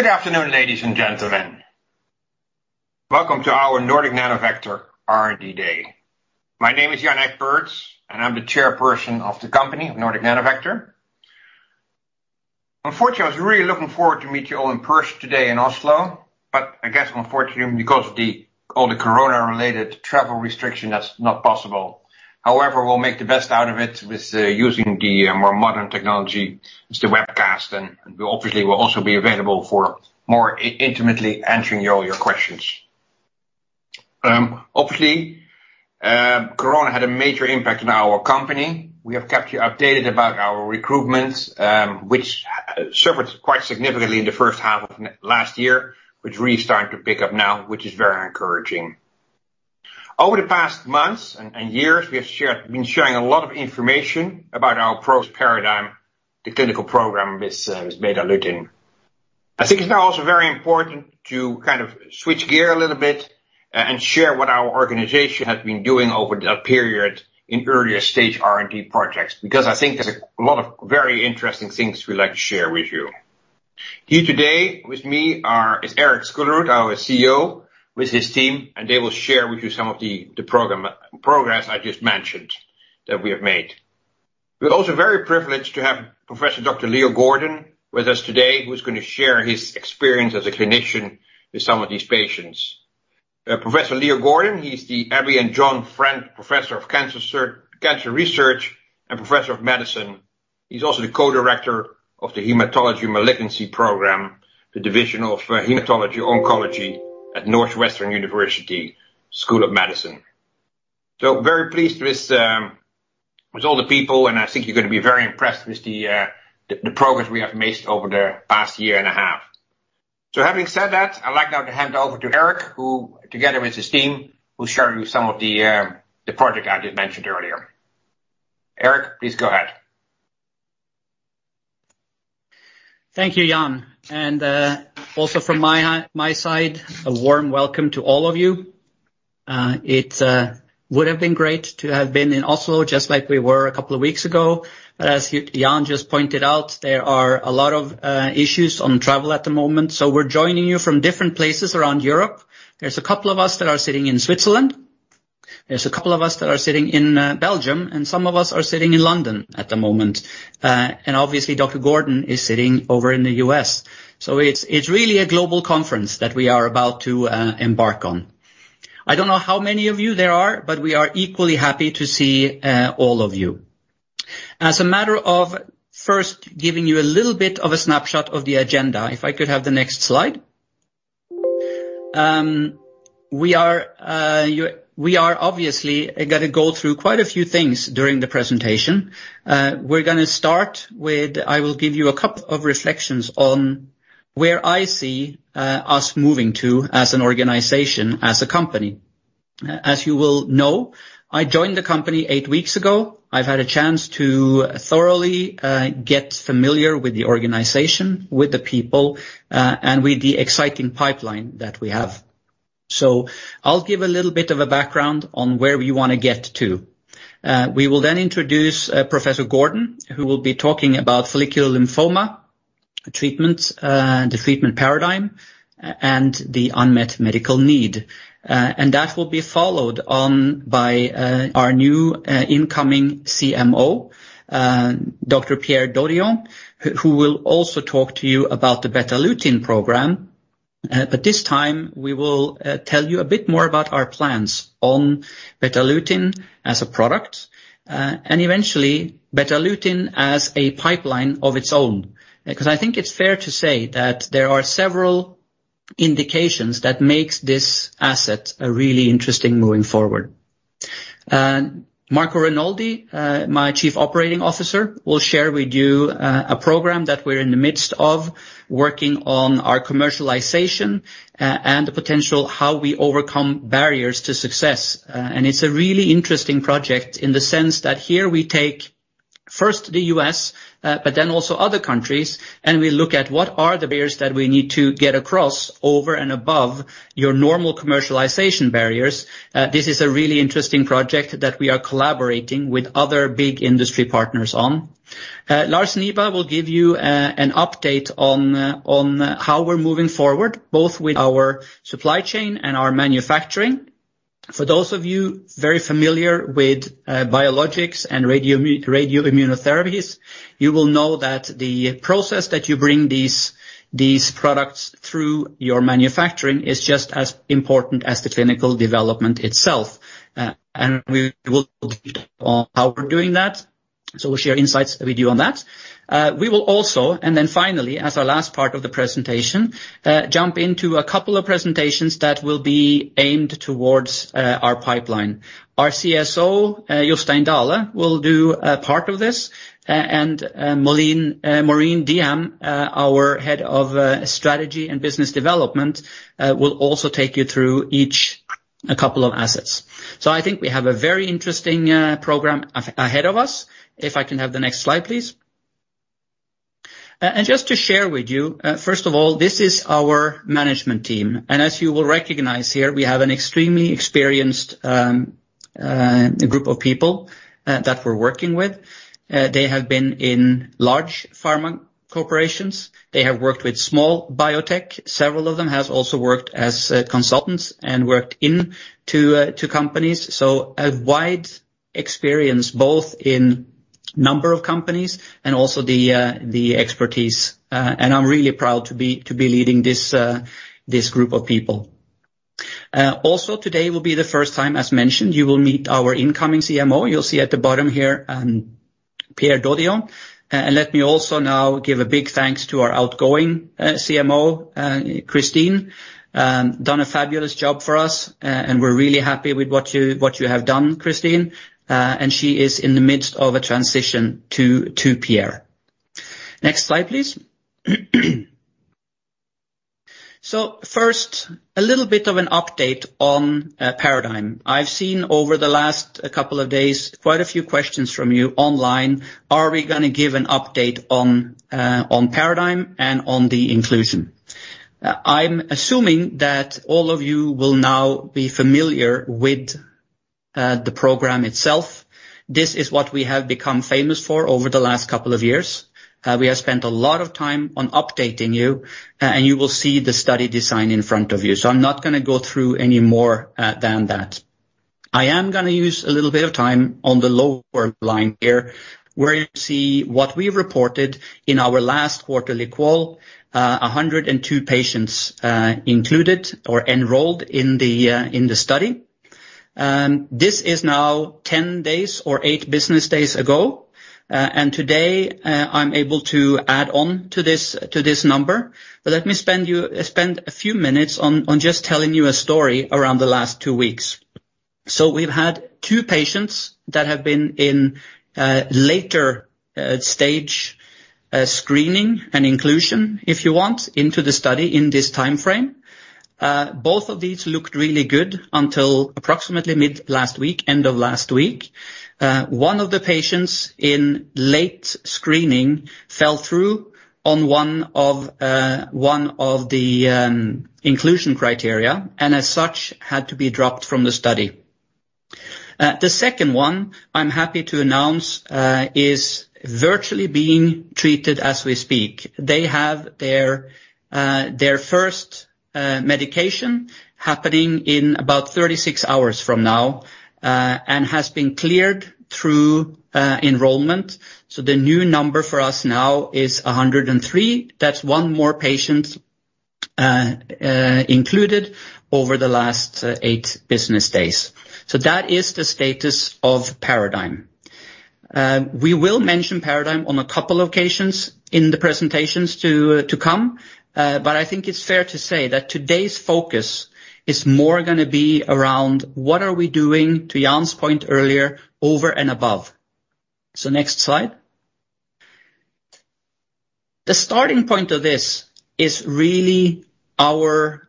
Good afternoon, ladies and gentlemen. Welcome to our Nordic Nanovector R&D Day. My name is Jan Egberts, and I'm the Chairperson of the company, Nordic Nanovector. Unfortunately, I was really looking forward to meet you all in person today in Oslo, but I guess unfortunately, because of all the COVID-related travel restriction, that's not possible. However, we'll make the best out of it with using the more modern technology as the webcast, and we obviously will also be available for more intimately answering all your questions. Obviously, COVID had a major impact on our company. We have kept you updated about our recruitments, which suffered quite significantly in the first half of last year, which really started to pick up now, which is very encouraging. Over the past months and years, we have been sharing a lot of information about our PROST PARADIGME, the clinical program with Betalutin. I think it's now also very important to kind of switch gear a little bit and share what our organization has been doing over the period in earlier stage R&D projects, because I think there's a lot of very interesting things we'd like to share with you. Here today with me are Erik Skullerud, our CEO, with his team, and they will share with you some of the program progress I just mentioned that we have made. We're also very privileged to have Professor Dr. Leo Gordon with us today, who's gonna share his experience as a clinician with some of these patients. Professor Leo Gordon, he's the Abby and John Friend Professor of Cancer Research and Professor of Medicine. He's also the co-director of the Hematology Malignancy Program, the Division of Hematology Oncology at Northwestern University Feinberg School of Medicine. Very pleased with all the people, and I think you're gonna be very impressed with the progress we have made over the past year and a half. Having said that, I'd like now to hand over to Erik Skullerud, who together with his team, will share with you some of the project I just mentioned earlier. Erik Skullerud, please go ahead. Thank you, Jan. Also from my side, a warm welcome to all of you. It would have been great to have been in Oslo just like we were a couple of weeks ago, but as Jan just pointed out, there are a lot of issues on travel at the moment, so we're joining you from different places around Europe. There's a couple of us that are sitting in Switzerland, there's a couple of us that are sitting in Belgium, and some of us are sitting in London at the moment. Obviously, Dr. Gordon is sitting over in the U.S. It's really a global conference that we are about to embark on. I don't know how many of you there are, but we are equally happy to see all of you. As a matter of first giving you a little bit of a snapshot of the agenda, if I could have the next slide. We are obviously gonna go through quite a few things during the presentation. We're gonna start with. I will give you a couple of reflections on where I see us moving to as an organization, as a company. As you will know, I joined the company eight weeks ago. I've had a chance to thoroughly get familiar with the organization, with the people, and with the exciting pipeline that we have. I'll give a little bit of a background on where we wanna get to. We will then introduce Professor Leo Gordon, who will be talking about follicular lymphoma treatment, the treatment PARADIGME, and the unmet medical need. That will be followed on by our new incoming CMO, Dr. Pierre Dodion, who will also talk to you about the Betalutin program. This time we will tell you a bit more about our plans on Betalutin as a product, and eventually Betalutin as a pipeline of its own. Because I think it's fair to say that there are several indications that makes this asset really interesting moving forward. Marco Renoldi, my Chief Operating Officer, will share with you a program that we're in the midst of working on our commercialization and potential how we overcome barriers to success. It's a really interesting project in the sense that here we take first the U.S., but then also other countries, and we look at what are the barriers that we need to get across over and above your normal commercialization barriers. This is a really interesting project that we are collaborating with other big industry partners on. Lars Nieba will give you an update on how we're moving forward, both with our supply chain and our manufacturing. For those of you very familiar with biologics and radioimmunotherapies, you will know that the process that you bring these products through your manufacturing is just as important as the clinical development itself. After doing that, we will share insight. And we will also and then finally as the last part of the presentation jump into couple of presentation that will be aim towards our pipeline. Our CSO, Jostein Dahle, will do a part of this, and Maureen Deehan, our Head of Strategy and Business Development will also take you through each couple of assets. So I think we have a very interesting program ahead of us, if I could have the next slide. Just to share with you, first of all, this is our management team, and as you will recognize here, we have an extremely experienced a group of people that we're working with, they have been in large pharma corporations. They have worked with small biotech. Several of them has also worked as consultants and worked in top companies. A wide experience, both in number of companies and also the expertise. I'm really proud to be leading this group of people. Also today will be the first time, as mentioned, you will meet our incoming CMO. You'll see at the bottom here, Pierre Dodion. Let me also now give a big thanks to our outgoing CMO, Christine. Done a fabulous job for us, and we're really happy with what you have done, Christine. She is in the midst of a transition to Pierre. Next slide, please. First, a little bit of an update on PARADIGME. I've seen over the last couple of days quite a few questions from you online. Are we gonna give an update on PARADIGME and on the inclusion? I'm assuming that all of you will now be familiar with the program itself. This is what we have become famous for over the last couple of years. We have spent a lot of time on updating you, and you will see the study design in front of you. I'm not gonna go through any more than that. I am gonna use a little bit of time on the lower line here, where you see what we reported in our last quarterly call, 102 patients included or enrolled in the study. This is now 10 days or eight business days ago. Today, I'm able to add on to this, to this number, but let me spend a few minutes on just telling you a story around the last two weeks. We've had two patients that have been in later stage screening and inclusion, if you want, into the study in this timeframe. Both of these looked really good until approximately mid last week, end of last week. One of the patients in late screening fell through on one of the inclusion criteria, and as such, had to be dropped from the study. The second one, I'm happy to announce, is virtually being treated as we speak. They have their first medication happening in about 36 hours from now, and has been cleared through enrollment. The new number for us now is 103. That's one more patient included over the last eight business days. That is the status of PARADIGME. We will mention PARADIGME on a couple occasions in the presentations to come, but I think it's fair to say that today's focus is more gonna be around what are we doing, to Jan's point earlier, over and above. Next slide. The starting point of this is really our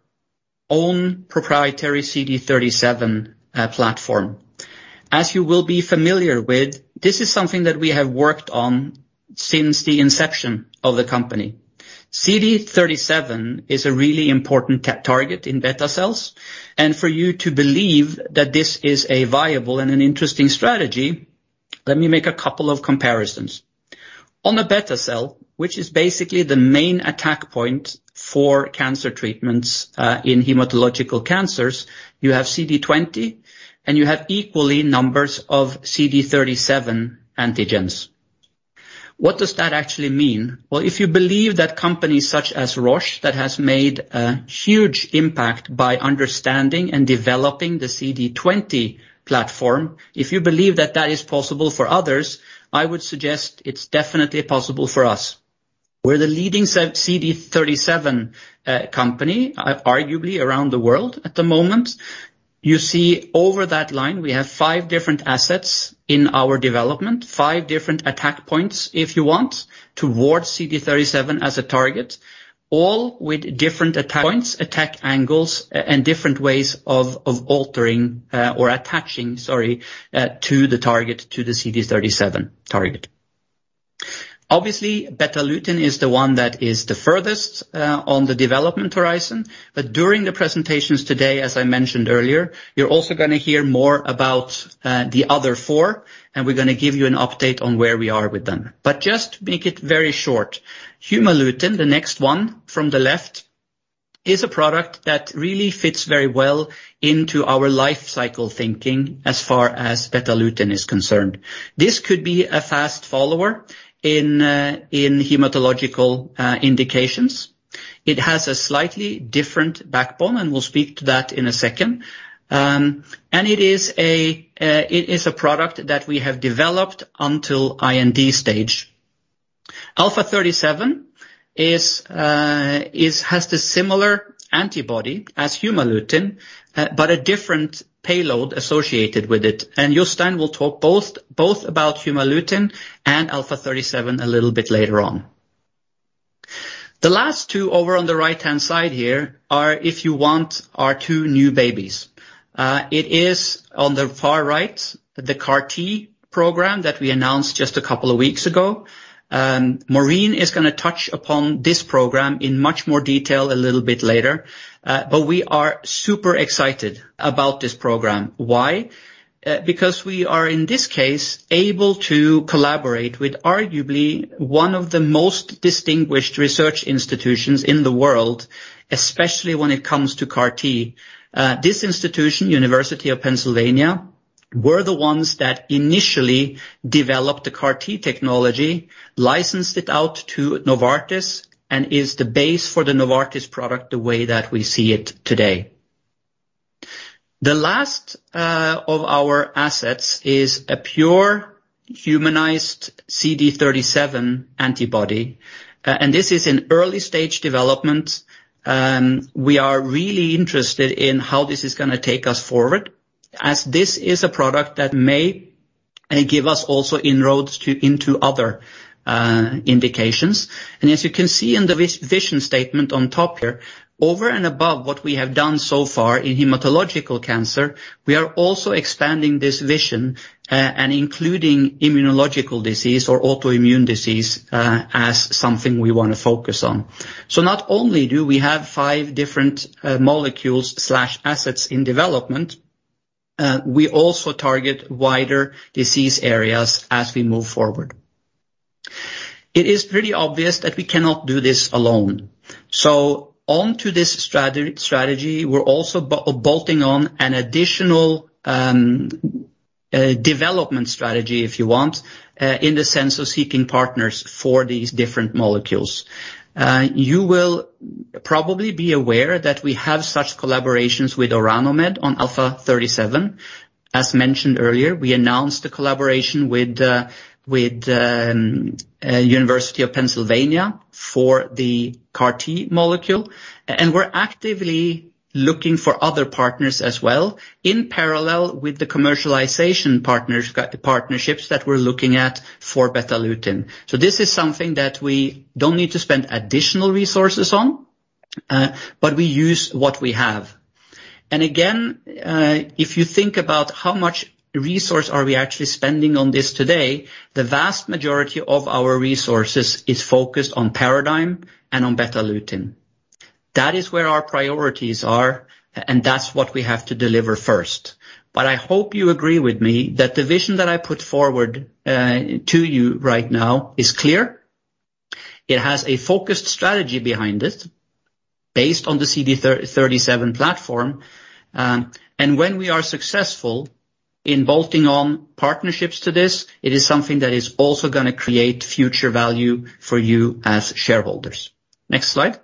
own proprietary CD37 platform. As you will be familiar with, this is something that we have worked on since the inception of the company. CD37 is a really important target in B cells, and for you to believe that this is a viable and an interesting strategy, let me make a couple of comparisons. On a B cell, which is basically the main attack point for cancer treatments in hematological cancers, you have CD20 and you have equal numbers of CD37 antigens. What does that actually mean? Well, if you believe that companies such as Roche, that has made a huge impact by understanding and developing the CD20 platform, if you believe that that is possible for others, I would suggest it's definitely possible for us. We're the leading CD37 company, arguably around the world at the moment. You see over that line, we have five different assets in our development, five different attack points, if you want, towards CD37 as a target, all with different attack points, attack angles, and different ways of altering or attaching, sorry, to the target, to the CD37 target. Obviously, Betalutin is the one that is the furthest on the development horizon. But during the presentations today, as I mentioned earlier, you're also gonna hear more about the other four, and we're gonna give you an update on where we are with them. Just to make it very short, Humalutin, the next one from the left, is a product that really fits very well into our life cycle thinking as far as Betalutin is concerned. This could be a fast follower in hematological indications. It has a slightly different backbone, and we'll speak to that in a second. It is a product that we have developed until IND stage. Alpha37 has the similar antibody as Humalutin, but a different payload associated with it. Jostein will talk both about Humalutin and Alpha37 a little bit later on. The last two over on the right-hand side here are, if you want, our two new babies. It is on the far right, the CAR T program that we announced just a couple of weeks ago. Maureen is gonna touch upon this program in much more detail a little bit later. We are super excited about this program. Why? Because we are, in this case, able to collaborate with arguably one of the most distinguished research institutions in the world, especially when it comes to CAR-T. This institution, University of Pennsylvania, were the ones that initially developed the CAR-T technology, licensed it out to Novartis, and is the base for the Novartis product the way that we see it today. The last of our assets is a pure humanized CD37 antibody, and this is in early stage development. We are really interested in how this is gonna take us forward, as this is a product that may give us also inroads into other indications. As you can see in the vision statement on top here, over and above what we have done so far in hematological cancer, we are also expanding this vision and including immunological disease or autoimmune disease as something we wanna focus on. Not only do we have five different molecules/assets in development, we also target wider disease areas as we move forward. It is pretty obvious that we cannot do this alone. Onto this strategy, we are also bolting on an additional development strategy, if you want, in the sense of seeking partners for these different molecules. You will probably be aware that we have such collaborations with Orano Med on Alpha37. As mentioned earlier, we announced the collaboration with University of Pennsylvania for the CAR-T molecule. We're actively looking for other partners as well in parallel with the commercialization partners, partnerships that we're looking at for Betalutin. This is something that we don't need to spend additional resources on, but we use what we have. Again, if you think about how much resource are we actually spending on this today, the vast majority of our resources is focused on PARADIGME and on Betalutin. That is where our priorities are, and that's what we have to deliver first. I hope you agree with me that the vision that I put forward to you right now is clear. It has a focused strategy behind it based on the CD37 platform. When we are successful in bolting on partnerships to this, it is something that is also gonna create future value for you as shareholders. Next slide.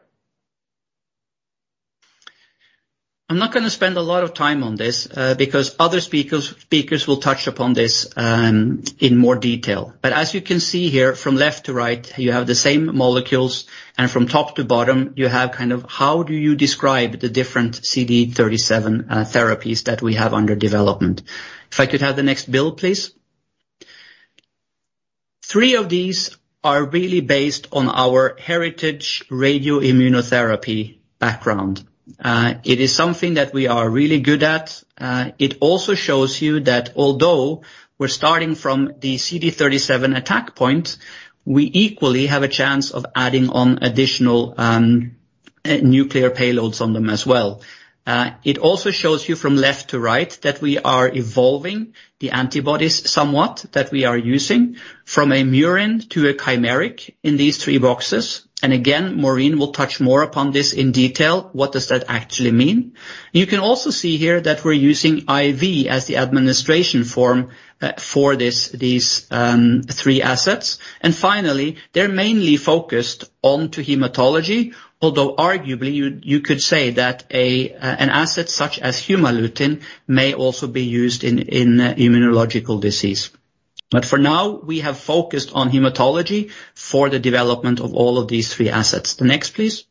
I'm not gonna spend a lot of time on this, because other speakers will touch upon this, in more detail. As you can see here from left to right, you have the same molecules, and from top to bottom, you have kind of how do you describe the different CD37 therapies that we have under development. If I could have the next build, please. Three of these are really based on our heritage radioimmunotherapy background. It is something that we are really good at. It also shows you that although we're starting from the CD37 attack point, we equally have a chance of adding on additional nuclear payloads on them as well. It also shows you from left to right that we are evolving the antibodies somewhat that we are using from a murine to a chimeric in these three boxes. Again, Maureen will touch more upon this in detail. What does that actually mean? You can also see here that we're using IV as the administration form for these three assets. Finally, they're mainly focused on hematology. Although arguably you could say that an asset such as Humalutin may also be used in immunological disease. For now, we have focused on hematology for the development of all of these three assets. Next, please.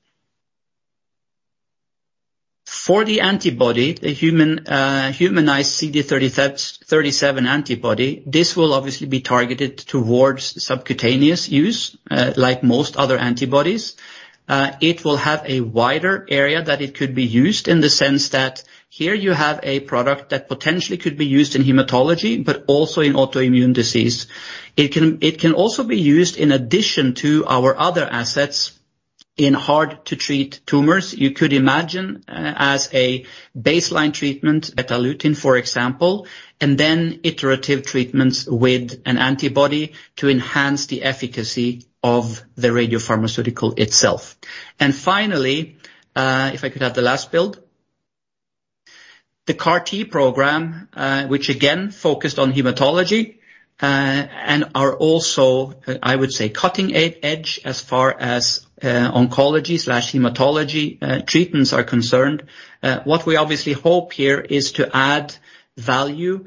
For the antibody, the humanized CD37 antibody, this will obviously be targeted towards subcutaneous use like most other antibodies. It will have a wider area that it could be used in the sense that here you have a product that potentially could be used in hematology but also in autoimmune disease. It can, it can also be used in addition to our other assets in hard to treat tumors. You could imagine, as a baseline treatment, Betalutin, for example, and then iterative treatments with an antibody to enhance the efficacy of the radiopharmaceutical itself. Finally, if I could have the last build. The CAR-T program, which again focused on hematology, and are also, I would say, cutting edge as far as, oncology/hematology, treatments are concerned. What we obviously hope here is to add value,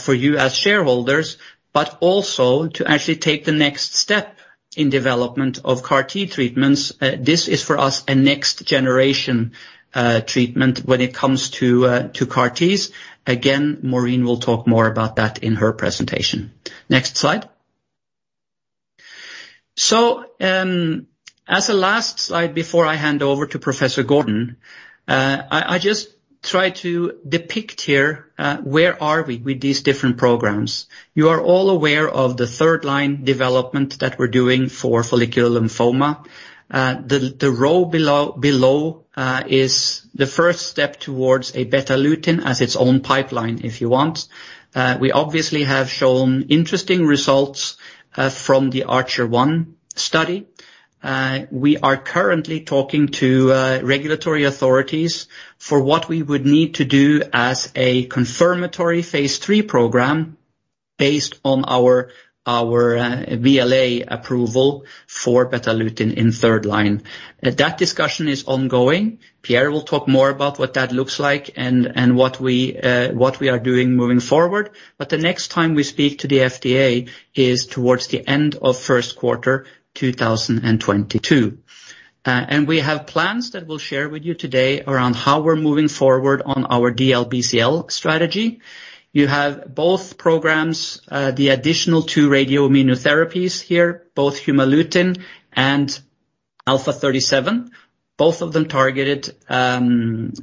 for you as shareholders, but also to actually take the next step in development of CAR-T treatments. This is for us a next generation treatment when it comes to CAR-Ts. Again, Maureen will talk more about that in her presentation. Next slide. As a last slide before I hand over to Professor Gordon, I just try to depict here, where are we with these different programs. You are all aware of the third line development that we're doing for follicular lymphoma. The row below is the first step towards a Betalutin as its own pipeline, if you want. We obviously have shown interesting results from the ARCHER-1 study. We are currently talking to regulatory authorities for what we would need to do as a confirmatory phase III program based on our BLA approval for Betalutin in third line. That discussion is ongoing. Pierre will talk more about what that looks like and what we are doing moving forward. The next time we speak to the FDA is towards the end of first quarter 2022. We have plans that we'll share with you today around how we're moving forward on our DLBCL strategy. You have both programs, the additional two radioimmunotherapies here, both Humalutin and Alpha37, both of them targeted in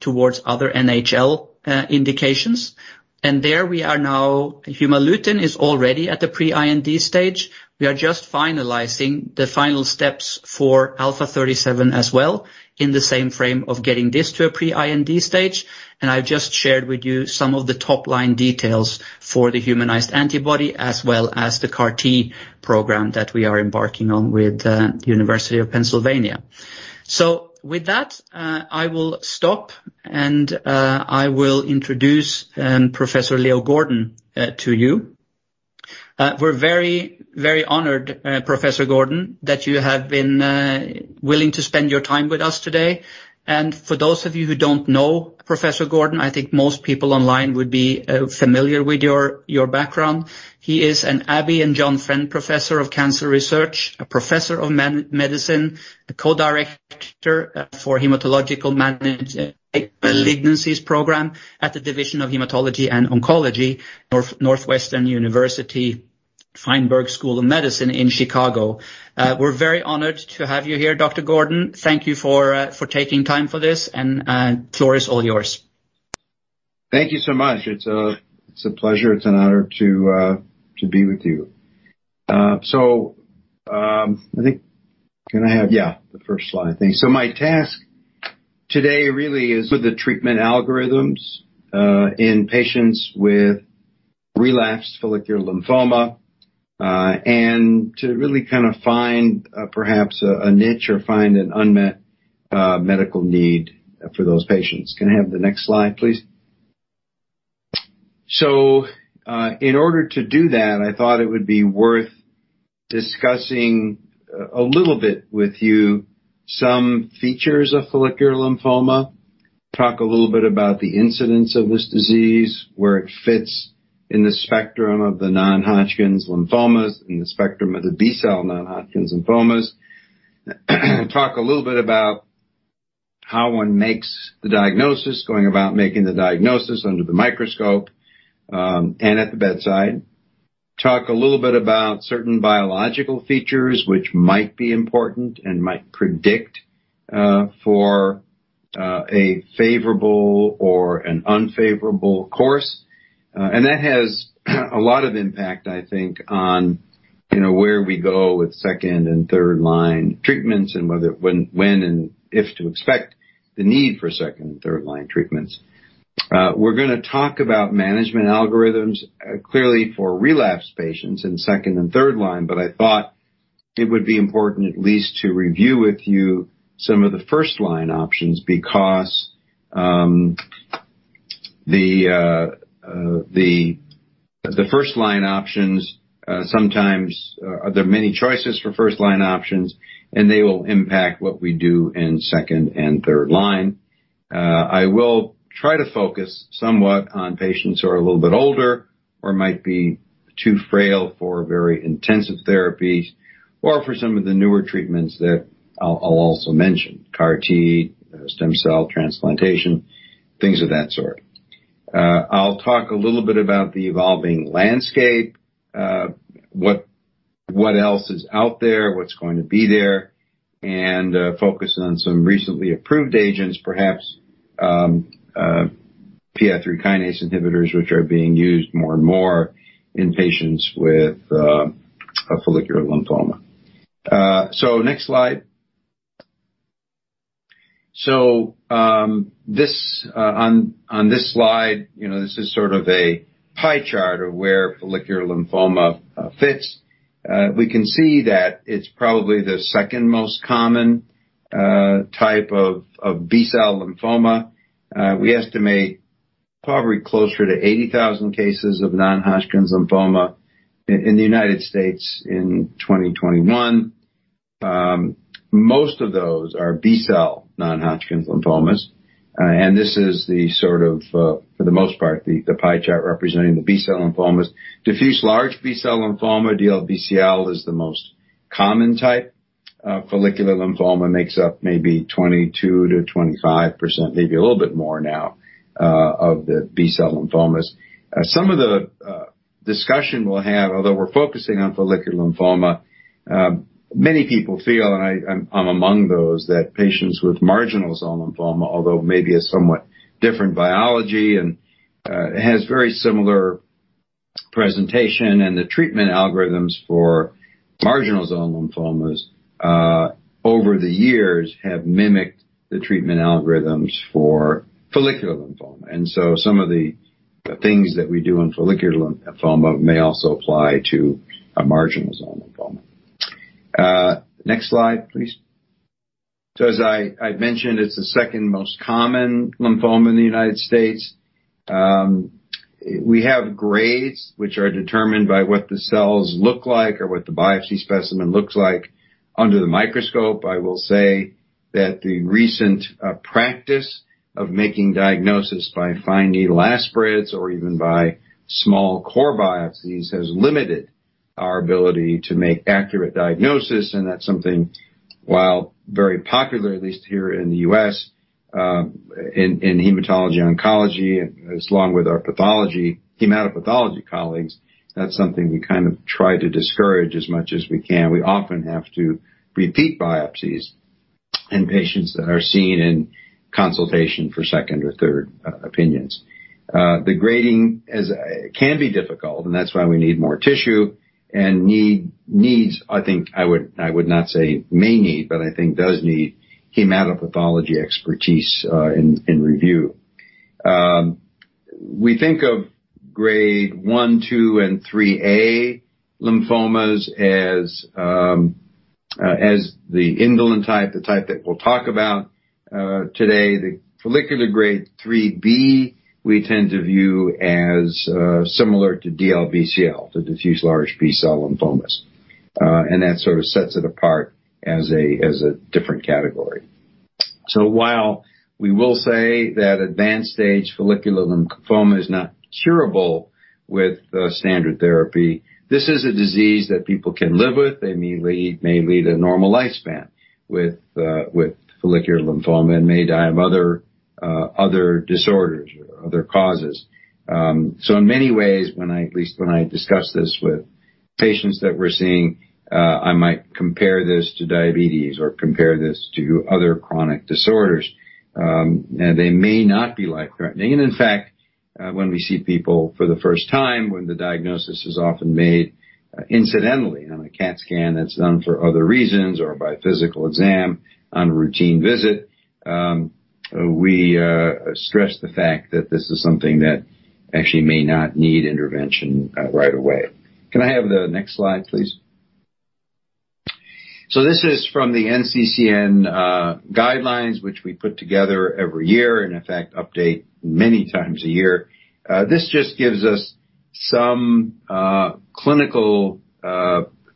towards other NHL indications. There we are now, Humalutin is already at the pre-IND stage. We are just finalizing the final steps for Alpha37 as well in the same frame of getting this to a pre-IND stage. I've just shared with you some of the top-line details for the humanized antibody as well as the CAR-T program that we are embarking on with the University of Pennsylvania. With that, I will stop and I will introduce Professor Leo Gordon to you. We're very, very honored, Professor Gordon, that you have been willing to spend your time with us today. For those of you who don't know Professor Gordon, I think most people online would be familiar with your background. He is an Abby and John Friend Professor of Cancer Research, a professor of medicine, a co-director for Hematological Malignancies Program at the Division of Hematology and Oncology, Northwestern University Feinberg School of Medicine in Chicago. We're very honored to have you here, Dr. Gordon. Thank you for taking time for this, and floor is all yours. Thank you so much. It's a pleasure, it's an honor to be with you. Can I have the first slide? Thank you. My task today really is with the treatment algorithms in patients with relapsed follicular lymphoma, and to really kind of find perhaps a niche or find an unmet medical need for those patients. Can I have the next slide, please? In order to do that, I thought it would be worth discussing a little bit with you some features of follicular lymphoma, talk a little bit about the incidence of this disease, where it fits in the spectrum of the non-Hodgkin lymphomas, in the spectrum of the B-cell non-Hodgkin lymphomas. Talk a little bit about how one makes the diagnosis, going about making the diagnosis under the microscope, and at the bedside. Talk a little bit about certain biological features which might be important and might predict for a favorable or an unfavorable course. That has a lot of impact, I think, on, you know, where we go with second and third line treatments and whether when and if to expect the need for second and third line treatments. We're gonna talk about management algorithms, clearly for relapse patients in second and third line, but I thought it would be important at least to review with you some of the first line options because the first line options sometimes there are many choices for first line options, and they will impact what we do in second and third line. I will try to focus somewhat on patients who are a little bit older or might be too frail for very intensive therapies or for some of the newer treatments that I'll also mention, CAR-T, stem cell transplantation, things of that sort. I'll talk a little bit about the evolving landscape, what else is out there, what's going to be there, and focus on some recently approved agents, perhaps, PI3 kinase inhibitors, which are being used more and more in patients with a follicular lymphoma. Next slide. This, on this slide, you know, this is sort of a pie chart of where follicular lymphoma fits. We can see that it's probably the second most common type of B-cell lymphoma. We estimate probably closer to 80,000 cases of non-Hodgkin lymphoma in the United States in 2021. Most of those are B-cell non-Hodgkin lymphomas, and this is the sort of, for the most part, the pie chart representing the B-cell lymphomas. Diffuse large B-cell lymphoma, DLBCL, is the most common type. Follicular lymphoma makes up maybe 22%-25%, maybe a little bit more now, of the B-cell lymphomas. Some of the discussion we'll have, although we're focusing on follicular lymphoma, many people feel, and I'm among those, that patients with marginal zone lymphoma, although maybe a somewhat different biology and has very similar presentation and the treatment algorithms for marginal zone lymphomas, over the years have mimicked the treatment algorithms for follicular lymphoma. Some of the things that we do in follicular lymphoma may also apply to a marginal zone lymphoma. Next slide, please. As I mentioned, it's the second most common lymphoma in the United States. We have grades which are determined by what the cells look like or what the biopsy specimen looks like under the microscope. I will say that the recent practice of making diagnosis by fine needle aspirates or even by small core biopsies has limited our ability to make accurate diagnosis, and that's something, while very popular, at least here in the U.S., in hematology oncology, along with our pathology, hematopathology colleagues, that's something we kind of try to discourage as much as we can. We often have to repeat biopsies in patients that are seen in consultation for second or third opinions. The grading can be difficult, and that's why we need more tissue and needs hematopathology expertise. I think I would not say may need, but I think does need hematopathology expertise in review. We think of Grade 1, 2, and 3A lymphomas as the indolent type, the type that we'll talk about today. The follicular Grade 3B, we tend to view as similar to DLBCL, the diffuse large B-cell lymphomas. That sort of sets it apart as a different category. While we will say that advanced stage follicular lymphoma is not curable with the standard therapy, this is a disease that people can live with. They may lead a normal lifespan with follicular lymphoma and may die of other disorders or other causes. In many ways, when I, at least when I discuss this with patients that we're seeing, I might compare this to diabetes or compare this to other chronic disorders. They may not be life-threatening. In fact, when we see people for the first time, when the diagnosis is often made incidentally on a CAT scan that's done for other reasons or by physical exam on a routine visit, we stress the fact that this is something that actually may not need intervention right away. Can I have the next slide, please? This is from the NCCN guidelines, which we put together every year and in fact update many times a year. This just gives us some clinical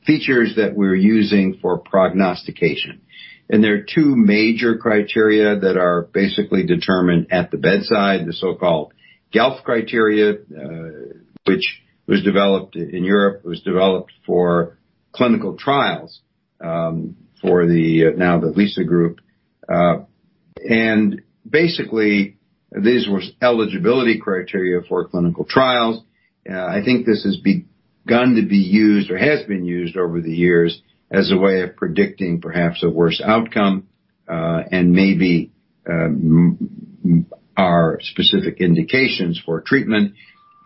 features that we're using for prognostication. There are two major criteria that are basically determined at the bedside, the so-called GELF criteria, which was developed in Europe. It was developed for clinical trials for the now the LYSA group. Basically, these were eligibility criteria for clinical trials. I think this has begun to be used or has been used over the years as a way of predicting perhaps a worse outcome, and maybe our specific indications for treatment.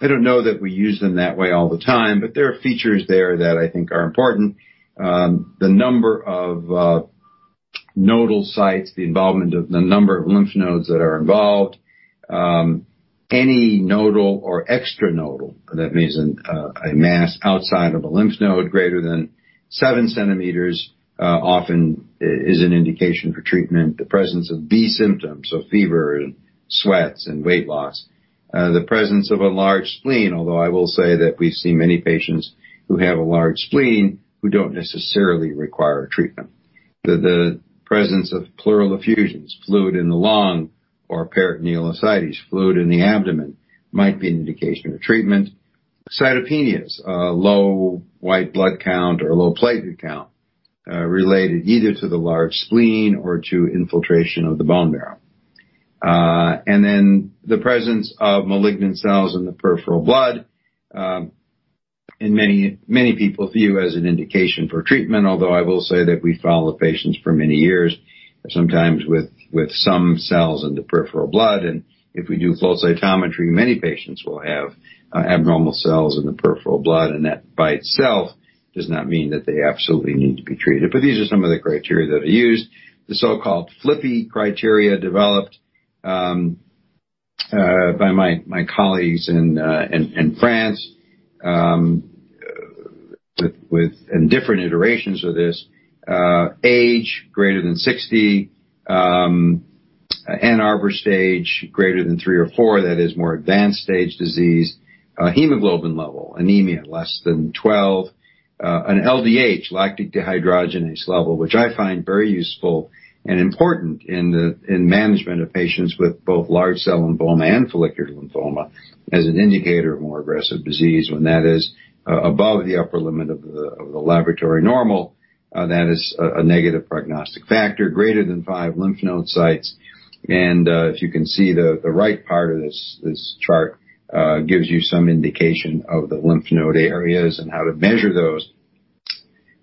I don't know that we use them that way all the time, but there are features there that I think are important. The number of nodal sites, the involvement of the number of lymph nodes that are involved, any nodal or extranodal, that means a mass outside of a lymph node greater than 7 cm, often is an indication for treatment. The presence of B symptoms, so fever and sweats and weight loss. The presence of a large spleen, although I will say that we see many patients who have a large spleen who don't necessarily require treatment. The presence of pleural effusions, fluid in the lung or peritoneal ascites, fluid in the abdomen, might be an indication of treatment. Cytopenias, a low white blood count or a low platelet count, related either to the large spleen or to infiltration of the bone marrow. The presence of malignant cells in the peripheral blood, and many people view as an indication for treatment. Although I will say that we follow the patients for many years, sometimes with some cells in the peripheral blood. If we do flow cytometry, many patients will have abnormal cells in the peripheral blood, and that by itself does not mean that they absolutely need to be treated. These are some of the criteria that are used. The so-called FLIPI criteria developed by my colleagues in France with different iterations of this. Age greater than 60, Ann Arbor stage greater than three or four, that is more advanced stage disease, hemoglobin level, anemia less than 12, an LDH, lactic dehydrogenase level, which I find very useful and important in management of patients with both large cell lymphoma and follicular lymphoma as an indicator of more aggressive disease. When that is above the upper limit of the laboratory normal, that is a negative prognostic factor, greater than five lymph node sites. If you can see the right part of this chart, it gives you some indication of the lymph node areas and how to measure those.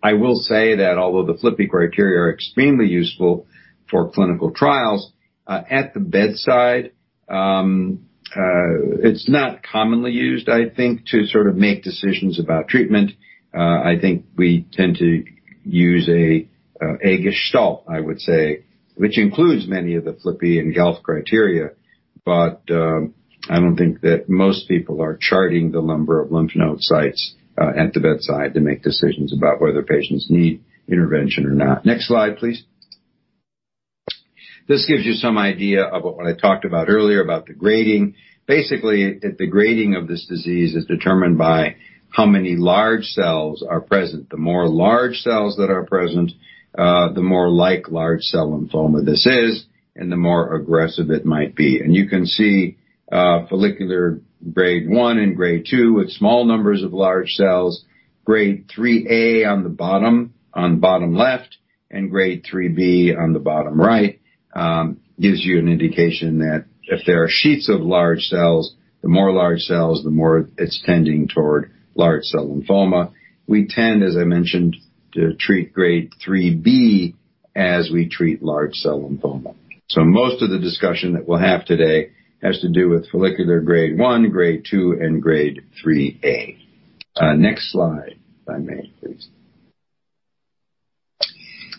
I will say that although the FLIPI criteria are extremely useful for clinical trials, at the bedside, it's not commonly used, I think, to sort of make decisions about treatment. I think we tend to use a gestalt, I would say, which includes many of the FLIPI and GELF criteria, but I don't think that most people are charting the number of lymph node sites at the bedside to make decisions about whether patients need intervention or not. Next slide, please. This gives you some idea of what I talked about earlier about the grading. Basically, the grading of this disease is determined by how many large cells are present. The more large cells that are present, the more like large cell lymphoma this is, and the more aggressive it might be. You can see follicular Grade 1 and Grade 2 with small numbers of large cells, Grade 3A on the bottom, on bottom left, and Grade 3B on the bottom right, gives you an indication that if there are sheets of large cells, the more large cells, the more it's tending toward large cell lymphoma. We tend, as I mentioned, to treat Grade 3B as we treat large cell lymphoma. Most of the discussion that we'll have today has to do with follicular Grade 1, Grade 2, and Grade 3A. Next slide, if I may please.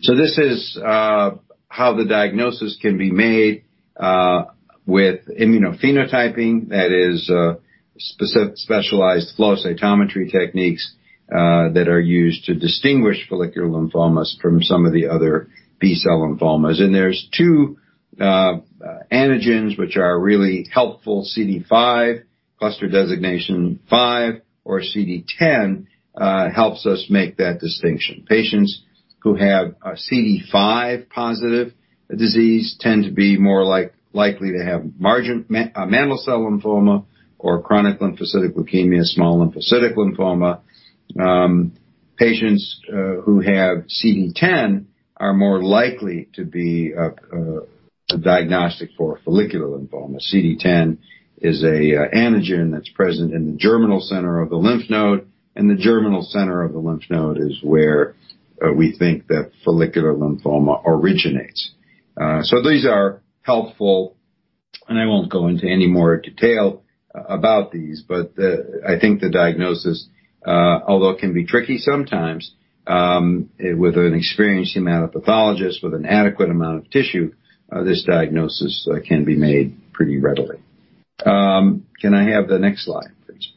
This is how the diagnosis can be made with immunophenotyping, that is, specialized flow cytometry techniques that are used to distinguish follicular lymphomas from some of the other B-cell lymphomas. There's two antigens which are really helpful, CD5, cluster designation five, or CD10, helps us make that distinction. Patients who have a CD5 positive disease tend to be more likely to have mantle cell lymphoma or chronic lymphocytic leukemia, small lymphocytic lymphoma. Patients who have CD10 are more likely to be a diagnosis of follicular lymphoma. CD10 is an antigen that's present in the germinal center of the lymph node, and the germinal center of the lymph node is where we think that follicular lymphoma originates. These are helpful, and I won't go into any more detail about these, but I think the diagnosis, although it can be tricky sometimes, with an experienced hematopathologist with an adequate amount of tissue, this diagnosis can be made pretty readily. Can I have the next slide please?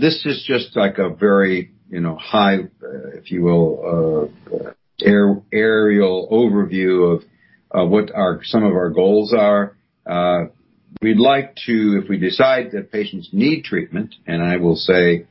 This is just like a very, you know, high, if you will, aerial overview of what our, some of our goals are. We'd like to, if we decide that patients need treatment, and I will say,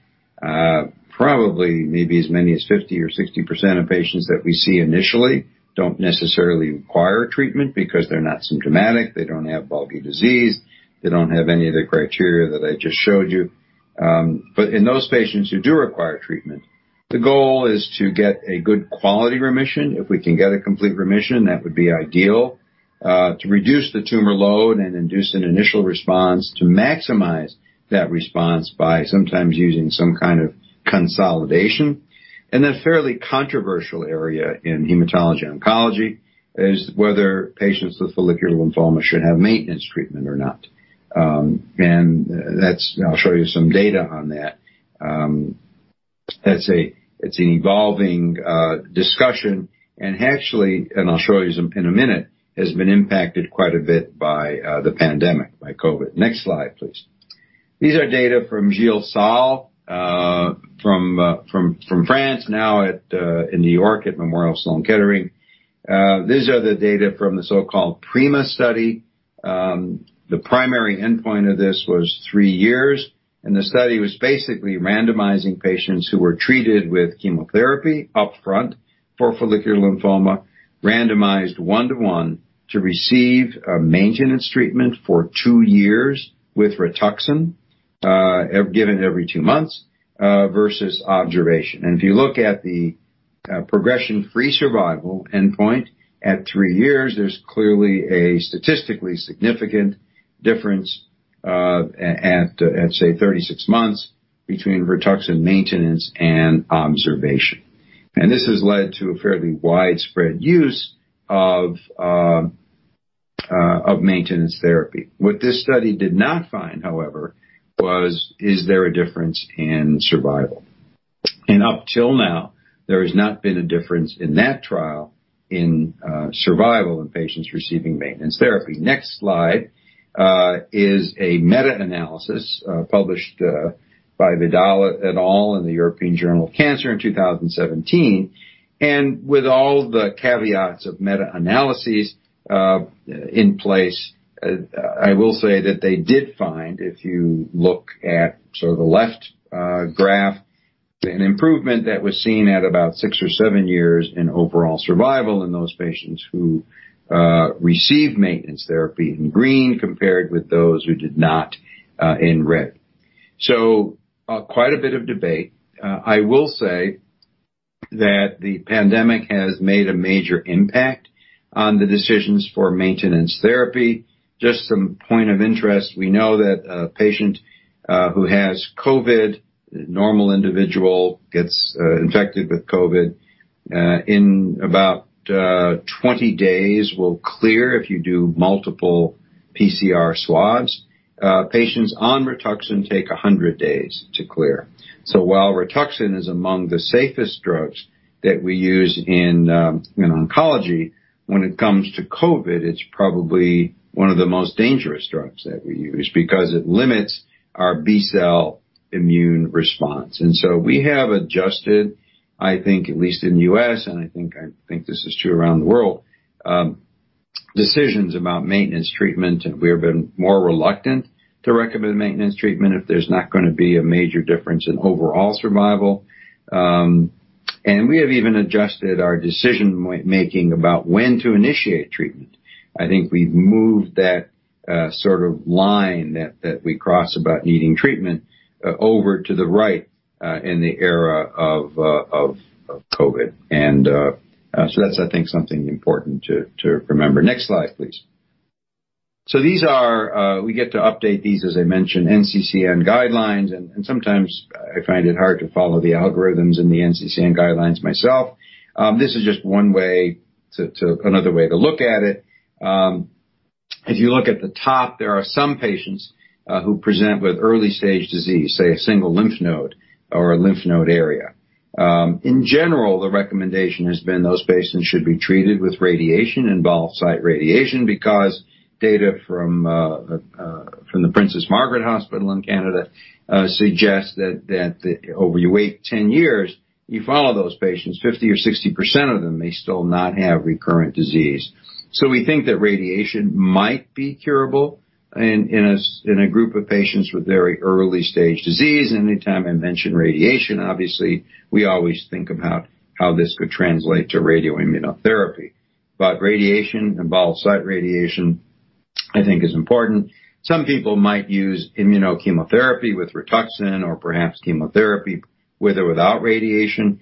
probably maybe as many as 50 or 60% of patients that we see initially don't necessarily require treatment because they're not symptomatic, they don't have bulky disease, they don't have any of the criteria that I just showed you. In those patients who do require treatment, the goal is to get a good quality remission. If we can get a complete remission, that would be ideal. To reduce the tumor load and induce an initial response, to maximize that response by sometimes using some kind of consolidation. A fairly controversial area in hematology oncology is whether patients with follicular lymphoma should have maintenance treatment or not. That's. I'll show you some data on that. That's a, it's an evolving discussion, and actually, I'll show you some in a minute, has been impacted quite a bit by the pandemic, by COVID. Next slide, please. These are data from Gilles Salles, from France, now in New York at Memorial Sloan Kettering. These are the data from the so-called PRIMA study. The primary endpoint of this was three years, and the study was basically randomizing patients who were treated with chemotherapy up front for follicular lymphoma, randomized one to one to receive a maintenance treatment for two years with Rituxan given every two months versus observation. If you look at the progression-free survival endpoint at three years, there's clearly a statistically significant difference at say 36 months between Rituxan maintenance and observation. This has led to a fairly widespread use of maintenance therapy. What this study did not find, however, was is there a difference in survival? Up till now, there has not been a difference in that trial in survival in patients receiving maintenance therapy. Next slide is a meta-analysis published by Vidal et al in the European Journal of Cancer in 2017. With all the caveats of meta-analyses in place, I will say that they did find, if you look at sort of the left graph, an improvement that was seen at about six or seven years in overall survival in those patients who received maintenance therapy in green compared with those who did not in red. Quite a bit of debate. I will say that the pandemic has made a major impact on the decisions for maintenance therapy. Just some point of interest, we know that a patient who has COVID, normal individual gets infected with COVID in about 20 days will clear if you do multiple PCR swabs. Patients on Rituxan take 100 days to clear. While Rituxan is among the safest drugs that we use in oncology, when it comes to COVID, it's probably one of the most dangerous drugs that we use because it limits our B-cell immune response. We have adjusted, I think, at least in the U.S., and I think this is true around the world, decisions about maintenance treatment, and we have been more reluctant to recommend maintenance treatment if there's not gonna be a major difference in overall survival. We have even adjusted our decision-making about when to initiate treatment. I think we've moved that sort of line that we cross about needing treatment over to the right in the era of COVID. That's I think something important to remember. Next slide, please. These are we get to update these, as I mentioned, NCCN guidelines, and sometimes I find it hard to follow the algorithms in the NCCN guidelines myself. This is just another way to look at it. If you look at the top, there are some patients who present with early stage disease, say a single lymph node or a lymph node area. In general, the recommendation has been those patients should be treated with radiation, involved site radiation, because data from the Princess Margaret Hospital in Canada suggests that if you wait 10 years, you follow those patients, 50% or 60% of them may still not have recurrent disease. We think that radiation might be curable in a group of patients with very early stage disease. Anytime I mention radiation, obviously we always think about how this could translate to radioimmunotherapy. Radiation, involved site radiation, I think is important. Some people might use immunochemotherapy with Rituxan or perhaps chemotherapy with or without radiation.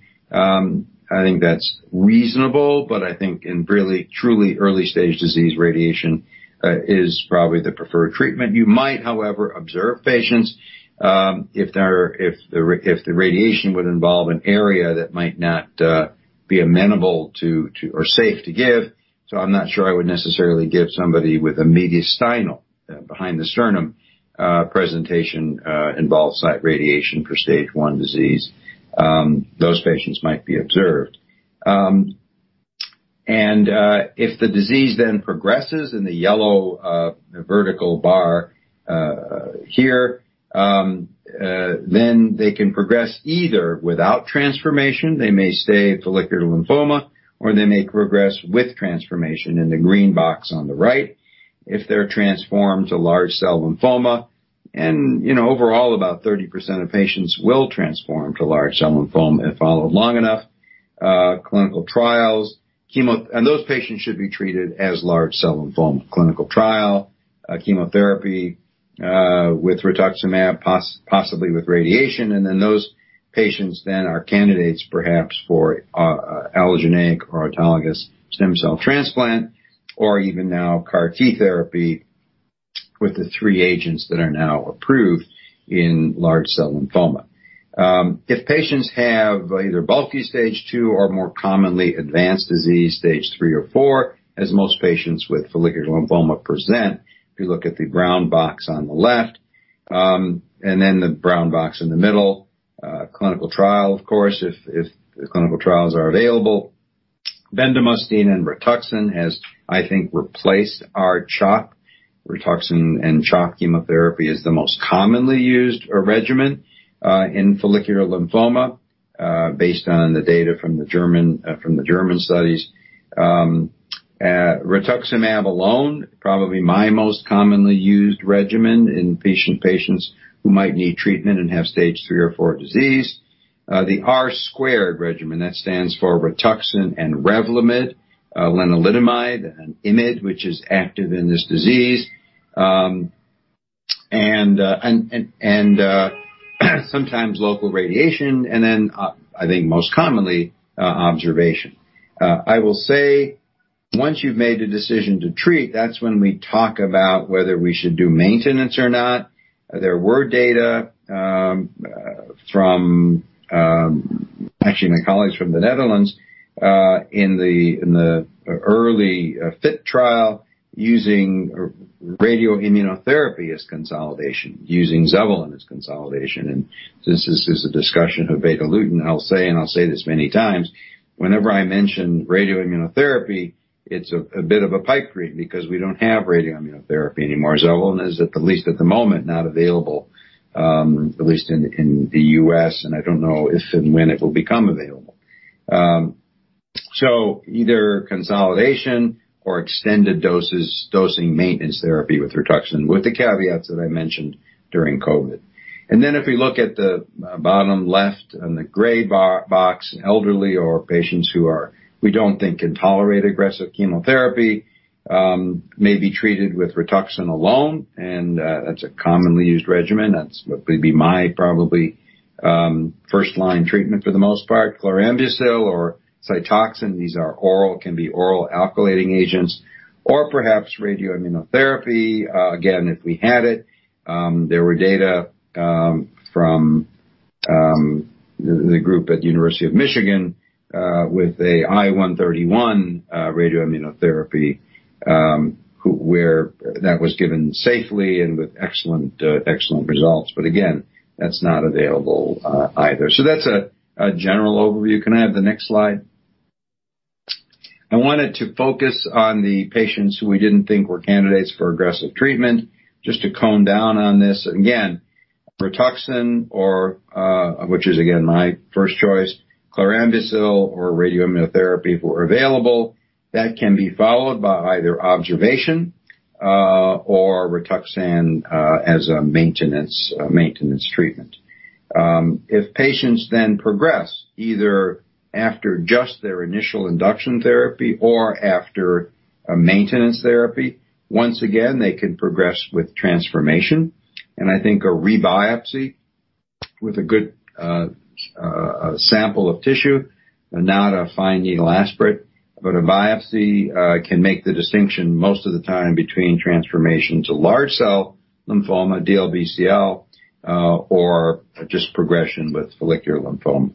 I think that's reasonable, but I think in really truly early stage disease, radiation is probably the preferred treatment. You might, however, observe patients if the radiation would involve an area that might not be amenable to or safe to give. I'm not sure I would necessarily give somebody with a mediastinal behind the sternum presentation involved site radiation for stage one disease. Those patients might be observed. If the disease then progresses in the yellow vertical bar here, then they can progress either without transformation, they may stay follicular lymphoma, or they may progress with transformation in the green box on the right. If they're transformed to large cell lymphoma, you know, overall, about 30% of patients will transform to large cell lymphoma if followed long enough, clinical trials, chemo. Those patients should be treated as large cell lymphoma, clinical trial, chemotherapy with rituximab, possibly with radiation. Those patients are candidates perhaps for a allogeneic or autologous stem cell transplant or even now CAR T therapy with the three agents that are now approved in large cell lymphoma. If patients have either bulky stage two or more commonly advanced disease stage three or four, as most patients with follicular lymphoma present, if you look at the brown box on the left, and then the brown box in the middle, clinical trials, of course, if clinical trials are available. Bendamustine and Rituxan has, I think, replaced R-CHOP. Rituxan and CHOP chemotherapy is the most commonly used regimen in follicular lymphoma, based on the data from the German studies. Rituximab alone, probably my most commonly used regimen in patients who might need treatment and have stage three or four disease. The R² regimen, that stands for Rituxan and Revlimid, Lenalidomide and IMiD, which is active in this disease, and sometimes local radiation, and then, I think most commonly, observation. I will say, once you've made the decision to treat, that's when we talk about whether we should do maintenance or not. There were data from actually my colleagues from the Netherlands in the early FIT trial using radioimmunotherapy as consolidation, using Zevalin as consolidation. This is a discussion of Betalutin. I'll say, and I'll say this many times, whenever I mention radioimmunotherapy, it's a bit of a pipe dream because we don't have radioimmunotherapy anymore. Zevalin is, at the least at the moment, not available, at least in the U.S., and I don't know if and when it will become available. Either consolidation or extended dosing maintenance therapy with Rituxan, with the caveats that I mentioned during COVID. If we look at the bottom left in the gray box, elderly or patients who we don't think can tolerate aggressive chemotherapy may be treated with Rituxan alone. That's a commonly used regimen. That would be my probably first-line treatment for the most part, chlorambucil or Cytoxan, these are oral, can be oral alkylating agents, or perhaps radioimmunotherapy. If we had it, there were data from the group at University of Michigan with I-131 radioimmunotherapy where that was given safely and with excellent results. That's not available either. That's a general overview. Can I have the next slide? I wanted to focus on the patients who we didn't think were candidates for aggressive treatment, just to hone in on this. Rituxan or which is again my first choice, chlorambucil or radioimmunotherapy if were available, that can be followed by either observation or Rituxan as a maintenance treatment. If patients then progress, either after just their initial induction therapy or after a maintenance therapy, once again, they can progress with transformation. I think a rebiopsy with a good sample of tissue and not a fine needle aspirate, but a biopsy, can make the distinction most of the time between transformation to large cell lymphoma, DLBCL, or just progression with follicular lymphoma.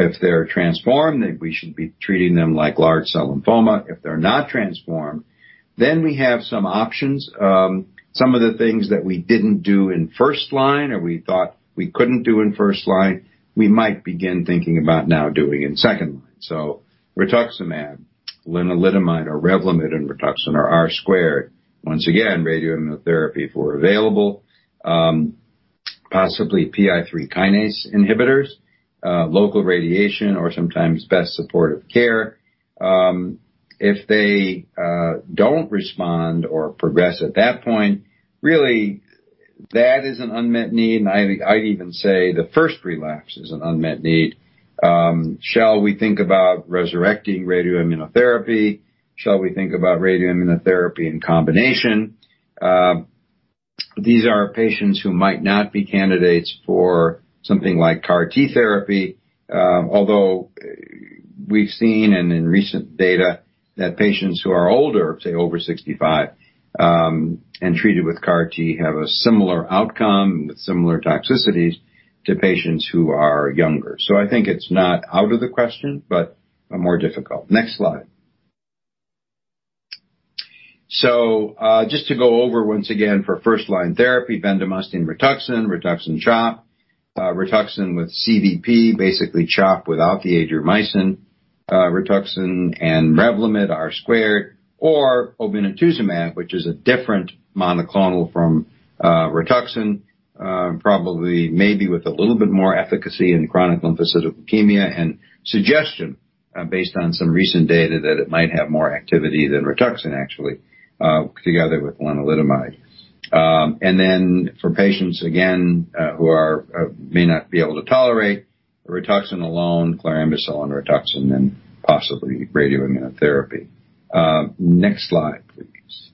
If they're transformed, then we should be treating them like large cell lymphoma. If they're not transformed, then we have some options. Some of the things that we didn't do in first line, or we thought we couldn't do in first line, we might begin thinking about now doing in second line. Rituximab, lenalidomide or Revlimid and Rituxan or R². Once again, radioimmunotherapy if it were available. Possibly PI3K inhibitors, local radiation or sometimes best supportive care. If they don't respond or progress at that point, really that is an unmet need, and I’d even say the first relapse is an unmet need. Shall we think about resurrecting radioimmunotherapy? Shall we think about radioimmunotherapy in combination? These are patients who might not be candidates for something like CAR-T therapy, although we've seen in recent data that patients who are older, say over 65, and treated with CAR-T have a similar outcome with similar toxicities to patients who are younger. I think it's not out of the question, but more difficult. Next slide. Just to go over once again for first-line therapy, bendamustine-Rituxan, Rituxan-CHOP, Rituxan with CVP, basically CHOP without the adriamycin, Rituxan and Revlimid, R squared, or obinutuzumab, which is a different monoclonal from Rituxan, probably maybe with a little bit more efficacy in chronic lymphocytic leukemia, and a suggestion based on some recent data that it might have more activity than Rituxan, actually, together with lenalidomide. For patients again who may not be able to tolerate Rituxan alone, chlorambucil and Rituxan, and possibly radioimmunotherapy. Next slide, please.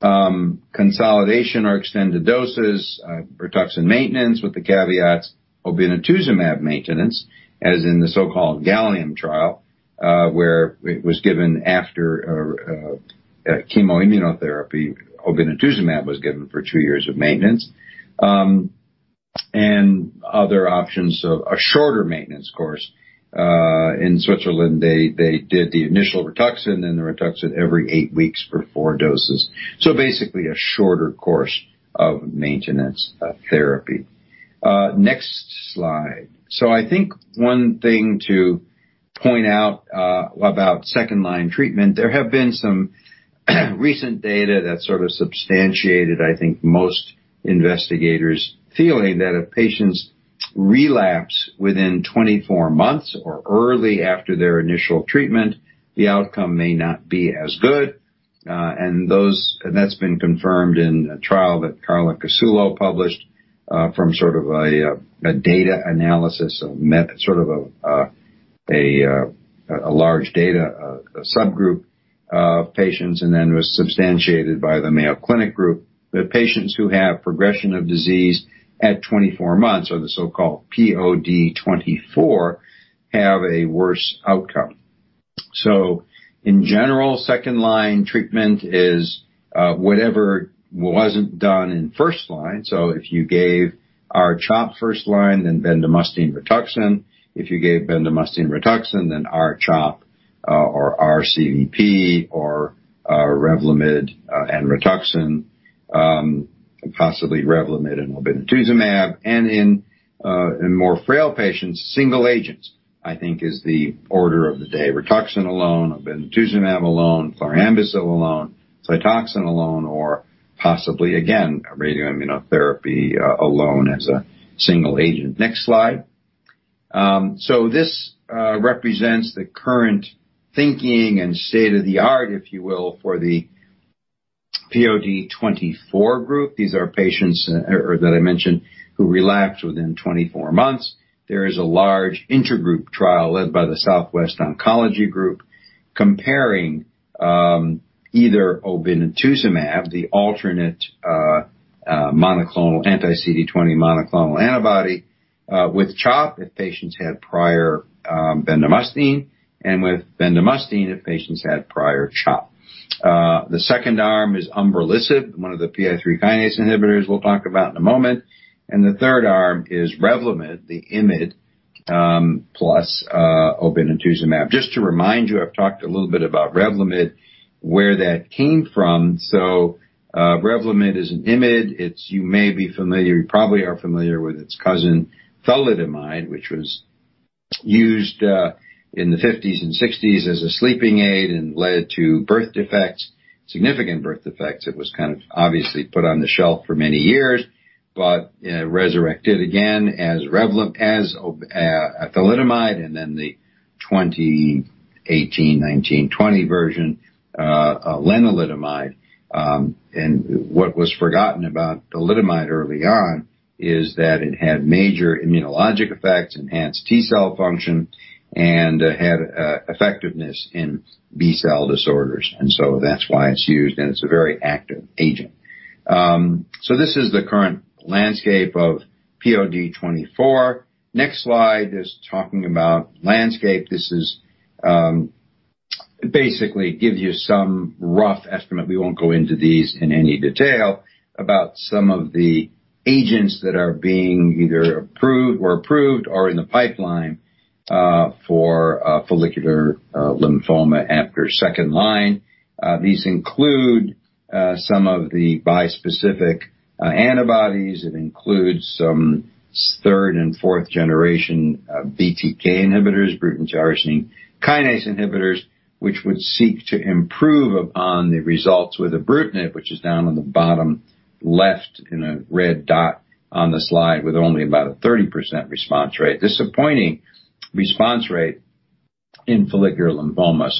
Consolidation or extended doses, Rituxan maintenance with the caveats, obinutuzumab maintenance, as in the so-called GALLIUM trial, where it was given after a chemoimmunotherapy, obinutuzumab was given for two years of maintenance. Other options, a shorter maintenance course. In Switzerland, they did the initial Rituxan, then the Rituxan every eight weeks for four doses. Basically a shorter course of maintenance therapy. Next slide. I think one thing to point out about second-line treatment, there have been some recent data that sort of substantiated I think most investigators feeling that if patients relapse within 24 months or early after their initial treatment, the outcome may not be as good. And that's been confirmed in a trial that Carla Casulo published from sort of a data analysis of a large data subgroup of patients, and then was substantiated by the Mayo Clinic group, that patients who have progression of disease at 24 months, or the so-called POD 24, have a worse outcome. In general, second-line treatment is whatever wasn't done in first line. If you gave R-CHOP first line, then bendamustine-Rituxan, if you gave bendamustine-Rituxan, then R-CHOP, or R-CVP or Revlimid and Rituxan, possibly Revlimid and obinutuzumab. In more frail patients, single agents, I think is the order of the day. Rituxan alone, obinutuzumab alone, chlorambucil alone, Cytoxan alone, or possibly, again, radioimmunotherapy alone as a single agent. Next slide. This represents the current thinking and state-of-the-art, if you will, for the POD 24 group. These are patients or that I mentioned who relapse within 24 months. There is a large intergroup trial led by the Southwest Oncology Group comparing either obinutuzumab, the alternate monoclonal anti-CD20 monoclonal antibody, with CHOP if patients had prior bendamustine, and with bendamustine if patients had prior CHOP. The second arm is umbralisib, one of the PI3K inhibitors we'll talk about in a moment. The third arm is Revlimid, the IMiD, plus obinutuzumab. Just to remind you, I've talked a little bit about Revlimid, where that came from. Revlimid is an IMiD. It's, you may be familiar, you probably are familiar with its cousin thalidomide, which was used in the 1950s and 1960s as a sleeping aid and led to birth defects, significant birth defects. It was kind of obviously put on the shelf for many years, but resurrected again as Revlimid, as thalidomide, and then the 2018, 2019, 2020 version, lenalidomide. What was forgotten about thalidomide early on is that it had major immunologic effects, enhanced T-cell function, and had effectiveness in B-cell disorders. That's why it's used, and it's a very active agent. This is the current landscape of POD24. Next slide is talking about landscape. This is basically gives you some rough estimate, we won't go into these in any detail, about some of the agents that are being either approved or in the pipeline for follicular lymphoma after second line. These include some of the bispecific antibodies. It includes some third and fourth generation BTK inhibitors, Bruton tyrosine kinase inhibitors, which would seek to improve upon the results with ibrutinib, which is down on the bottom left in a red dot on the slide with only about a 30% response rate. Disappointing response rate in follicular lymphoma.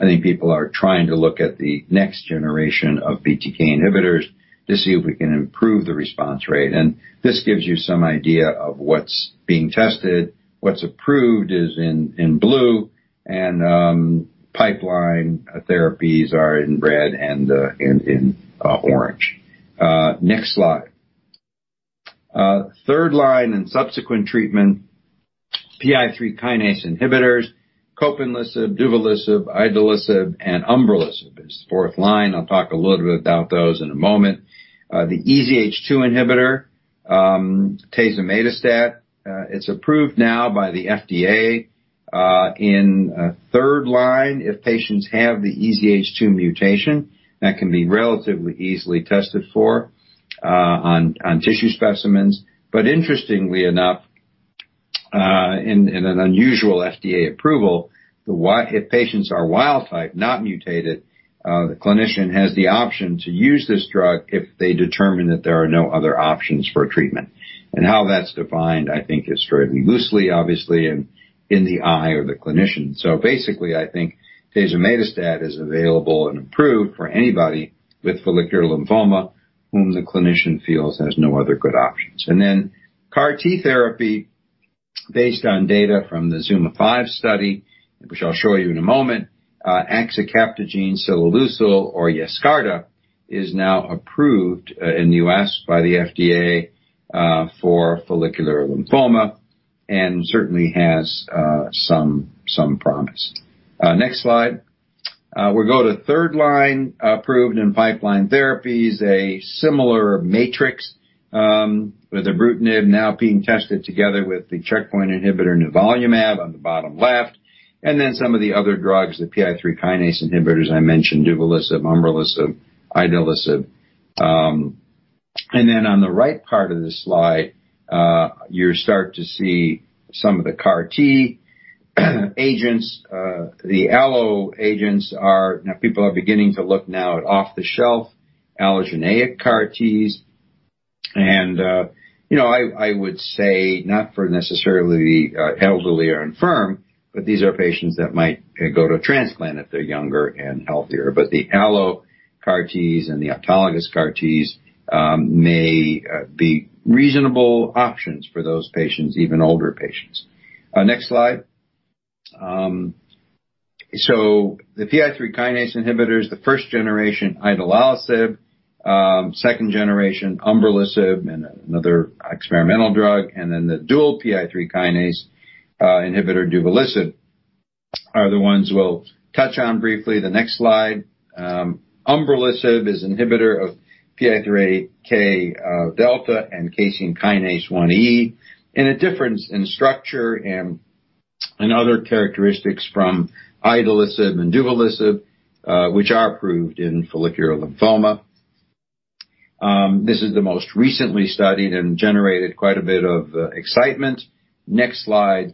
I think people are trying to look at the next generation of BTK inhibitors to see if we can improve the response rate. This gives you some idea of what's being tested. What's approved is in blue and pipeline therapies are in red and in orange. Next slide. Third line and subsequent treatment, PI3 kinase inhibitors, copanlisib, duvelisib, idelalisib, and umbralisib is fourth line. I'll talk a little bit about those in a moment. The EZH2 inhibitor, tazemetostat. It's approved now by the FDA in third line, if patients have the EZH2 mutation, that can be relatively easily tested for on tissue specimens. Interestingly enough, in an unusual FDA approval, if patients are wild type, not mutated, the clinician has the option to use this drug if they determine that there are no other options for treatment. How that's defined, I think, is fairly loosely, obviously in the eye of the clinician. Basically, I think tazemetostat is available and approved for anybody with follicular lymphoma whom the clinician feels there's no other good options. Then CAR T therapy based on data from the ZUMA-5 study, which I'll show you in a moment, axicabtagene ciloleucel or Yescarta, is now approved in the U.S. by the FDA for follicular lymphoma and certainly has some promise. Next slide. We'll go to third line approved and pipeline therapies, a similar matrix with ibrutinib now being tested together with the checkpoint inhibitor nivolumab on the bottom left, and then some of the other drugs, the PI3K inhibitors I mentioned, duvelisib, umbralisib, idelalisib. On the right part of the slide, you start to see some of the CAR T agents. The allo agents are now. People are beginning to look at off-the-shelf allogeneic CAR Ts. You know, I would say, not necessarily for elderly or infirm, but these are patients that might go to a transplant if they're younger and healthier. The allo CAR Ts and the autologous CAR Ts may be reasonable options for those patients, even older patients. Next slide. The PI3K inhibitors, the first generation, idelalisib, second generation, umbralisib, and another experimental drug. The dual PI3K inhibitor duvelisib are the ones we'll touch on briefly. The next slide. Umbralisib is inhibitor of PI3K delta and casein kinase 1E, and a difference in structure and other characteristics from idelalisib and duvelisib, which are approved in follicular lymphoma. This is the most recently studied and generated quite a bit of excitement. Next slide,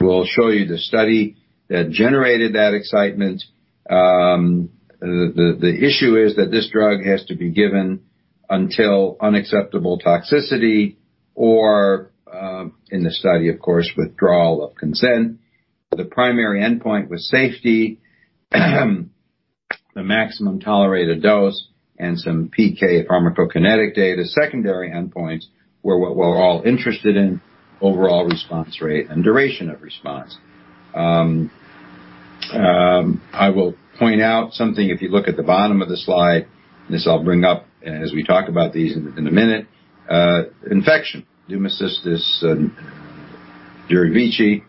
we'll show you the study that generated that excitement. The issue is that this drug has to be given until unacceptable toxicity or in the study, of course, withdrawal of consent. The primary endpoint was safety. The maximum tolerated dose and some PK pharmacokinetic data. Secondary endpoints were what we're all interested in, overall response rate and duration of response. I will point out something. If you look at the bottom of the slide, this I'll bring up as we talk about these in a minute. Infection, Pneumocystis jirovecii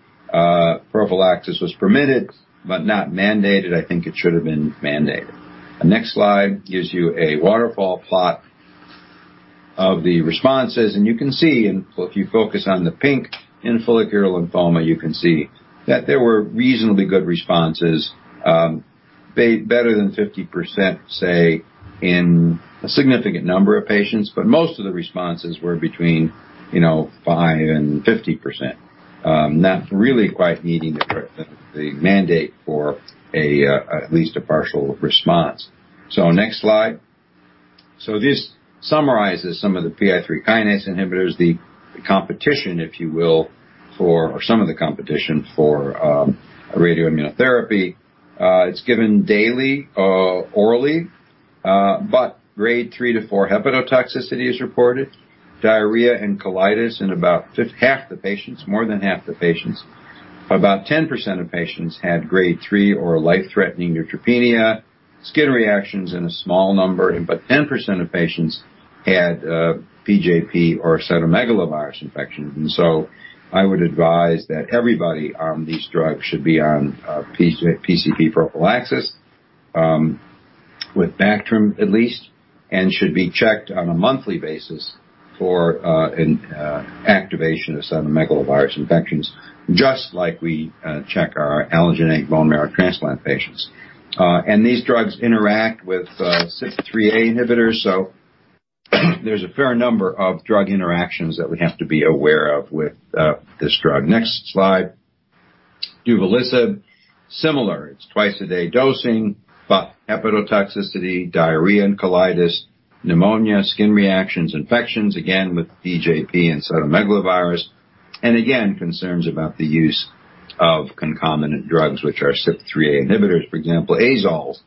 prophylaxis was permitted but not mandated. I think it should have been mandated. The next slide gives you a waterfall plot of the responses, and you can see, and if you focus on the pink in follicular lymphoma, you can see that there were reasonably good responses, better than 50%, say, in a significant number of patients, but most of the responses were between, you know, 5%-50%. Not really quite meeting the mandate for at least a partial response. Next slide. This summarizes some of the PI3 kinase inhibitors, the competition, if you will, or some of the competition for radioimmunotherapy. It's given daily, orally, but Grade 3-4 hepatotoxicity is reported, diarrhea and colitis in about half the patients, more than half the patients. About 10% of patients had Grade 3 or life-threatening neutropenia, skin reactions in a small number, but 10% of patients had PJP or cytomegalovirus infections. I would advise that everybody on these drugs should be on PJP prophylaxis with Bactrim at least, and should be checked on a monthly basis for an activation of cytomegalovirus infections, just like we check our allogeneic bone marrow transplant patients. These drugs interact with CYP3A inhibitors, so there's a fair number of drug interactions that we have to be aware of with this drug. Next slide. Duvelisib, similar. It's twice-a-day dosing, but hepatotoxicity, diarrhea and colitis, pneumonia, skin reactions, infections, again, with PJP and cytomegalovirus. Again, concerns about the use of concomitant drugs which are CYP3A inhibitors, for example, azoles.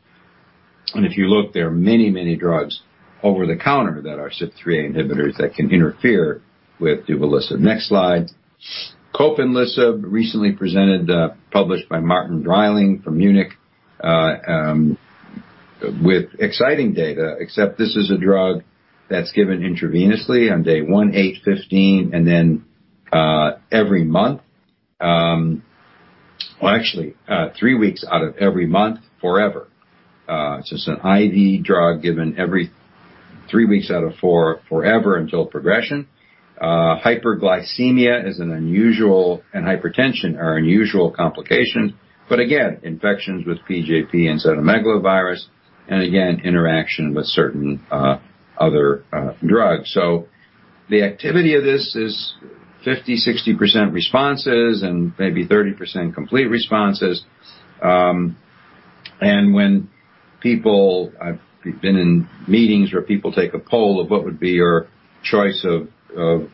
If you look, there are many, many drugs over the counter that are CYP3A inhibitors that can interfere with duvelisib. Next slide. Copanlisib, recently presented, published by Martin Dreyling from Munich, with exciting data, except this is a drug that's given intravenously on day one, eight, 15, and then every month. Well, actually, three weeks out of every month forever. So it's an IV drug given every three weeks out of four forever until progression. Hyperglycemia is an unusual, and hypertension are unusual complications, but again, infections with PJP and cytomegalovirus, and again, interaction with certain other drugs. The activity of this is 50%-60% responses and maybe 30% complete responses. When people... I've been in meetings where people take a poll of what would be your choice of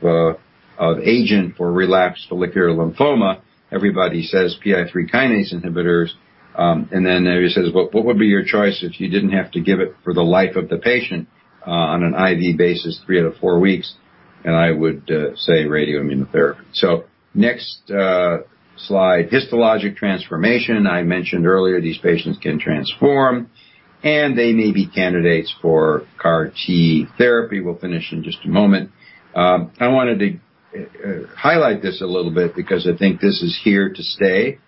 agent for relapsed follicular lymphoma. Everybody says PI3 kinase inhibitors. Then everybody says, "Well, what would be your choice if you didn't have to give it for the life of the patient on an IV basis three out of four weeks?" I would say radioimmunotherapy. Next slide. Histologic transformation. I mentioned earlier these patients can transform, and they may be candidates for CAR T therapy. We'll finish in just a moment. I wanted to highlight this a little bit because I think this is here to stay,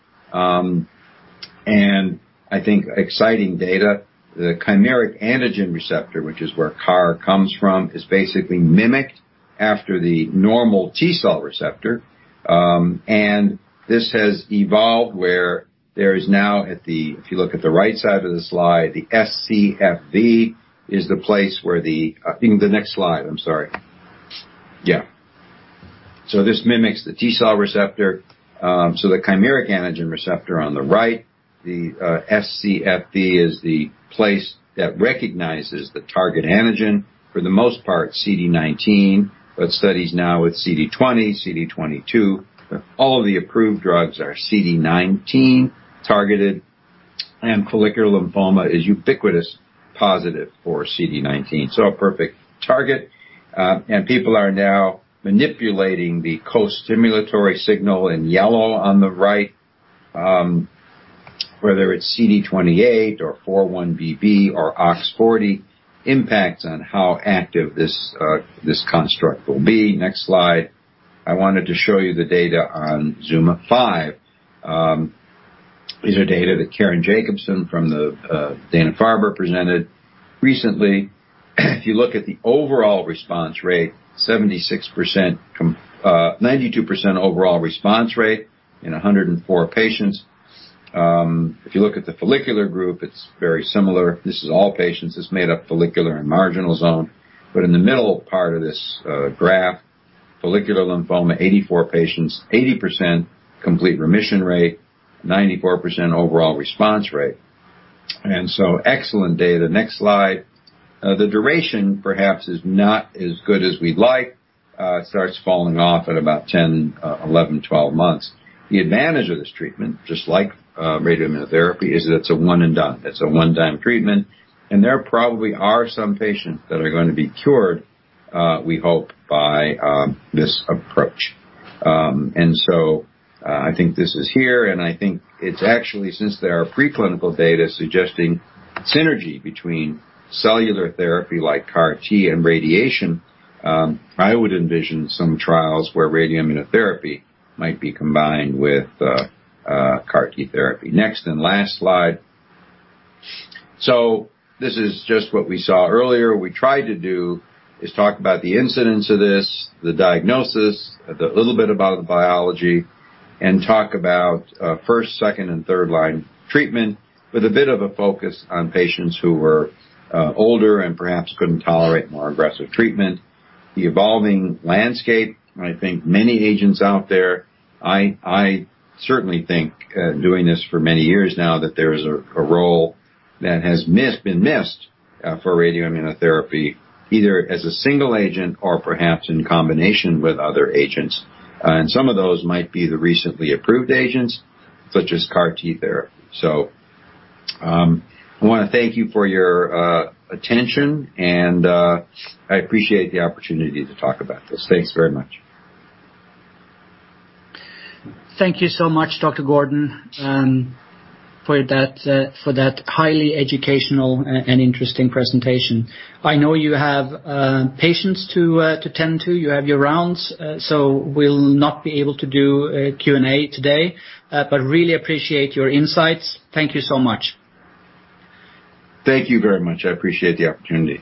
and I think exciting data. The chimeric antigen receptor, which is where CAR comes from, is basically mimicked after the normal T-cell receptor. This has evolved. If you look at the right side of the slide, the scFv is the place where the I think the next slide. I'm sorry. Yeah. This mimics the T-cell receptor. The chimeric antigen receptor on the right, the scFv is the place that recognizes the target antigen, for the most part, CD19, but studies now with CD20, CD22. All of the approved drugs are CD19-targeted, and follicular lymphoma is ubiquitously positive for CD19, so a perfect target. People are now manipulating the costimulatory signal in yellow on the right, whether it's CD28 or 4-1BB or OX40, impacts on how active this construct will be. Next slide. I wanted to show you the data on ZUMA-5. These are data that Caron Jacobson from the Dana-Farber presented recently. If you look at the overall response rate, 76%, 92% overall response rate in 104 patients. If you look at the follicular group, it's very similar. This is all patients. It's made up follicular and marginal zone. In the middle part of this graph, follicular lymphoma, 84 patients, 80% complete remission rate, 94% overall response rate. Excellent data. Next slide. The duration perhaps is not as good as we'd like. It starts falling off at about 10, 11, 12 months. The advantage of this treatment, just like radioimmunotherapy, is that it's a one and done. It's a one-time treatment, and there probably are some patients that are gonna be cured, we hope, by this approach. I think this is here, and I think it's actually since there are preclinical data suggesting synergy between cellular therapy like CAR T and radiation, I would envision some trials where radioimmunotherapy might be combined with CAR T therapy. Next and last slide. This is just what we saw earlier. we tried to do is talk about the incidence of this, the diagnosis, a little bit about the biology, and talk about first, second, and third line treatment with a bit of a focus on patients who were older and perhaps couldn't tolerate more aggressive treatment. The evolving landscape, I think many agents out there. I certainly think, doing this for many years now that there's a role that has been missed for radioimmunotherapy either as a single agent or perhaps in combination with other agents. And some of those might be the recently approved agents, such as CAR T therapy. I wanna thank you for your attention, and I appreciate the opportunity to talk about this. Thanks very much. Thank you so much, Dr. Gordon, for that highly educational and interesting presentation. I know you have patients to tend to. You have your rounds, so we'll not be able to do a Q&A today, but really appreciate your insights. Thank you so much. Thank you very much. I appreciate the opportunity.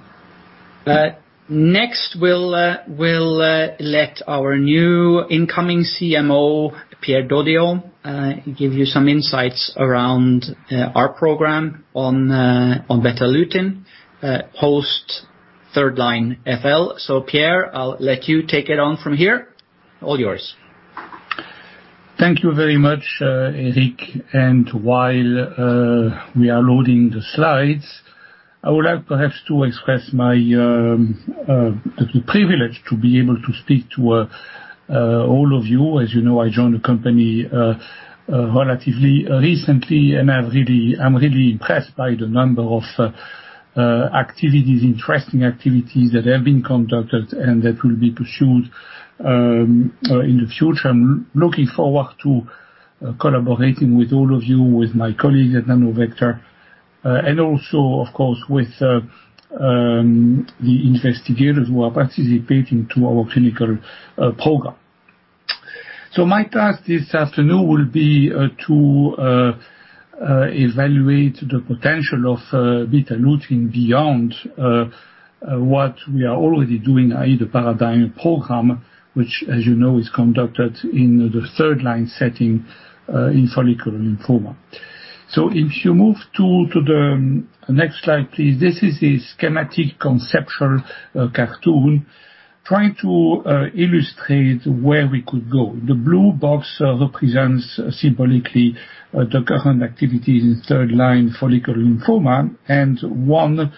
Next we'll let our new incoming CMO, Pierre Dodion, give you some insights around our program on Betalutin post third-line FL. Pierre, I'll let you take it from here. All yours. Thank you very much, Erik. While we are loading the slides, I would like perhaps to express the privilege to be able to speak to all of you. As you know, I joined the company relatively recently, and I'm really impressed by the number of activities, interesting activities that have been conducted and that will be pursued in the future. I'm looking forward to collaborating with all of you, with my colleagues at Nanovector, and also of course with the investigators who are participating to our clinical program. My task this afternoon will be to evaluate the potential of Betalutin beyond what we are already doing, i.e. The PARADIGME program which as you know is conducted in the third line setting in follicular lymphoma. If you move to the next slide, please. This is a schematic conceptual cartoon trying to illustrate where we could go. The blue box represents symbolically the current activities in third line follicular lymphoma, and one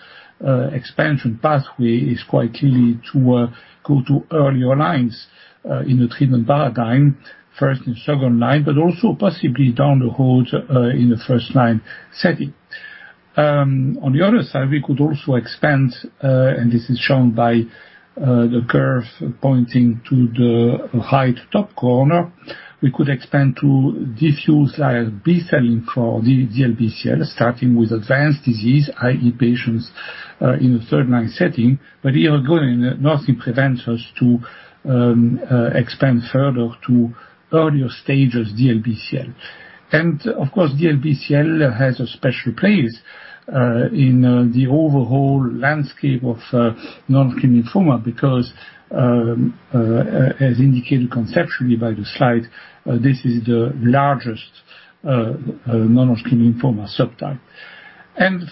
expansion pathway is quite clearly to go to earlier lines in the treatment PARADIGME, first and second line, but also possibly down the road in the first line setting. On the other side, we could also expand and this is shown by the curve pointing to the right top corner. We could expand to diffuse large B-cell lymphoma, DLBCL, starting with advanced disease, i.e. patients in the third line setting. We are going, nothing prevents us to expand further to earlier stages DLBCL. Of course, DLBCL has a special place in the overall landscape of non-Hodgkin lymphoma because, as indicated conceptually by the slide, this is the largest non-Hodgkin lymphoma subtype.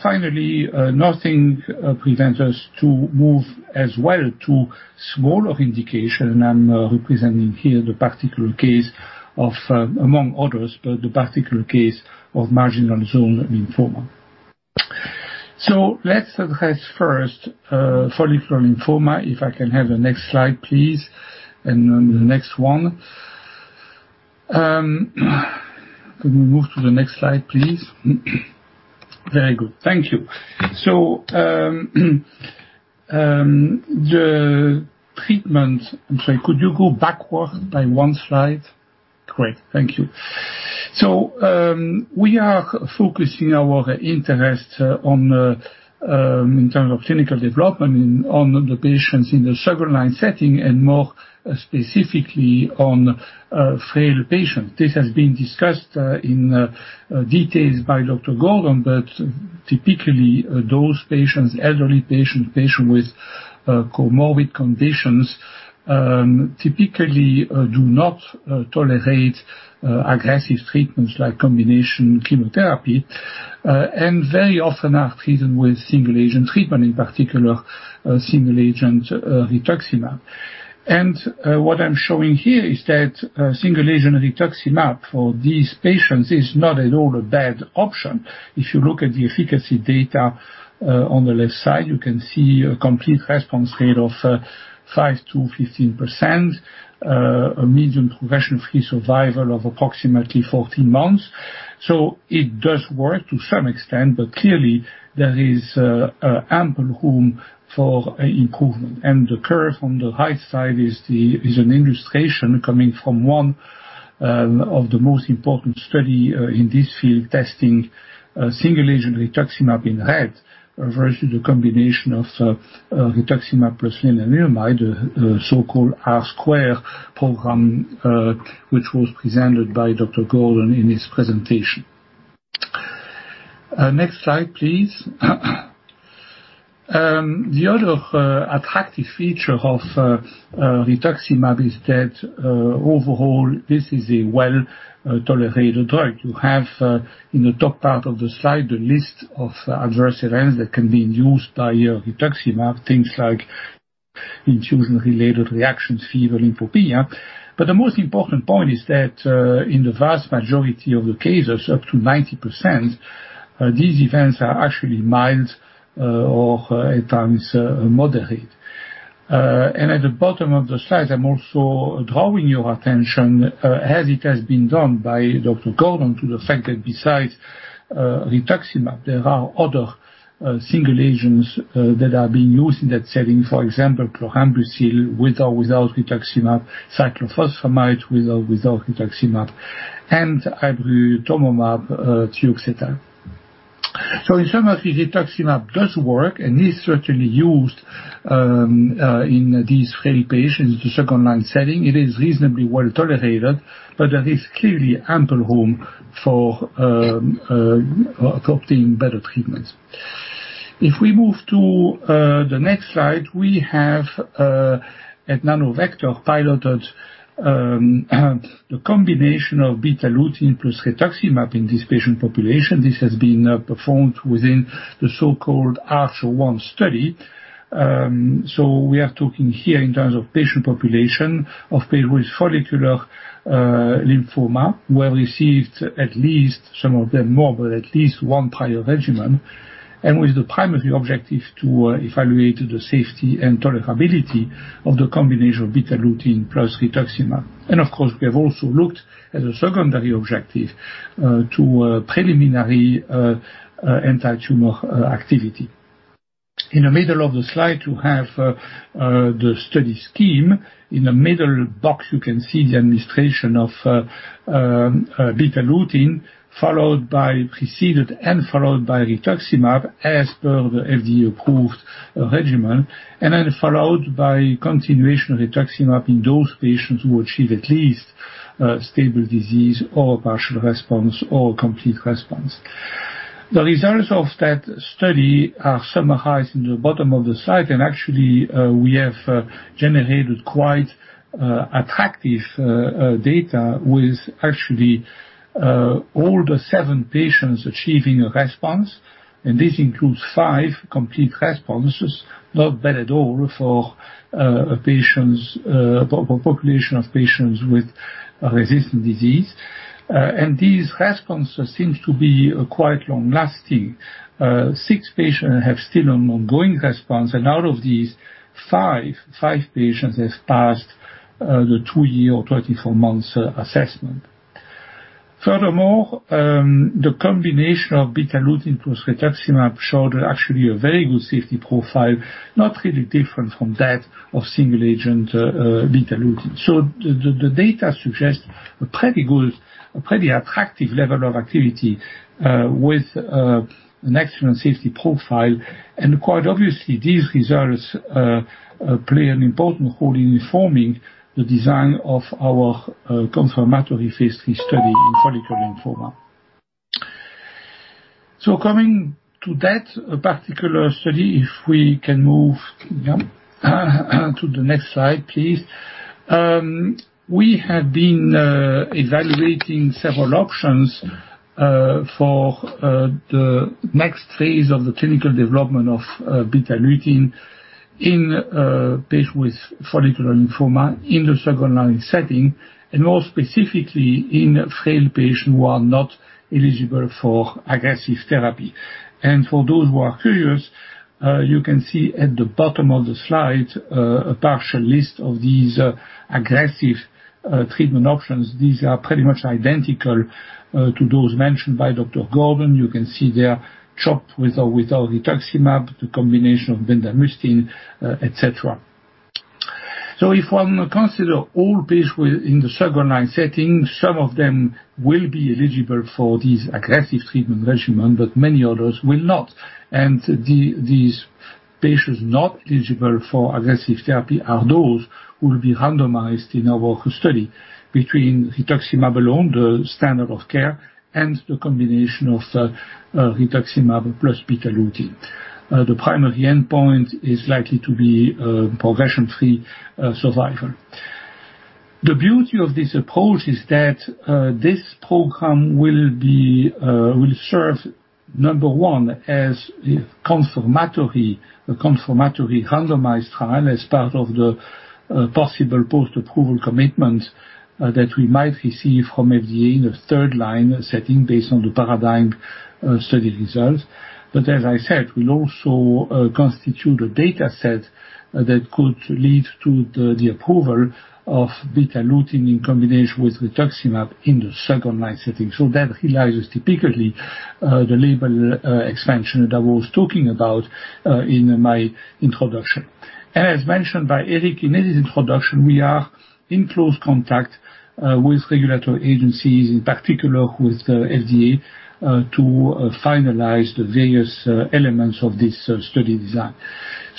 Finally, nothing prevents us to move as well to smaller indication. I'm representing here the particular case of, among others, but the particular case of marginal zone lymphoma. Let's address first follicular lymphoma. If I can have the next slide, please. Then the next one. Can we move to the next slide, please? Very good. Thank you. I'm sorry, could you go backward by one slide? Great. Thank you. We are focusing our interest on, in terms of clinical development, on the patients in the second line setting and more specifically on frail patients. This has been discussed in details by Dr. Gordon, but typically those patients, elderly patients with comorbid conditions, typically do not tolerate aggressive treatments like combination chemotherapy, and very often are treated with single agent treatment, in particular, single agent rituximab. What I'm showing here is that single agent rituximab for these patients is not at all a bad option. If you look at the efficacy data, on the left side, you can see a complete response rate of 5%-15%. A median progression-free survival of approximately 14 months. It does work to some extent, but clearly there is ample room for improvement. The curve on the right side is an illustration coming from one of the most important study in this field, testing single agent rituximab in red versus a combination of rituximab plus lenalidomide, the so-called R² program, which was presented by Dr. Leo Gordon in his presentation. Next slide, please. The other attractive feature of rituximab is that overall, this is a well-tolerated drug. You have in the top part of the slide, a list of adverse events that can be induced by rituximab, things like infusion-related reactions, fever, lymphopenia. The most important point is that in the vast majority of the cases, up to 90%, these events are actually mild or at times moderate. At the bottom of the slide, I'm also drawing your attention, as it has been done by Dr. Gordon, to the fact that besides rituximab, there are other single agents that are being used in that setting. For example, chlorambucil with or without rituximab, cyclophosphamide with or without rituximab, and obinutuzumab, et cetera. In summary, rituximab does work and is certainly used in these frail patients in the second-line setting. It is reasonably well-tolerated, but there is clearly ample room for adopting better treatments. If we move to the next slide, we have at Nanovector piloted the combination of Betalutin plus rituximab in this patient population. This has been performed within the so-called ARCHER-1 study. We are talking here in terms of patient population of patients with follicular lymphoma, who have received at least some of them more, but at least one prior regimen, and with the primary objective to evaluate the safety and tolerability of the combination of Betalutin plus rituximab. Of course, we have also looked at a secondary objective to preliminary anti-tumor activity. In the middle of the slide, you have the study scheme. In the middle box, you can see the administration of Betalutin preceded and followed by rituximab as per the FDA-approved regimen, and then followed by continuation rituximab in those patients who achieve at least stable disease or partial response or complete response. The results of that study are summarized at the bottom of the slide, and actually, we have generated quite attractive data with actually all the seven patients achieving a response. This includes five complete responses. Not bad at all for a population of patients with resistant disease. These responses seem to be quite long-lasting. six patients have still an ongoing response. Out of these, five patients have passed the two year or 24-month assessment. Furthermore, the combination of Betalutin plus rituximab showed actually a very good safety profile, not really different from that of single-agent Betalutin. The data suggests a pretty good, a pretty attractive level of activity with an excellent safety profile. Quite obviously, these results play an important role in forming the design of our confirmatory phase III study in follicular lymphoma. Coming to that particular study, if we can move to the next slide, please. We have been evaluating several options for the next phase of the clinical development of Betalutin in patients with follicular lymphoma in the second-line setting, and more specifically in failed patients who are not eligible for aggressive therapy. For those who are curious, you can see at the bottom of the slide a partial list of these aggressive treatment options. These are pretty much identical to those mentioned by Dr. Gordon. You can see they are CHOP with or without rituximab, the combination of bendamustine, et cetera. If one consider all patients in the second-line setting, some of them will be eligible for these aggressive treatment regimen, but many others will not. These patients not eligible for aggressive therapy are those who will be randomized in our study between rituximab alone, the standard of care, and the combination of rituximab plus Betalutin. The primary endpoint is likely to be progression-free survival. The beauty of this approach is that this program will serve, number one, as a confirmatory randomized trial as part of the possible post-approval commitment that we might receive from FDA in a third line setting based on the PARADIGME study results. As I said, it will also constitute a data set that could lead to the approval of Betalutin in combination with rituximab in the second-line setting. That realizes typically the label expansion that I was talking about in my introduction. As mentioned by Erik in his introduction, we are in close contact with regulatory agencies, in particular with the FDA, to finalize the various elements of this study design.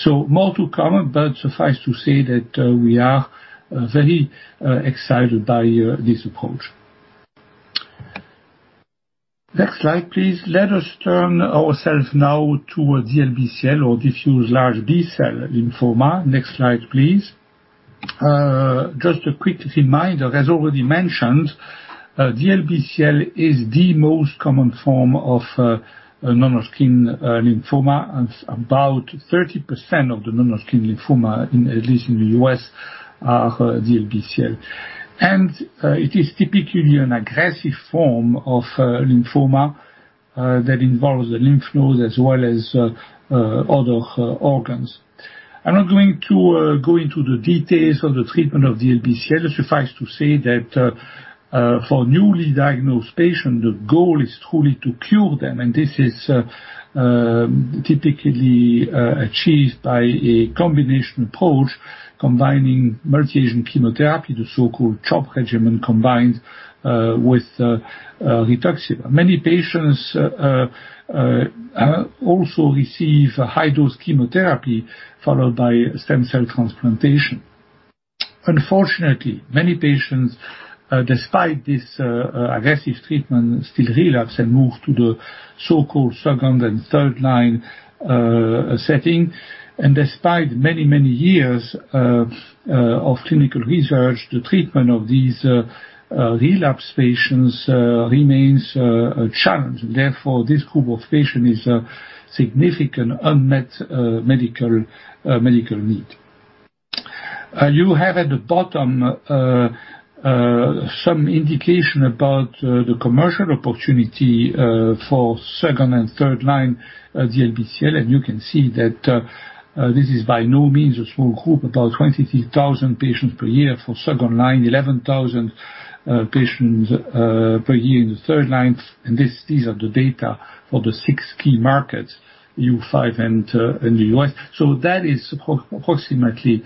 More to come, but suffice to say that we are very excited by this approach. Next slide, please. Let us turn ourselves now to DLBCL or diffuse large B-cell lymphoma. Next slide, please. Just a quick reminder, as already mentioned, DLBCL is the most common form of non-Hodgkin lymphoma. It's about 30% of the non-Hodgkin lymphoma, at least in the U.S., are DLBCL. It is typically an aggressive form of lymphoma that involves the lymph nodes as well as other organs. I'm not going to go into the details of the treatment of DLBCL. Suffice to say that for newly diagnosed patients, the goal is truly to cure them. This is typically achieved by a combination approach combining multi-agent chemotherapy, the so-called CHOP regimen, combined with rituximab. Many patients also receive high dose chemotherapy followed by stem cell transplantation. Unfortunately, many patients despite this aggressive treatment still relapse and move to the so-called second and third line setting. Despite many years of clinical research, the treatment of these relapse patients remains a challenge. Therefore, this group of patients is a significant unmet medical need. You have at the bottom some indication about the commercial opportunity for second- and third-line DLBCL, and you can see that this is by no means a small group, about 23,000 patients per year for second line, 11,000 patients per year in the third line. These are the data for the six key markets, EU five and the U.S. That is approximately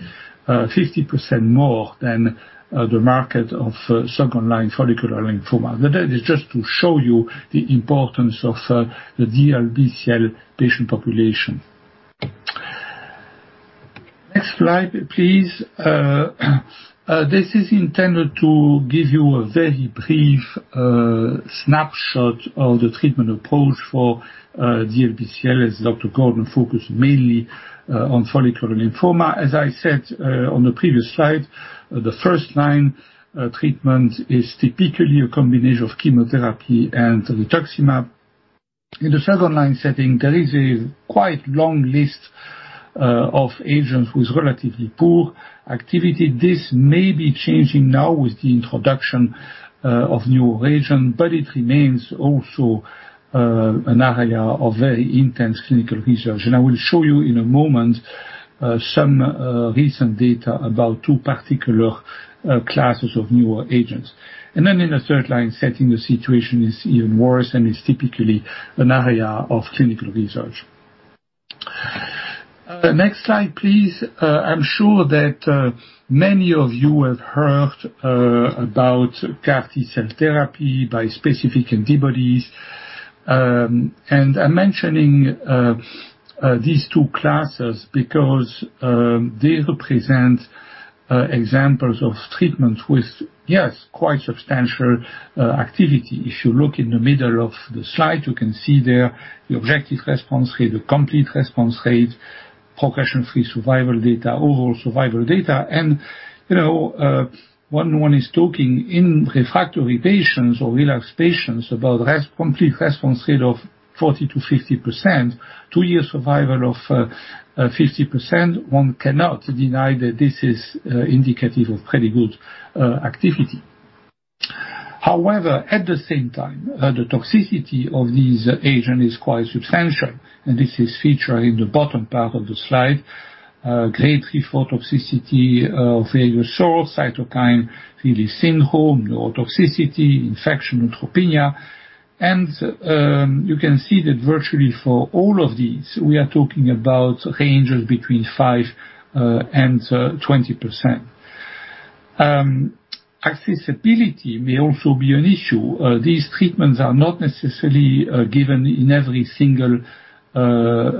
50% more than the market of second-line follicular lymphoma. That is just to show you the importance of the DLBCL patient population. Next slide, please. This is intended to give you a very brief snapshot of the treatment approach for DLBCL as Dr. Gordon focused mainly on follicular lymphoma. As I said, on the previous slide, the first-line treatment is typically a combination of chemotherapy and rituximab. In the second-line setting, there is a quite long list of agents with relatively poor activity. This may be changing now with the introduction of newer agent, but it remains also an area of very intense clinical research. I will show you in a moment, some recent data about two particular classes of newer agents. In a third-line setting, the situation is even worse and is typically an area of clinical research. Next slide, please. I'm sure that many of you have heard about CAR T-cell therapy bispecific antibodies. I'm mentioning these two classes because they represent examples of treatments with, yes, quite substantial activity. If you look in the middle of the slide, you can see there the objective response rate, the complete response rate, progression-free survival data, overall survival data. You know, when one is talking in refractory patients or relapsed patients about complete response rate of 40%-50%, two year survival of 50%, one cannot deny that this is indicative of pretty good activity. However, at the same time, the toxicity of these agents is quite substantial. This is featured in the bottom part of the slide. Grade 3-4 toxicity of various sorts, cytokine release syndrome, neurotoxicity, infection, neutropenia. You can see that virtually for all of these, we are talking about ranges between 5% and 20%. Accessibility may also be an issue. These treatments are not necessarily given in every single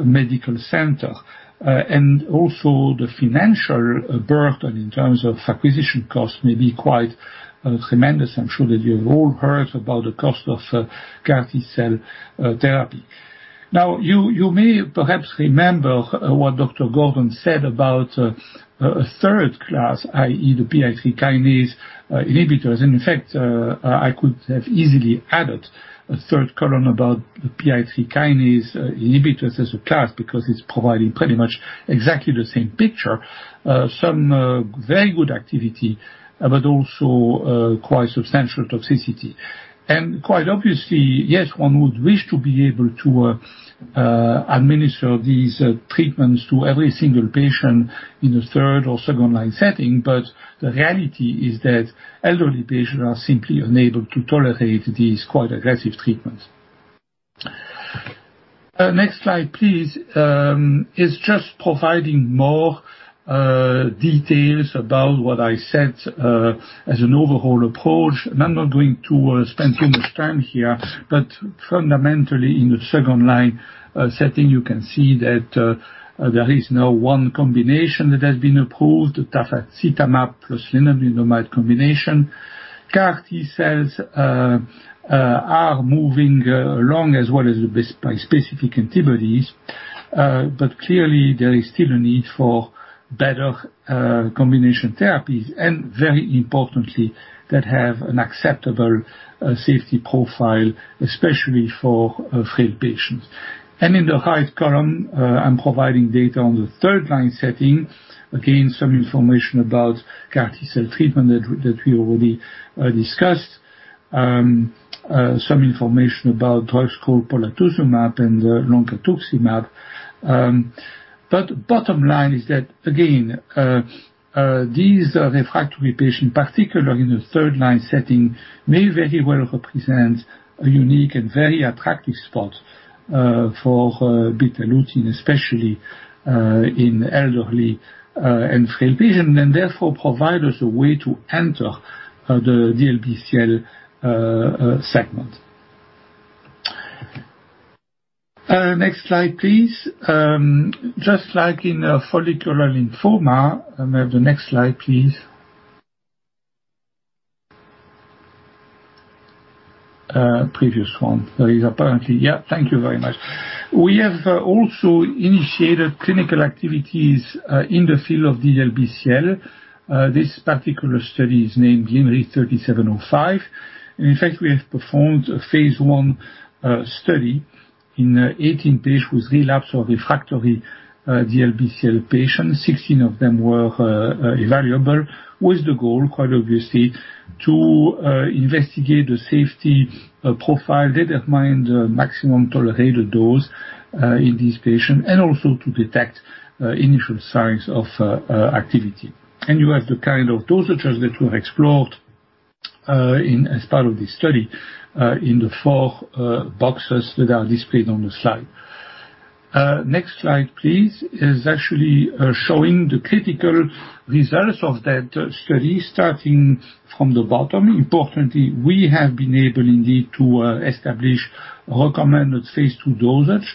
medical center. And also the financial burden in terms of acquisition costs may be quite tremendous. I'm sure that you've all heard about the cost of CAR T-cell therapy. Now, you may perhaps remember what Dr. Gordon said about a third class, i.e., the PI3K kinase inhibitors. In fact, I could have easily added a third column about the PI3K kinase inhibitors as a class because it's providing pretty much exactly the same picture. Some very good activity, but also quite substantial toxicity. Quite obviously, yes, one would wish to be able to administer these treatments to every single patient in a third or second-line setting, but the reality is that elderly patients are simply unable to tolerate these quite aggressive treatments. Next slide, please. It's just providing more details about what I said as an overall approach. I'm not going to spend too much time here. Fundamentally, in the second line setting, you can see that there is now one combination that has been approved, tafasitamab plus lenalidomide combination. CAR T-cells are moving along as well as bispecific antibodies. Clearly there is still a need for better combination therapies, and very importantly, that have an acceptable safety profile, especially for frail patients. In the right column, I'm providing data on the third-line setting. Again, some information about CAR T-cell treatment that we already discussed. Some information about drugs called polatuzumab and rituximab. Bottom line is that again, these refractory patients, particularly in the third-line setting, may very well represent a unique and very attractive spot for Betalutin, especially in elderly and frail patients, and therefore provide us a way to enter the DLBCL segment. Next slide, please. Just like in a follicular lymphoma. May I have the next slide, please. Previous one. There is apparently. Yeah, thank you very much. We have also initiated clinical activities in the field of DLBCL. This particular study is named LYMRIT-37-05. In fact, we have performed a phase I study in 18 patients with relapsed or refractory DLBCL patients. 16 of them were evaluable, with the goal, quite obviously, to investigate the safety profile, determine the maximum tolerated dose in these patients, and also to detect initial signs of activity. You have the kind of dosages that we explored as part of this study in the four boxes that are displayed on the slide. Next slide, please, is actually showing the critical results of that study starting from the bottom. Importantly, we have been able indeed to establish recommended phase II dose.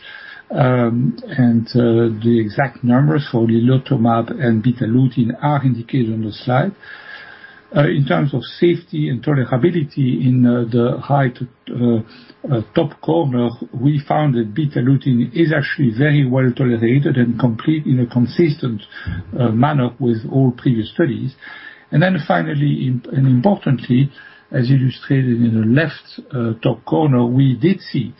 The exact numbers for lilotomab and Betalutin are indicated on the slide. In terms of safety and tolerability in the right top corner, we found that Betalutin is actually very well tolerated and compatible in a consistent manner with all previous studies. Then finally, and importantly, as illustrated in the left, top corner, we did see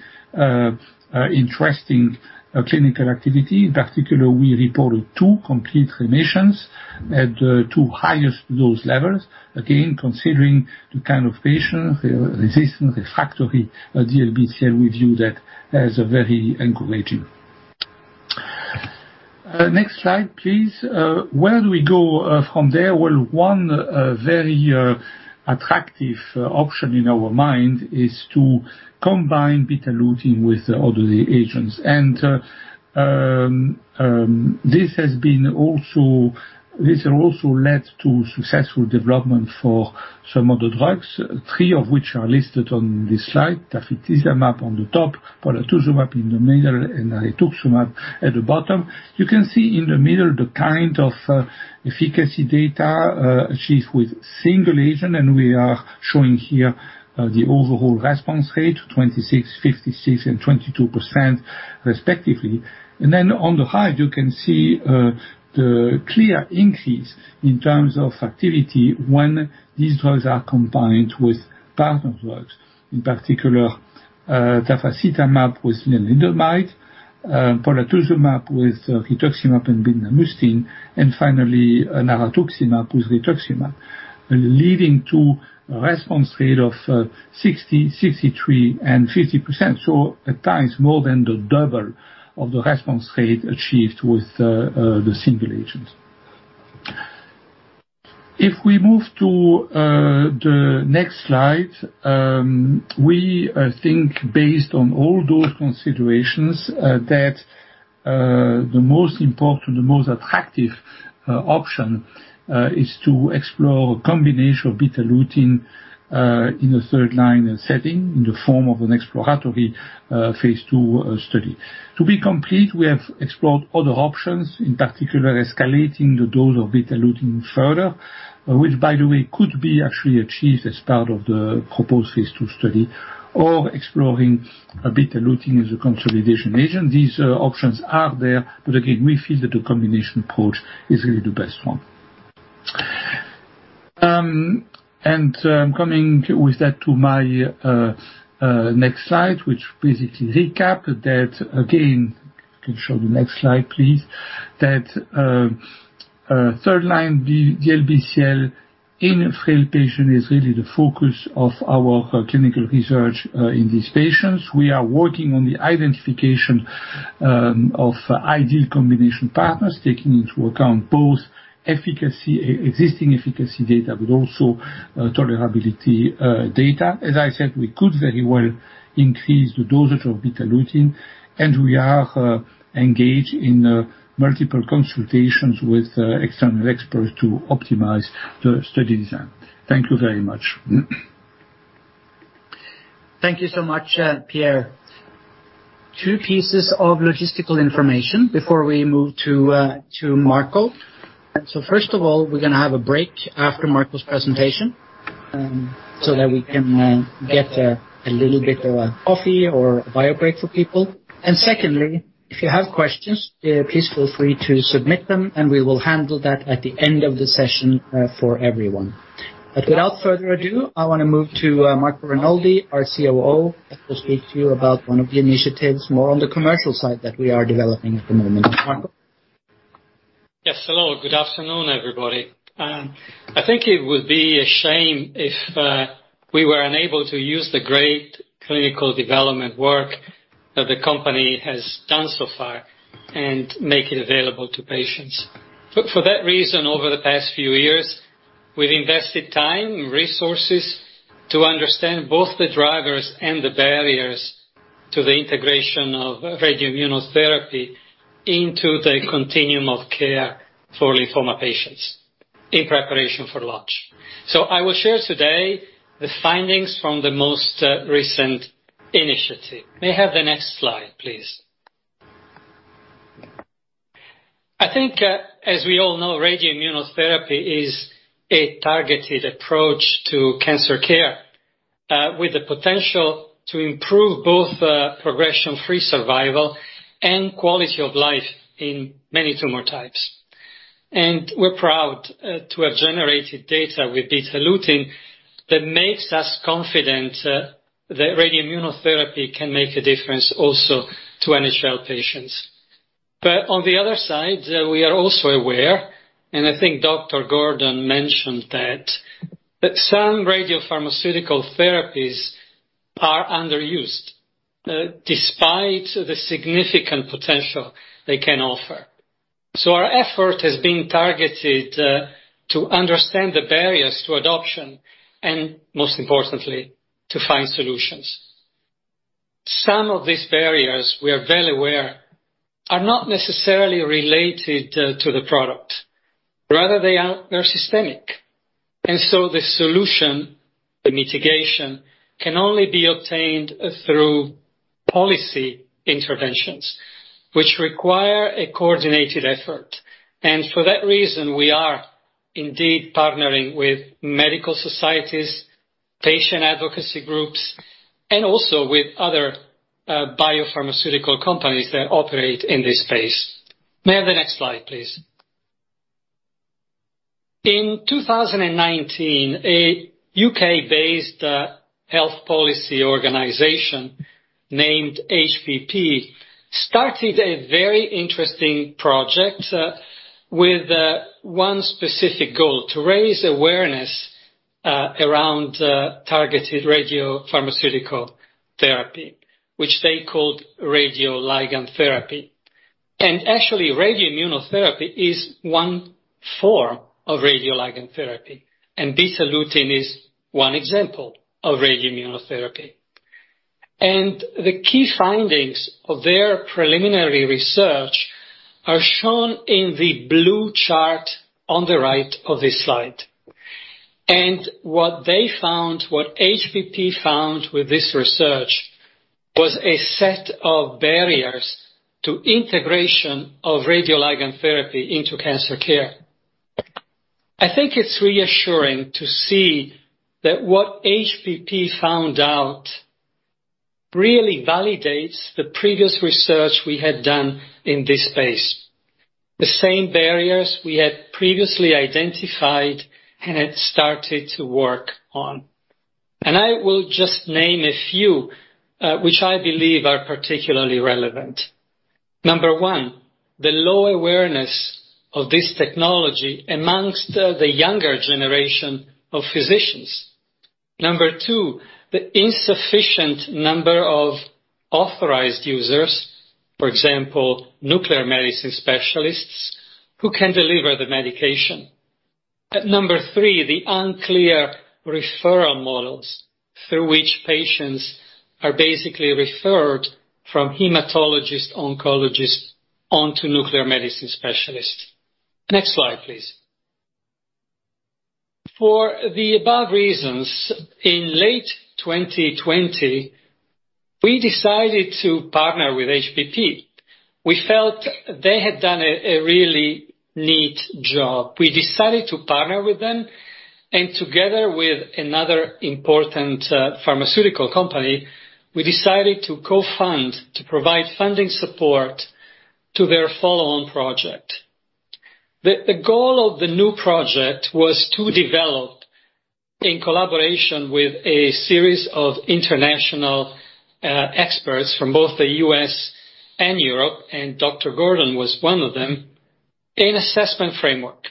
interesting clinical activity. In particular, we reported two complete remissions at two highest dose levels. Again, considering the kind of patients, resistant, refractory DLBCL, we view that as a very encouraging. Next slide, please. Where do we go from there? Well, one very attractive option in our mind is to combine Betalutin with other agents. This also led to successful development for some other drugs, three of which are listed on this slide. Tafasitamab on the top, polatuzumab in the middle, and rituximab at the bottom. You can see in the middle the kind of efficacy data achieved with single agent, and we are showing here the overall response rate 26%, 56%, and 22% respectively. Then on the right, you can see the clear increase in terms of activity when these drugs are combined with partner drugs. In particular, tafasitamab with lenalidomide, polatuzumab with rituximab and bendamustine, and finally, obinutuzumab with rituximab, leading to response rate of 60%, 63%, and 50%. At times more than the double of the response rate achieved with the single agent. If we move to the next slide, we, I think based on all those considerations, that the most important, the most attractive option is to explore a combination of Betalutin in a third-line setting in the form of an exploratory phase II study. To be complete, we have explored other options, in particular, escalating the dose of Betalutin further, which by the way, could be actually achieved as part of the proposed phase II study or exploring a Betalutin as a consolidation agent. These options are there, but again, we feel that the combination approach is really the best one. Coming with that to my next slide, which basically recap that again. Can you show the next slide, please? That third line, the DLBCL in frail patient is really the focus of our clinical research in these patients. We are working on the identification of ideal combination partners, taking into account both efficacy, existing efficacy data, but also tolerability data. As I said, we could very well increase the dosage of Betalutin, and we are engaged in multiple consultations with external experts to optimize the study design. Thank you very much. Thank you so much, Pierre. Two pieces of logistical information before we move to Marco. First of all, we're gonna have a break after Marco's presentation, so that we can get a little bit of a coffee or a bio break for people. Secondly, if you have questions, please feel free to submit them, and we will handle that at the end of the session, for everyone. Without further ado, I wanna move to Marco Renoldi, our COO, who will speak to you about one of the initiatives more on the commercial side that we are developing at the moment. Marco. Yes, hello. Good afternoon, everybody. I think it would be a shame if we were unable to use the great clinical development work that the company has done so far and make it available to patients. For that reason, over the past few years, we've invested time and resources to understand both the drivers and the barriers to the integration of radioimmunotherapy into the continuum of care for lymphoma patients in preparation for launch. I will share today the findings from the most recent initiative. May I have the next slide, please? I think, as we all know, radioimmunotherapy is a targeted approach to cancer care, with the potential to improve both progression-free survival and quality of life in many tumor types. We're proud to have generated data with Betalutin that makes us confident that radioimmunotherapy can make a difference also to NHL patients. On the other side, we are also aware, and I think Dr. Gordon mentioned that some radiopharmaceutical therapies are underused, despite the significant potential they can offer. Our effort has been targeted to understand the barriers to adoption and, most importantly, to find solutions. Some of these barriers, we are well aware, are not necessarily related to the product. Rather, they are systemic. So the solution, the mitigation, can only be obtained through policy interventions, which require a coordinated effort. For that reason, we are indeed partnering with medical societies, patient advocacy groups, and also with other biopharmaceutical companies that operate in this space. May I have the next slide, please? In 2019, a U.K.based health policy organization named HPT started a very interesting project, with one specific goal to raise awareness around targeted radiopharmaceutical therapy, which they called radioligand therapy. Actually, radioimmunotherapy is one form of radioligand therapy, and Betalutin is one example of radioimmunotherapy. The key findings of their preliminary research are shown in the blue chart on the right of this slide. What they found, what HPT found with this research, was a set of barriers to integration of radioligand therapy into cancer care. I think it's reassuring to see that what HPT found out really validates the previous research we had done in this space. The same barriers we had previously identified and had started to work on. I will just name a few, which I believe are particularly relevant. Number one, the low awareness of this technology among the younger generation of physicians. Number two, the insufficient number of authorized users, for example, nuclear medicine specialists, who can deliver the medication. At number three, the unclear referral models through which patients are basically referred from hematologist oncologists onto nuclear medicine specialists. Next slide, please. For the above reasons, in late 2020, we decided to partner with HPT We felt they had done a really neat job. We decided to partner with them, and together with another important pharmaceutical company, we decided to co-fund, to provide funding support to their follow-on project. The goal of the new project was to develop, in collaboration with a series of international experts from both the U.S. and Europe, and Dr. Leo Gordon was one of them, an assessment framework.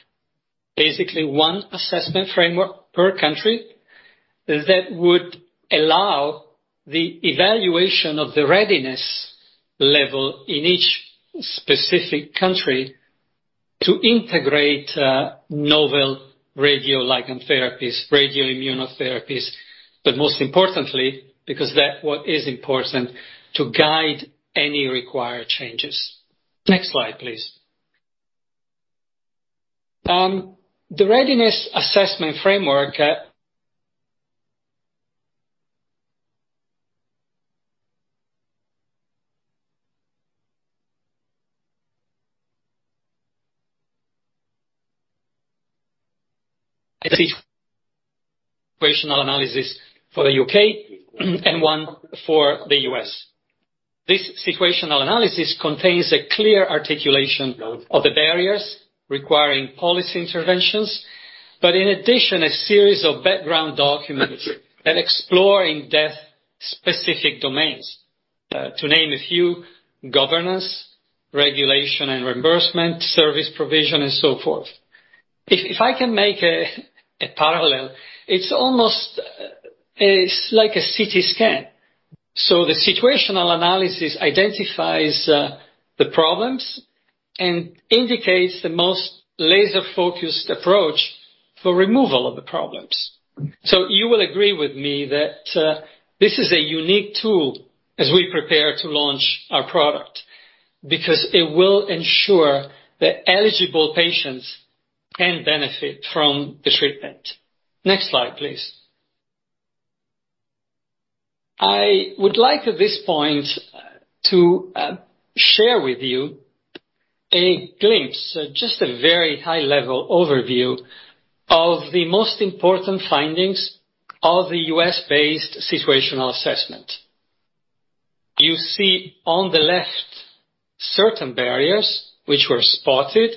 Basically, one assessment framework per country that would allow the evaluation of the readiness level in each specific country to integrate novel radioligand therapies, radioimmunotherapies, but most importantly, because that's what is important, to guide any required changes. Next slide, please. The readiness assessment framework. A situational analysis for the U.K. and one for the U.S. This situational analysis contains a clear articulation of the barriers requiring policy interventions, but in addition, a series of background documents and exploring in depth specific domains. To name a few, governance, regulation and reimbursement, service provision, and so forth. If I can make a parallel, it's almost like a CT scan. So the situational analysis identifies the problems and indicates the most laser-focused approach for removal of the problems. You will agree with me that this is a unique tool as we prepare to launch our product, because it will ensure that eligible patients can benefit from the treatment. Next slide, please. I would like, at this point, to share with you a glimpse, just a very high-level overview of the most important findings of the U.S. based situational assessment. You see on the left certain barriers which were spotted,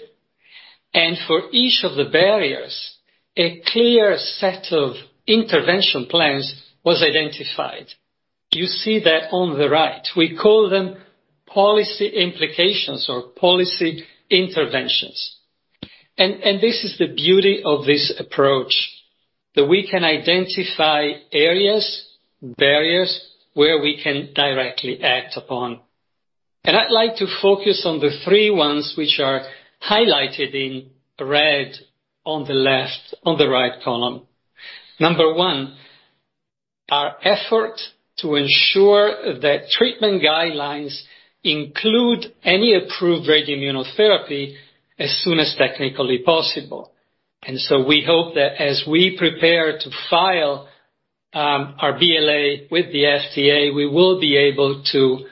and for each of the barriers, a clear set of intervention plans was identified. You see that on the right. We call them policy implications or policy interventions. This is the beauty of this approach, that we can identify areas, barriers where we can directly act upon. I'd like to focus on the three ones which are highlighted in red on the right column. Number one, our effort to ensure that treatment guidelines include any approved radioimmunotherapy as soon as technically possible. We hope that as we prepare to file our BLA with the FDA, we will be able to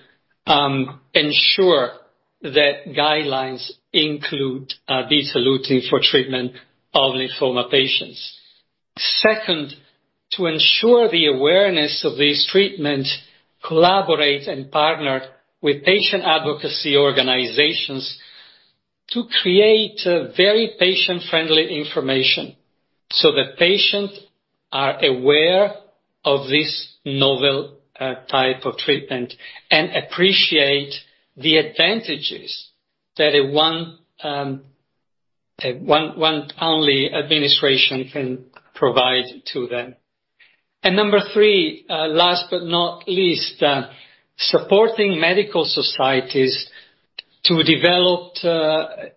ensure that guidelines include these solutions for treatment of lymphoma patients. Second, to ensure the awareness of this treatment, collaborate and partner with patient advocacy organizations to create very patient-friendly information so that patients are aware of this novel type of treatment and appreciate the advantages that a one only administration can provide to them. Number three, last but not least, supporting medical societies to develop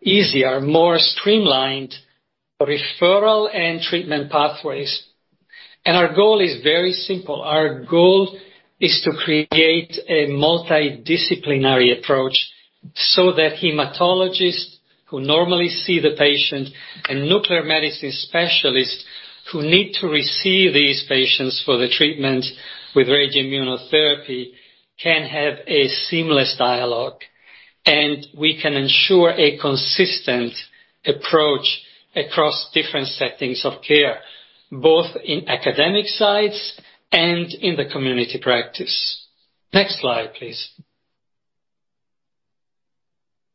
easier, more streamlined referral and treatment pathways. Our goal is very simple. Our goal is to create a multidisciplinary approach so that hematologists who normally see the patient and nuclear medicine specialists who need to receive these patients for the treatment with radioimmunotherapy can have a seamless dialogue, and we can ensure a consistent approach across different settings of care, both in academic sites and in the community practice. Next slide, please.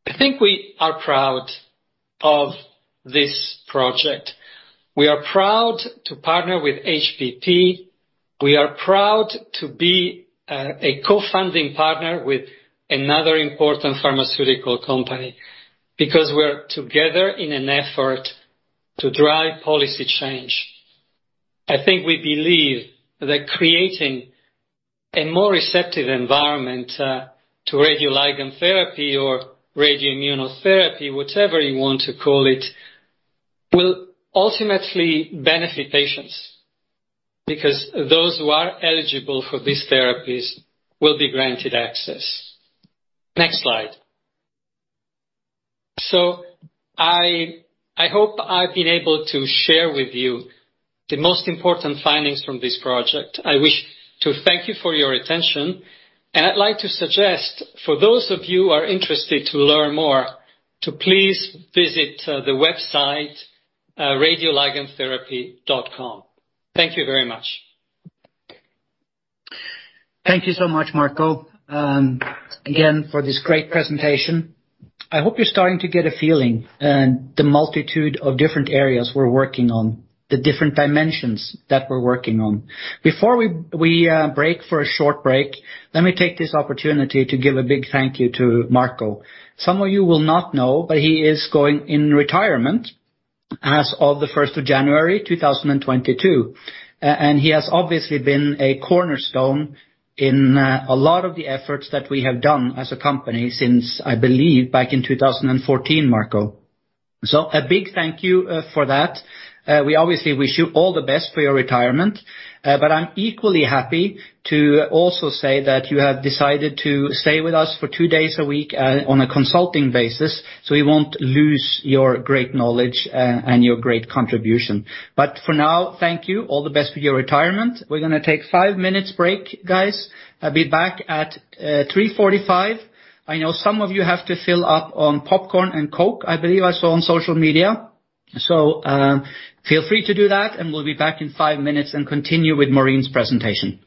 I think we are proud of this project. We are proud to partner with HPT. We are proud to be a co-funding partner with another important pharmaceutical company because we're together in an effort to drive policy change. I think we believe that creating a more receptive environment to radioligand therapy or radioimmunotherapy, whatever you want to call it, will ultimately benefit patients because those who are eligible for these therapies will be granted access. Next slide. I hope I've been able to share with you the most important findings from this project. I wish to thank you for your attention. I'd like to suggest for those of you who are interested to learn more, to please visit the website, radioligandtherapy.com. Thank you very much. Thank you so much, Marco, again, for this great presentation. I hope you're starting to get a feeling on the multitude of different areas we're working on, the different dimensions that we're working on. Before we break for a short break, let me take this opportunity to give a big thank you to Marco. Some of you will not know, but he is going in retirement as of 1st January 2022. He has obviously been a cornerstone in a lot of the efforts that we have done as a company since, I believe, back in 2014, Marco. A big thank you for that. We obviously wish you all the best for your retirement. I'm equally happy to also say that you have decided to stay with us for two days a week on a consulting basis, so we won't lose your great knowledge and your great contribution. For now, thank you. All the best for your retirement. We're gonna take a five-minute break, guys. I'll be back at 3:45 P.M. I know some of you have to fill up on popcorn and Coke, I believe I saw on social media. Feel free to do that, and we'll be back in five minutes and continue with Maureen's presentation.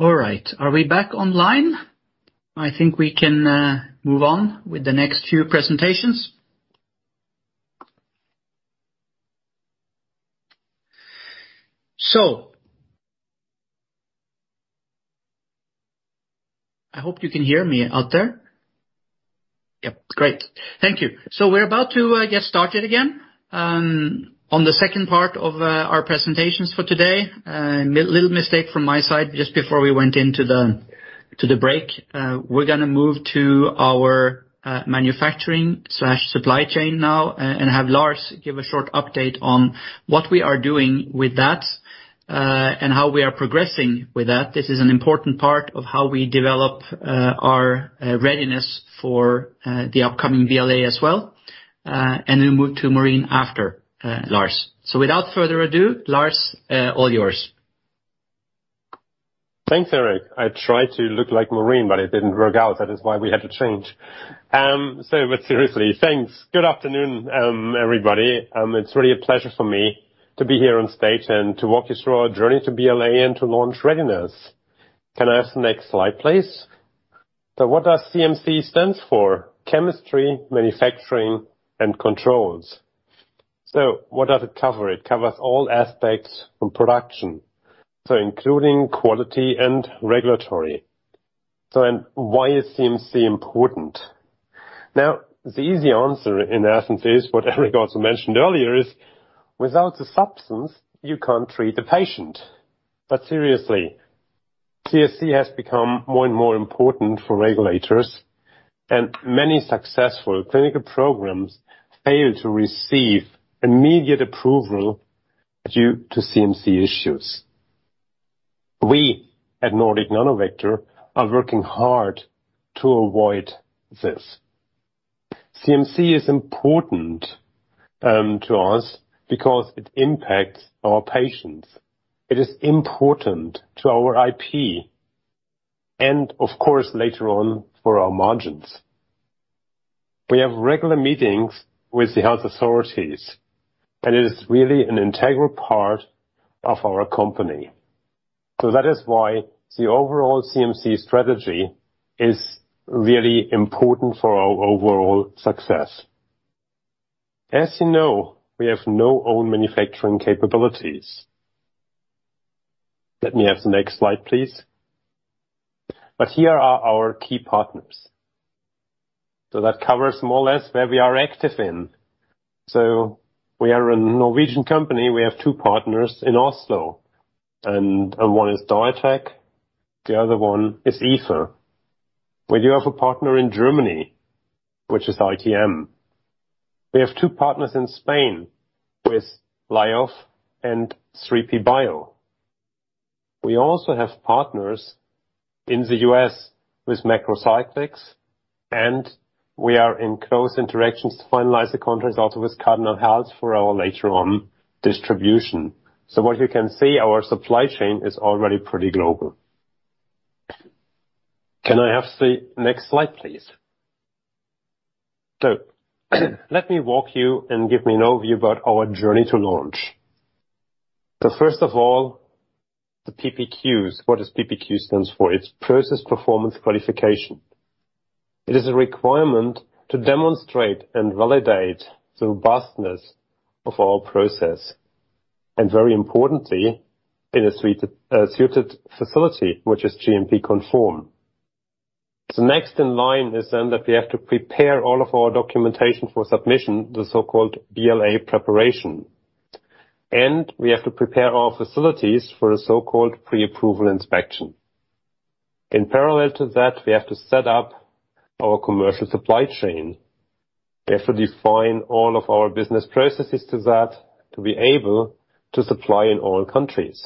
All right, are we back online? I think we can move on with the next few presentations. I hope you can hear me out there. Yep, great. Thank you. We're about to get started again on the second part of our presentations for today. Little mistake from my side just before we went into the break. We're gonna move to our manufacturing/supply chain now and have Lars give a short update on what we are doing with that and how we are progressing with that. This is an important part of how we develop our readiness for the upcoming BLA as well and then move to Maureen after Lars. Without further ado, Lars, all yours. Thanks, Erik. I tried to look like Maureen, but it didn't work out. That is why we had to change. But seriously, thanks. Good afternoon, everybody. It's really a pleasure for me to be here on stage and to walk you through our journey to BLA and to launch readiness. Can I ask the next slide, please? What does CMC stand for? Chemistry, manufacturing, and controls. What does it cover? It covers all aspects from production, including quality and regulatory. Why is CMC important? The easy answer in essence is what Erik also mentioned earlier, without the substance, you can't treat the patient. Seriously, CMC has become more and more important for regulators, and many successful clinical programs fail to receive immediate approval due to CMC issues. We at Nordic Nanovector are working hard to avoid this. CMC is important to us because it impacts our patients. It is important to our IP and of course, later on for our margins. We have regular meetings with the health authorities, and it is really an integral part of our company. That is why the overall CMC strategy is really important for our overall success. As you know, we have no own manufacturing capabilities. Let me have the next slide, please. Here are our key partners. That covers more or less where we are active in. We are a Norwegian company. We have two partners in Oslo, and one is Diatec, the other one is IFE. We do have a partner in Germany, which is ITM. We have two partners in Spain with Liof and 3P Bio. We also have partners in the U.S. with Macrocyclics, and we are in close interactions to finalize the contracts also with Cardinal Health for our later on distribution. What you can see, our supply chain is already pretty global. Can I have the next slide, please? Let me walk you and give an overview about our journey to launch. First of all, the PPQs. What does PPQ stands for? It's process performance qualification. It is a requirement to demonstrate and validate the robustness of our process, and very importantly, in a suited facility which is GMP conform. Next in line is then that we have to prepare all of our documentation for submission, the so-called BLA preparation, and we have to prepare our facilities for the so-called pre-approval inspection. In parallel to that, we have to set up our commercial supply chain. We have to define all of our business processes to that to be able to supply in all countries.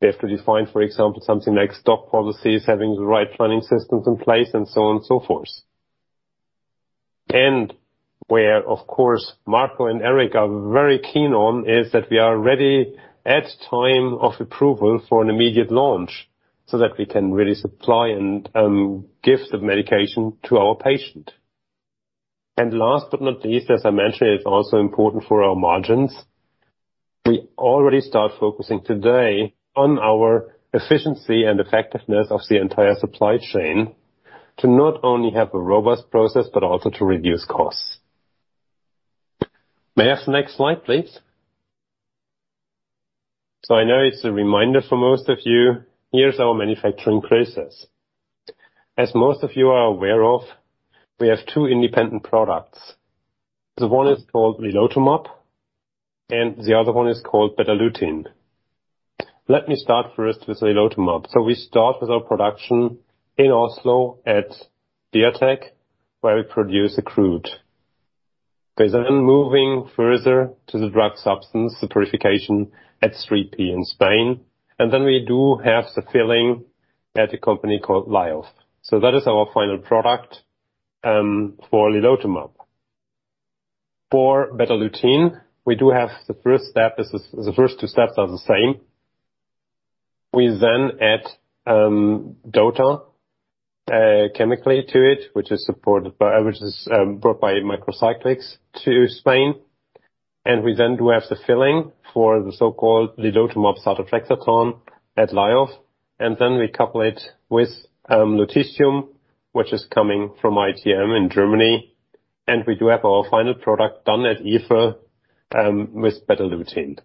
We have to define, for example, something like stock policies, having the right planning systems in place and so on and so forth. Where, of course, Marco Renoldi and Erik Skullerud are very keen on is that we are ready at time of approval for an immediate launch so that we can really supply and give the medication to our patient. Last but not least, as I mentioned, it's also important for our margins. We already start focusing today on our efficiency and effectiveness of the entire supply chain to not only have a robust process, but also to reduce costs. May I have the next slide, please? So I know it's a reminder for most of you. Here's our manufacturing process. As most of you are aware of, we have two independent products. The one is called lilotomab, and the other one is called Betalutin. Let me start first with lilotomab. We start with our production in Oslo at Diatec, where we produce the crude. We're then moving further to the drug substance, the purification at 3P in Spain. We do have the filling at a company called Liof. That is our final product for lilotomab. For Betalutin, we do have the first step. The first two steps are the same. We then add DOTA chemically to it, which is brought by Macrocyclics to Spain. We then do have the filling for the so-called lilotomab satetraxetan at Liof. We couple it with lutetium, which is coming from ITM in Germany. We do have our final product done at IFE with Betalutin.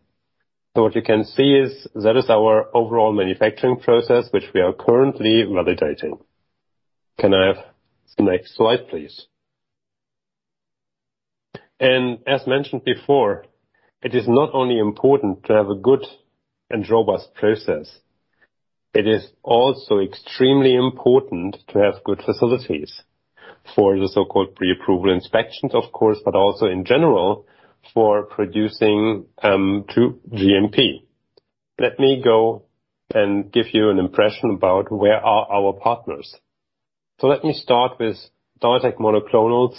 What you can see is that is our overall manufacturing process, which we are currently validating. Can I have the next slide, please? As mentioned before, it is not only important to have a good and robust process, it is also extremely important to have good facilities for the so-called pre-approval inspections, of course, but also in general for producing to GMP. Let me go and give you an impression about where are our partners. Let me start with Diatec Monoclonals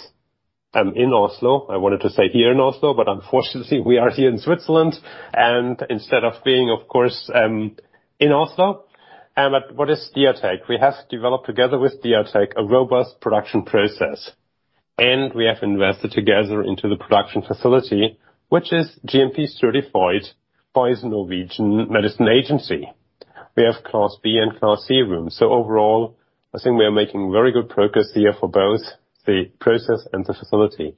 in Oslo. I wanted to say here in Oslo, but unfortunately we are here in Switzerland and instead of being, of course, in Oslo. But what is Diatec? We have developed together with Diatec a robust production process. We have invested together into the production facility, which is GMP-certified by the Norwegian Medicines Agency. We have Class B and Class C rooms. Overall, I think we are making very good progress here for both the process and the facility.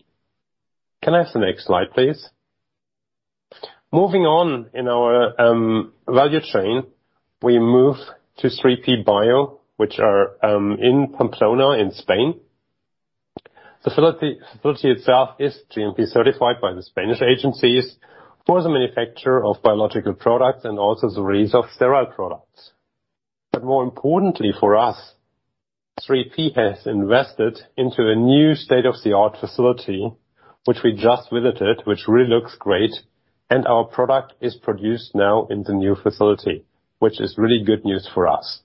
Can I have the next slide, please? Moving on in our value chain, we move to 3P Bio, which are in Pamplona in Spain. The facility itself is GMP-certified by the Spanish agencies for the manufacture of biological products and also the release of sterile products. But more importantly for us, 3P has invested into a new state-of-the-art facility which we just visited, which really looks great, and our product is produced now in the new facility, which is really good news for us.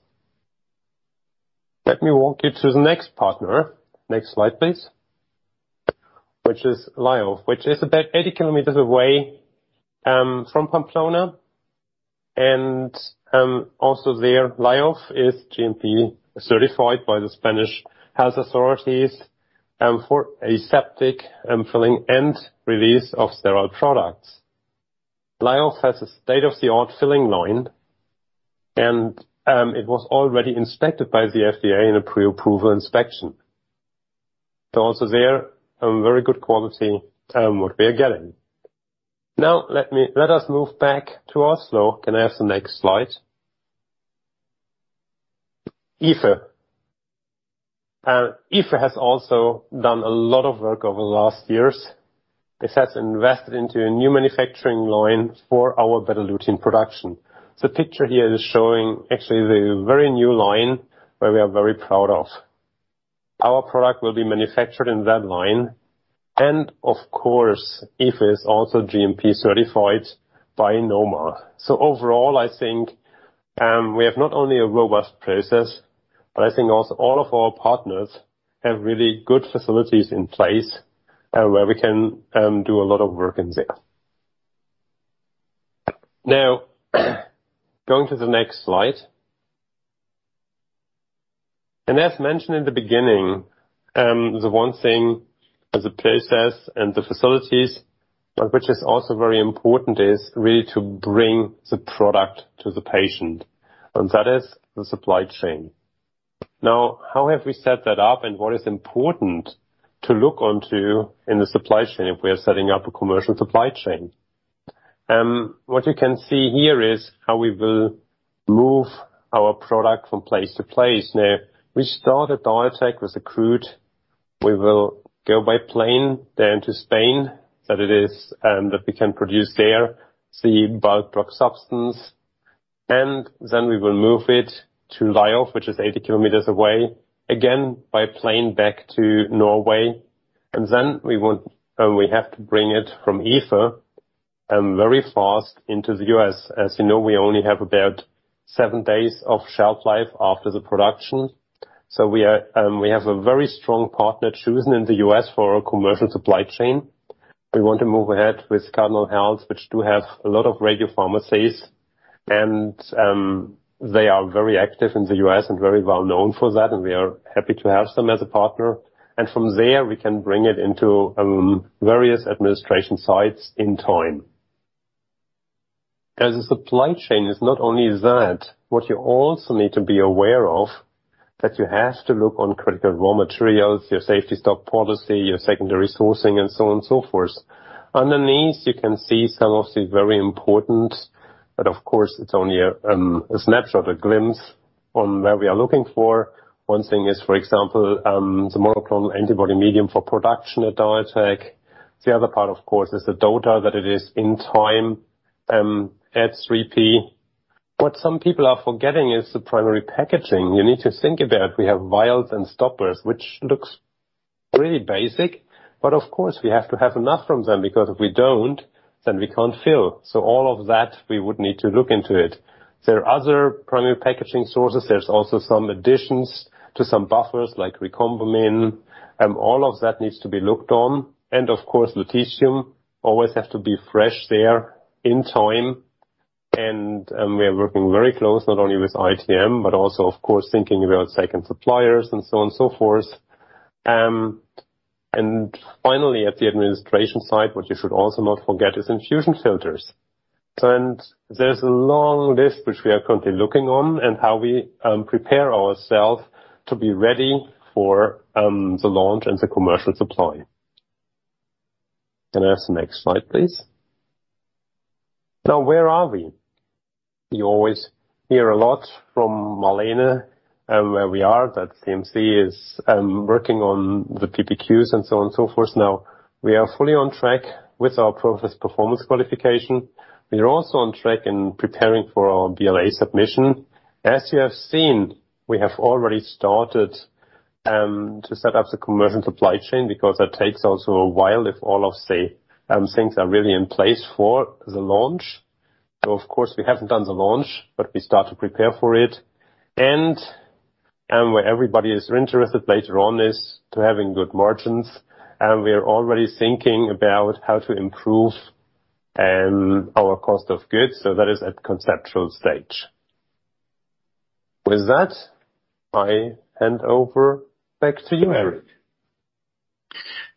Let me walk you to the next partner. Next slide, please. Which is Liof, which is about 80 km away from Pamplona. Also there, Liof is GMP-certified by the Spanish health authorities for aseptic and filling and release of sterile products. Liof has a state-of-the-art filling line and it was already inspected by the FDA in a pre-approval inspection. Also there, a very good quality what we are getting. Now let us move back to Oslo. Can I have the next slide? IFE. IFE has also done a lot of work over the last years. It has invested into a new manufacturing line for our Betalutin production. The picture here is showing actually the very new line where we are very proud of. Our product will be manufactured in that line and of course, IFE is also GMP-certified by NoMA. Overall I think, we have not only a robust process, but I think also all of our partners have really good facilities in place, where we can do a lot of work in there. Now, going to the next slide. As mentioned in the beginning, the one thing as a process and the facilities, but which is also very important, is really to bring the product to the patient, and that is the supply chain. Now, how have we set that up, and what is important to look onto in the supply chain if we are setting up a commercial supply chain? What you can see here is how we will move our product from place to place. Now, we start at Diatec with the crude. We will go by plane down to Spain so that we can produce there the bulk drug substance. Then we will move it to Liof, which is 80 km away, again by plane back to Norway. Then we have to bring it from IFE very fast into the U.S. As you know, we only have about seven days of shelf life after the production. We have chosen a very strong partner in the U.S. for our commercial supply chain. We want to move ahead with Cardinal Health, which has a lot of radiopharmacies, and they are very active in the U.S. and very well known for that, and we are happy to have them as a partner. From there, we can bring it into various administration sites in time. As a supply chain, it's not only that. What you also need to be aware of is that you have to look on critical raw materials, your safety stock policy, your secondary sourcing, and so on and so forth. Underneath, you can see some of the very important, but of course, it's only a snapshot, a glimpse on where we are looking for. One thing is, for example, the monoclonal antibody medium for production at Diatec. The other part, of course, is the DOTA, that it is in time at 3P. What some people are forgetting is the primary packaging. You need to think about we have vials and stoppers, which looks really basic, but of course we have to have enough from them because if we don't, then we can't fill. All of that, we would need to look into it. There are other primary packaging sources. There's also some additions to some buffers like Recombumin, all of that needs to be looked on. Of course, lutetium always have to be fresh there in time. We are working very closely, not only with ITM but also, of course, thinking about second suppliers and so on and so forth. Finally, at the administration site, what you should also not forget is infusion filters. There's a long list which we are currently looking on and how we prepare ourselves to be ready for the launch and the commercial supply. Can I ask the next slide, please? Now, where are we? You always hear a lot from Malene and where we are, that CMC is working on the PPQs and so on and so forth. We are fully on track with our process performance qualification. We are also on track in preparing for our BLA submission. As you have seen, we have already started to set up the commercial supply chain because that takes also a while if all of the things are really in place for the launch. We haven't done the launch, but we start to prepare for it. Where everybody is interested later on is to having good margins, and we are already thinking about how to improve our cost of goods. That is at conceptual stage. With that, I hand over back to you, Erik.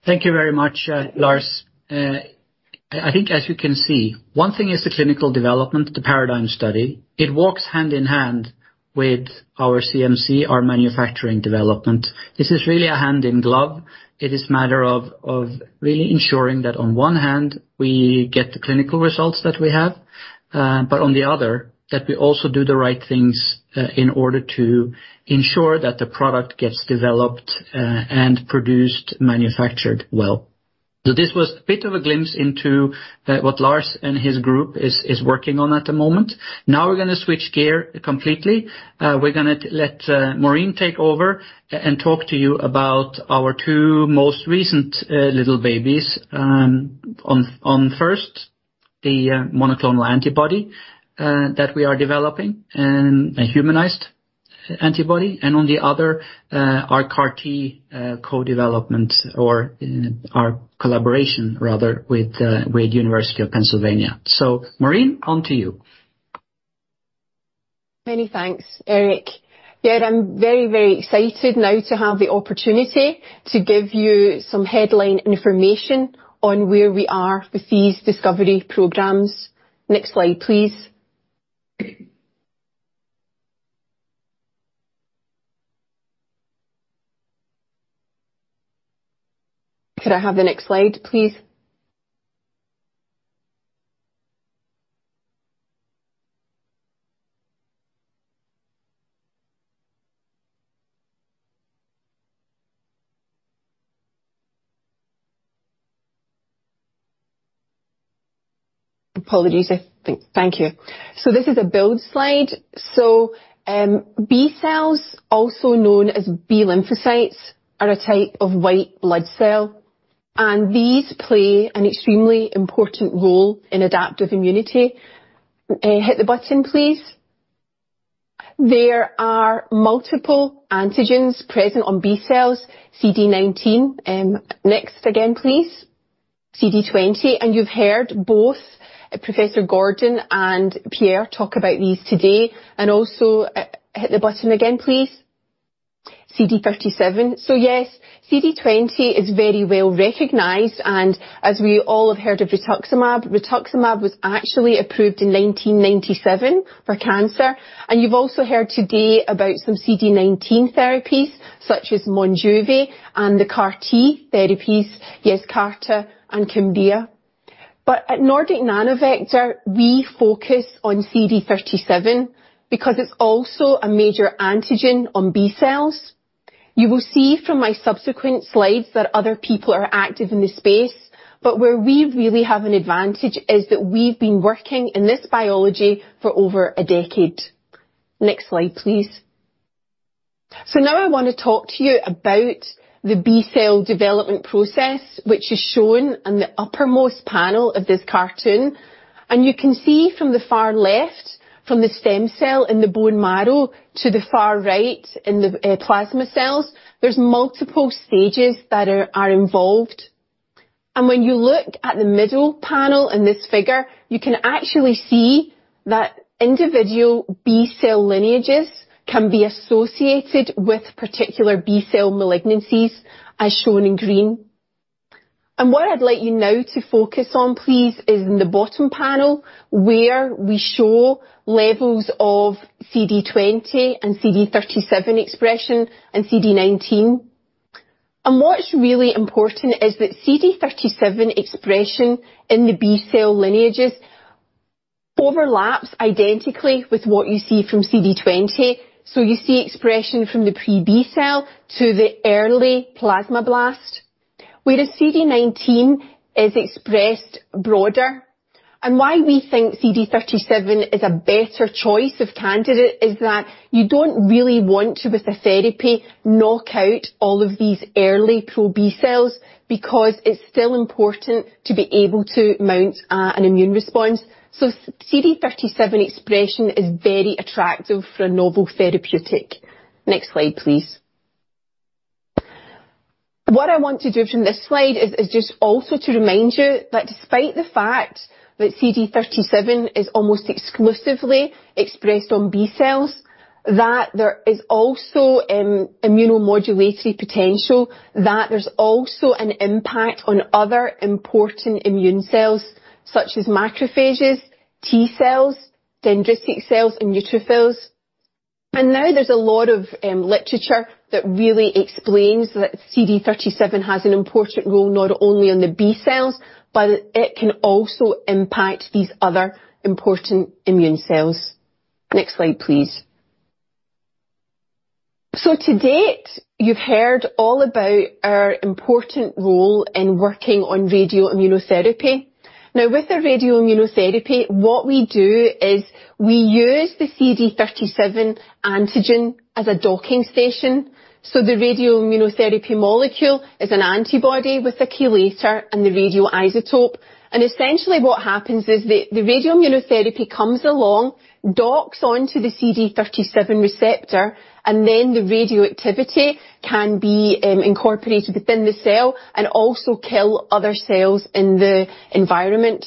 Thank you very much, Lars. I think as you can see, one thing is the clinical development, the PARADIGME study. It walks hand in hand with our CMC, our manufacturing development. This is really a hand in glove. It is a matter of really ensuring that on one hand we get the clinical results that we have, but on the other, that we also do the right things in order to ensure that the product gets developed and produced, manufactured well. This was a bit of a glimpse into what Lars and his group is working on at the moment. Now we're gonna switch gear completely. We're gonna let Maureen take over and talk to you about our two most recent little babies, our first, the monoclonal antibody that we are developing and a humanized antibody. On the other, our CAR T co-development or our collaboration rather with University of Pennsylvania. Maureen, on to you. Many thanks, Erik. Yeah, I'm very, very excited now to have the opportunity to give you some headline information on where we are with these discovery programs. Next slide, please. Could I have the next slide, please? Apologies. Thank you. This is a build slide. B cells, also known as B lymphocytes, are a type of white blood cell, and these play an extremely important role in adaptive immunity. Hit the button, please. There are multiple antigens present on B cells, CD19. Next again, please. CD20. You've heard both Professor Gordon and Pierre talk about these today. Also, hit the button again, please. CD37. Yes, CD20 is very well-recognized, and as we all have heard of rituximab was actually approved in 1997 for cancer. You've also heard today about some CD19 therapies, such as Monjuvi and the CAR T therapies, Yescarta and Kymriah. At Nordic Nanovector, we focus on CD37 because it's also a major antigen on B cells. You will see from my subsequent slides that other people are active in this space. Where we really have an advantage is that we've been working in this biology for over a decade. Next slide, please. Now I wanna talk to you about the B cell development process, which is shown on the uppermost panel of this cartoon. You can see from the far left, from the stem cell in the bone marrow to the far right in the plasma cells, there's multiple stages that are involved. When you look at the middle panel in this figure, you can actually see that individual B-cell lineages can be associated with particular B-cell malignancies, as shown in green. What I'd like you now to focus on, please, is in the bottom panel where we show levels of CD20 and CD37 expression and CD19. What's really important is that CD37 expression in the B-cell lineages overlaps identically with what you see from CD20. You see expression from the pre-B-cell to the early plasmablast, where the CD19 is expressed broader. Why we think CD37 is a better choice of candidate is that you don't really want to, with the therapy, knock out all of these early pro-B-cells because it's still important to be able to mount an immune response. CD37 expression is very attractive for a novel therapeutic. Next slide, please. What I want to do from this slide is just also to remind you that despite the fact that CD37 is almost exclusively expressed on B cells, that there is also an immunomodulatory potential, that there's also an impact on other important immune cells such as macrophages, T cells, dendritic cells, and neutrophils. Now there's a lot of literature that really explains that CD37 has an important role not only on the B cells, but it can also impact these other important immune cells. Next slide, please. To date, you've heard all about our important role in working on radioimmunotherapy. Now, with the radioimmunotherapy, what we do is we use the CD37 antigen as a docking station, so the radioimmunotherapy molecule is an antibody with a chelator and the radioisotope. Essentially what happens is the radioimmunotherapy comes along, docks onto the CD37 receptor, and then the radioactivity can be incorporated within the cell and also kill other cells in the environment.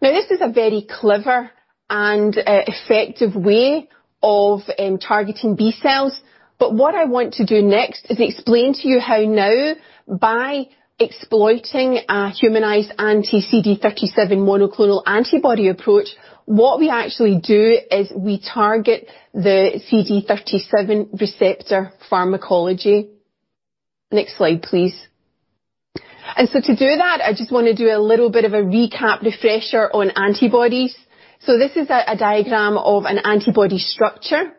This is a very clever and effective way of targeting B cells. What I want to do next is explain to you how, by exploiting a humanized anti-CD37 monoclonal antibody approach, what we actually do is we target the CD37 receptor pharmacology. Next slide, please. To do that, I just wanna do a little bit of a recap refresher on antibodies. This is a diagram of an antibody structure,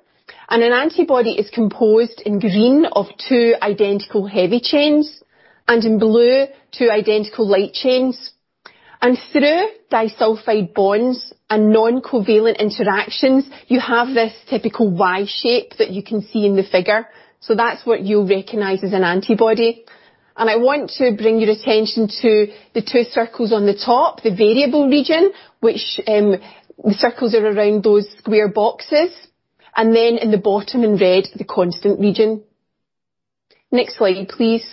and an antibody is composed in green of two identical heavy chains and in blue, two identical light chains. Through disulfide bonds and non-covalent interactions, you have this typical Y shape that you can see in the figure. That's what you'll recognize as an antibody. I want to bring your attention to the two circles on the top, the variable region, which the circles are around those square boxes, and then in the bottom in red, the constant region. Next slide, please.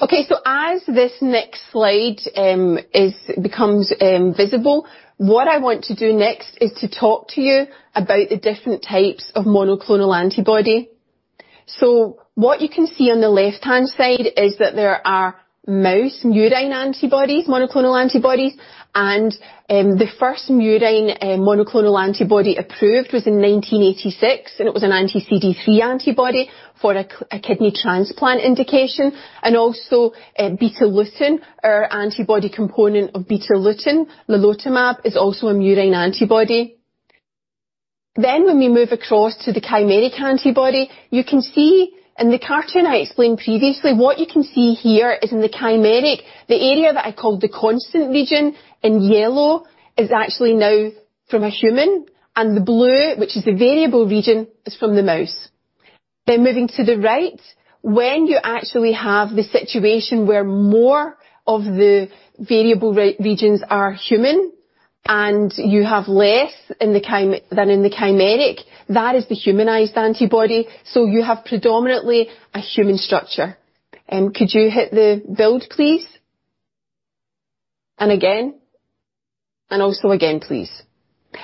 Okay, as this next slide becomes visible, what I want to do next is to talk to you about the different types of monoclonal antibody. What you can see on the left-hand side is that there are mouse murine antibodies, monoclonal antibodies, and the first murine monoclonal antibody approved was in 1986, and it was an anti-CD3 antibody for a kidney transplant indication and also Betalutin or antibody component of Betalutin. Lilotomab is also a murine antibody. When we move across to the chimeric antibody, you can see in the cartoon I explained previously, what you can see here is in the chimeric, the area that I called the constant region in yellow is actually now from a human, and the blue, which is the variable region, is from the mouse. Moving to the right, when you actually have the situation where more of the variable regions are human and you have less than in the chimeric, that is the humanized antibody, so you have predominantly a human structure. Could you hit the build, please? Again. Also again, please.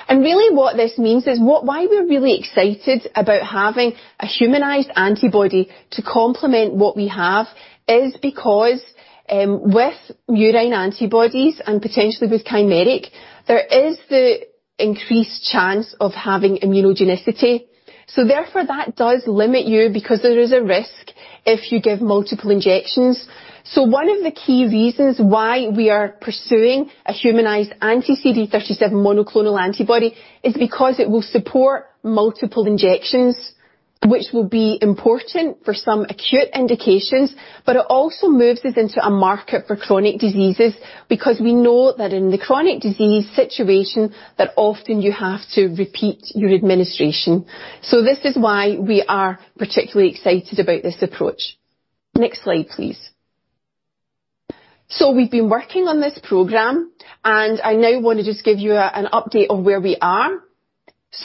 Really what this means is what. Why we're really excited about having a humanized antibody to complement what we have is because, with murine antibodies, and potentially with chimeric, there is the increased chance of having immunogenicity. Therefore, that does limit you because there is a risk if you give multiple injections. One of the key reasons why we are pursuing a humanized anti-CD37 monoclonal antibody is because it will support multiple injections, which will be important for some acute indications, but it also moves us into a market for chronic diseases because we know that in the chronic disease situation, that often you have to repeat your administration. This is why we are particularly excited about this approach. Next slide, please. We've been working on this program, and I now wanna just give you an update on where we are.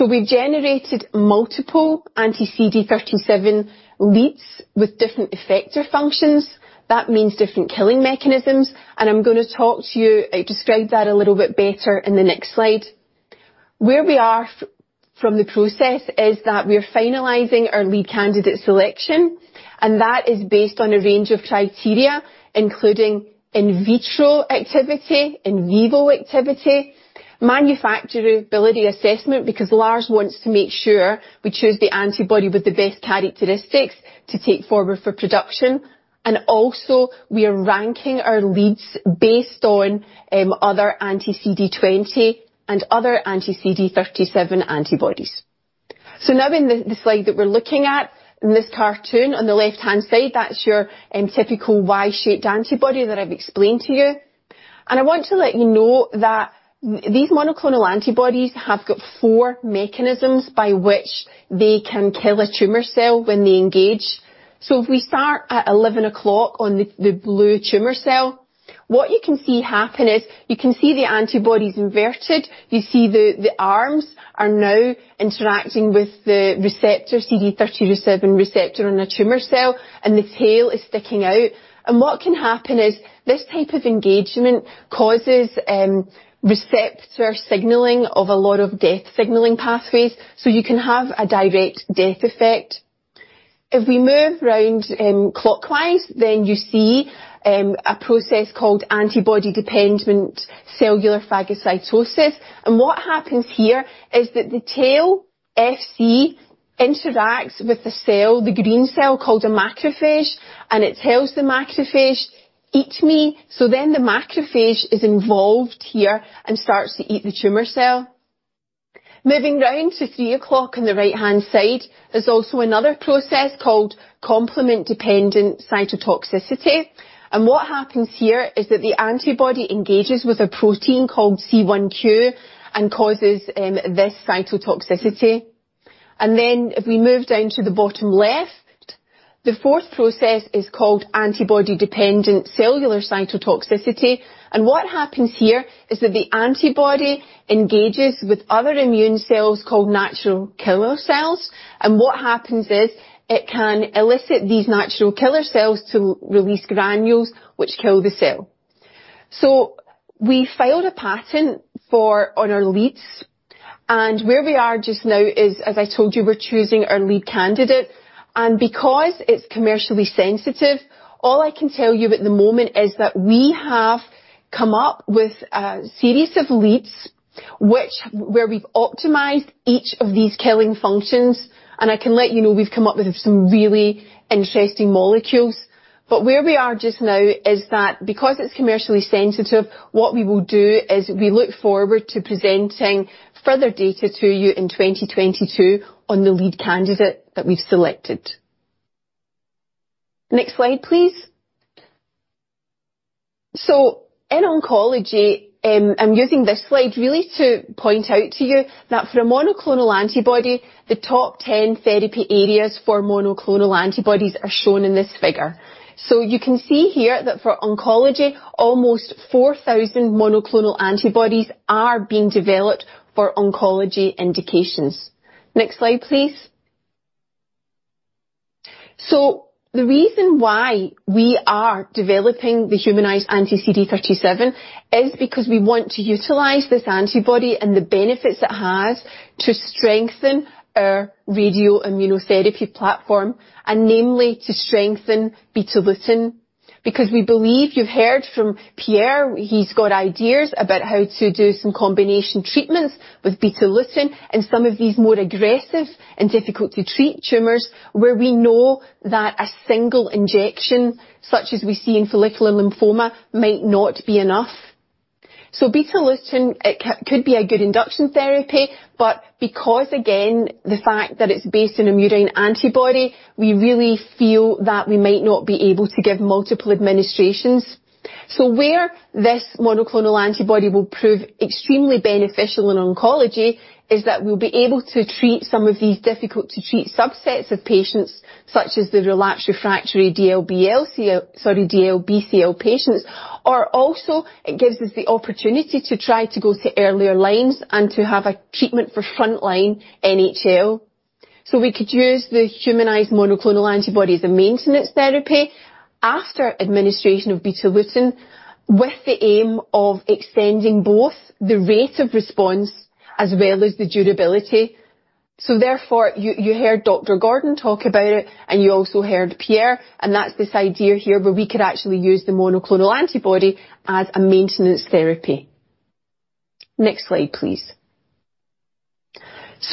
We've generated multiple anti-CD37 leads with different effector functions. That means different killing mechanisms, and I'm gonna talk to you, describe that a little bit better in the next slide. Where we are from the process is that we're finalizing our lead candidate selection, and that is based on a range of criteria, including in vitro activity, in vivo activity, manufacturability assessment, because Lars wants to make sure we choose the antibody with the best characteristics to take forward for production, and also we are ranking our leads based on other anti-CD20 and other anti-CD37 antibodies. Now in the slide that we're looking at, in this cartoon on the left-hand side, that's your typical Y-shaped antibody that I've explained to you. I want to let you know that these monoclonal antibodies have got four mechanisms by which they can kill a tumor cell when they engage. If we start at 11 o'clock on the blue tumor cell, what you can see happen is you can see the antibody's inverted. You see the arms are now interacting with the receptor, CD37 receptor on the tumor cell, and the tail is sticking out. What can happen is this type of engagement causes receptor signaling of a lot of death signaling pathways, so you can have a direct death effect. If we move round clockwise, then you see a process called antibody-dependent cellular phagocytosis. What happens here is that the tail, Fc, interacts with the cell, the green cell called a macrophage, and it tells the macrophage, "Eat me." The macrophage is involved here and starts to eat the tumor cell. Moving round to 3:00 on the right-hand side, there's also another process called complement-dependent cytotoxicity. What happens here is that the antibody engages with a protein called C1q and causes this cytotoxicity. If we move down to the bottom left, the fourth process is called antibody-dependent cellular cytotoxicity. What happens here is that the antibody engages with other immune cells called natural killer cells. What happens is it can elicit these natural killer cells to release granules, which kill the cell. We filed a patent on our leads. Where we are just now is, as I told you, we're choosing our lead candidate. Because it's commercially sensitive, all I can tell you at the moment is that we have come up with a series of leads where we've optimized each of these killing functions, and I can let you know we've come up with some really interesting molecules. Where we are just now is that because it's commercially sensitive, what we will do is we look forward to presenting further data to you in 2022 on the lead candidate that we've selected. Next slide, please. In oncology, I'm using this slide really to point out to you that for a monoclonal antibody, the top 10 therapy areas for monoclonal antibodies are shown in this figure. You can see here that for oncology, almost 4,000 monoclonal antibodies are being developed for oncology indications. Next slide, please. The reason why we are developing the humanized anti-CD37 is because we want to utilize this antibody and the benefits it has to strengthen our radioimmunotherapy platform, and namely to strengthen Betalutin. Because we believe, you've heard from Pierre, he's got ideas about how to do some combination treatments with Betalutin and some of these more aggressive and difficult-to-treat tumors where we know that a single injection, such as we see in follicular lymphoma, might not be enough. Betalutin could be a good induction therapy, but because again, the fact that it's based on a murine antibody, we really feel that we might not be able to give multiple administrations. Where this monoclonal antibody will prove extremely beneficial in oncology is that we'll be able to treat some of these difficult-to-treat subsets of patients, such as the relapsed refractory DLBCL patients. Or also, it gives us the opportunity to try to go to earlier lines and to have a treatment for frontline NHL. We could use the humanized monoclonal antibody as a maintenance therapy after administration of Betalutin with the aim of extending both the rate of response as well as the durability. You heard Dr. Gordon talk about it, and you also heard Pierre, and that's this idea here where we could actually use the monoclonal antibody as a maintenance therapy. Next slide, please.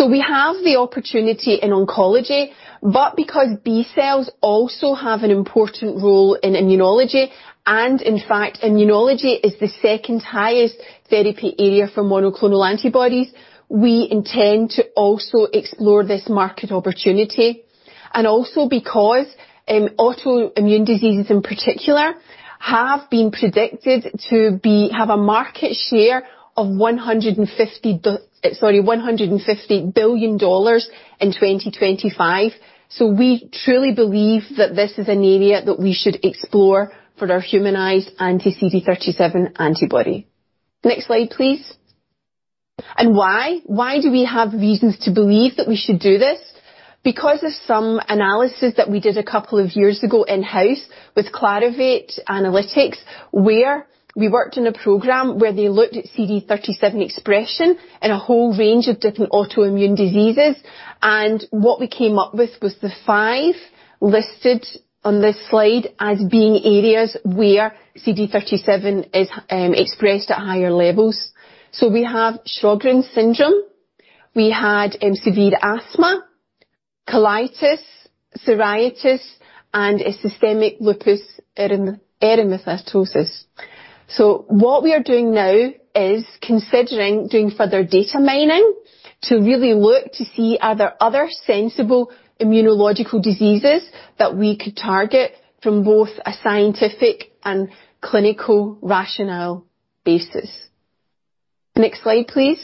We have the opportunity in oncology, but because B cells also have an important role in immunology, and in fact, immunology is the second highest therapy area for monoclonal antibodies, we intend to also explore this market opportunity. Autoimmune diseases in particular have been predicted to have a market share of $150 billion in 2025. We truly believe that this is an area that we should explore for our humanized anti-CD37 antibody. Next slide, please. Why? Why do we have reasons to believe that we should do this? Because of some analysis that we did a couple of years ago in-house with Clarivate Analytics, where we worked on a program where they looked at CD37 expression in a whole range of different autoimmune diseases. What we came up with was the five listed on this slide as being areas where CD37 is expressed at higher levels. We have Sjögren's syndrome, we had severe asthma, colitis, psoriasis, and a systemic lupus erythematosus. What we are doing now is considering doing further data mining to really look to see are there other sensible immunological diseases that we could target from both a scientific and clinical rationale basis. Next slide, please.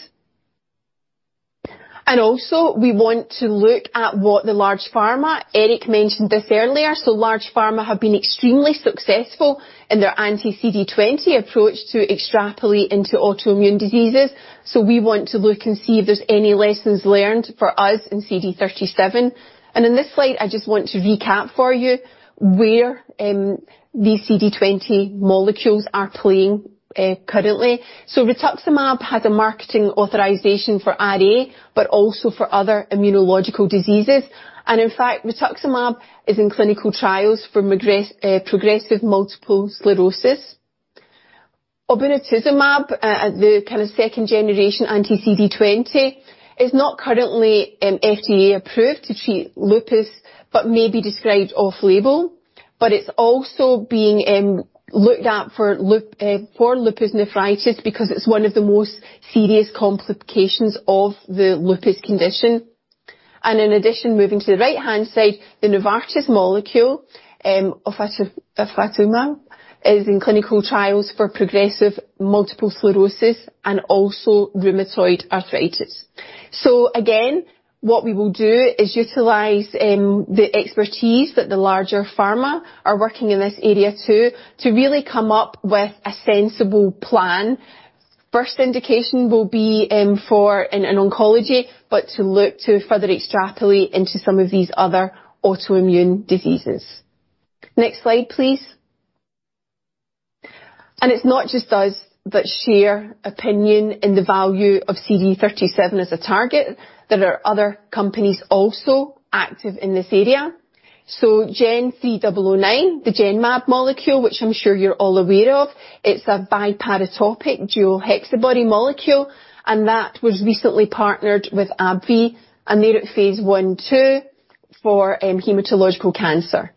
We want to look at what the large pharma. Erik mentioned this earlier. Large pharma have been extremely successful in their anti-CD20 approach to extrapolate into autoimmune diseases. We want to look and see if there's any lessons learned for us in CD37. In this slide, I just want to recap for you where these CD20 molecules are playing currently. Rituximab has a marketing authorization for RA, but also for other immunological diseases. In fact, rituximab is in clinical trials for progressive multiple sclerosis. Obinutuzumab, the kind of second-generation anti-CD20, is not currently FDA-approved to treat lupus, but may be described off-label. It's also being looked at for lupus nephritis because it's one of the most serious complications of the lupus condition. In addition, moving to the right-hand side, the Novartis molecule, ofatumumab, is in clinical trials for progressive multiple sclerosis and also rheumatoid arthritis. Again, what we will do is utilize the expertise that the larger pharma are working in this area too, to really come up with a sensible plan. First indication will be for an oncology, but to look to further extrapolate into some of these other autoimmune diseases. Next slide, please. It's not just us that share opinion in the value of CD37 as a target. There are other companies also active in this area. GEN3009, the Genmab molecule, which I'm sure you're all aware of, it's a biparatopic dual HexaBody molecule, and that was recently partnered with AbbVie, and they're at phase I/II for hematological cancer.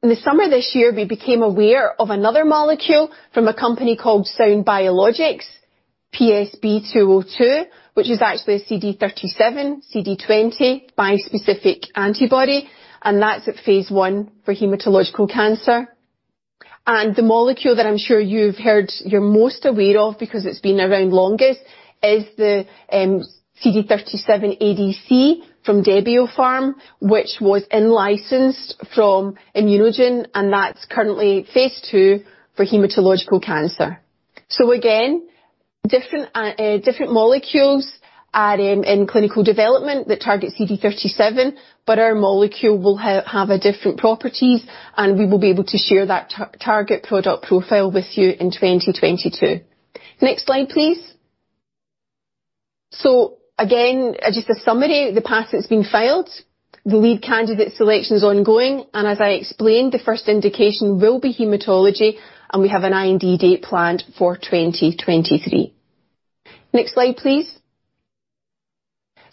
In the summer this year, we became aware of another molecule from a company called Sound Biologics, PSB202, which is actually a CD37/CD20 bispecific antibody, and that's at phase I for hematological cancer. The molecule that I'm sure you've heard of, you're most aware of because it's been around longest is the CD37 ADC from Debiopharm, which was in-licensed from ImmunoGen, and that's currently phase II for hematological cancer. Again, different molecules are in clinical development that target CD37, but our molecule will have different properties, and we will be able to share that target product profile with you in 2022. Next slide, please. Again, just a summary. The patent's been filed. The lead candidate selection is ongoing, and as I explained, the first indication will be hematology, and we have an IND date planned for 2023. Next slide, please.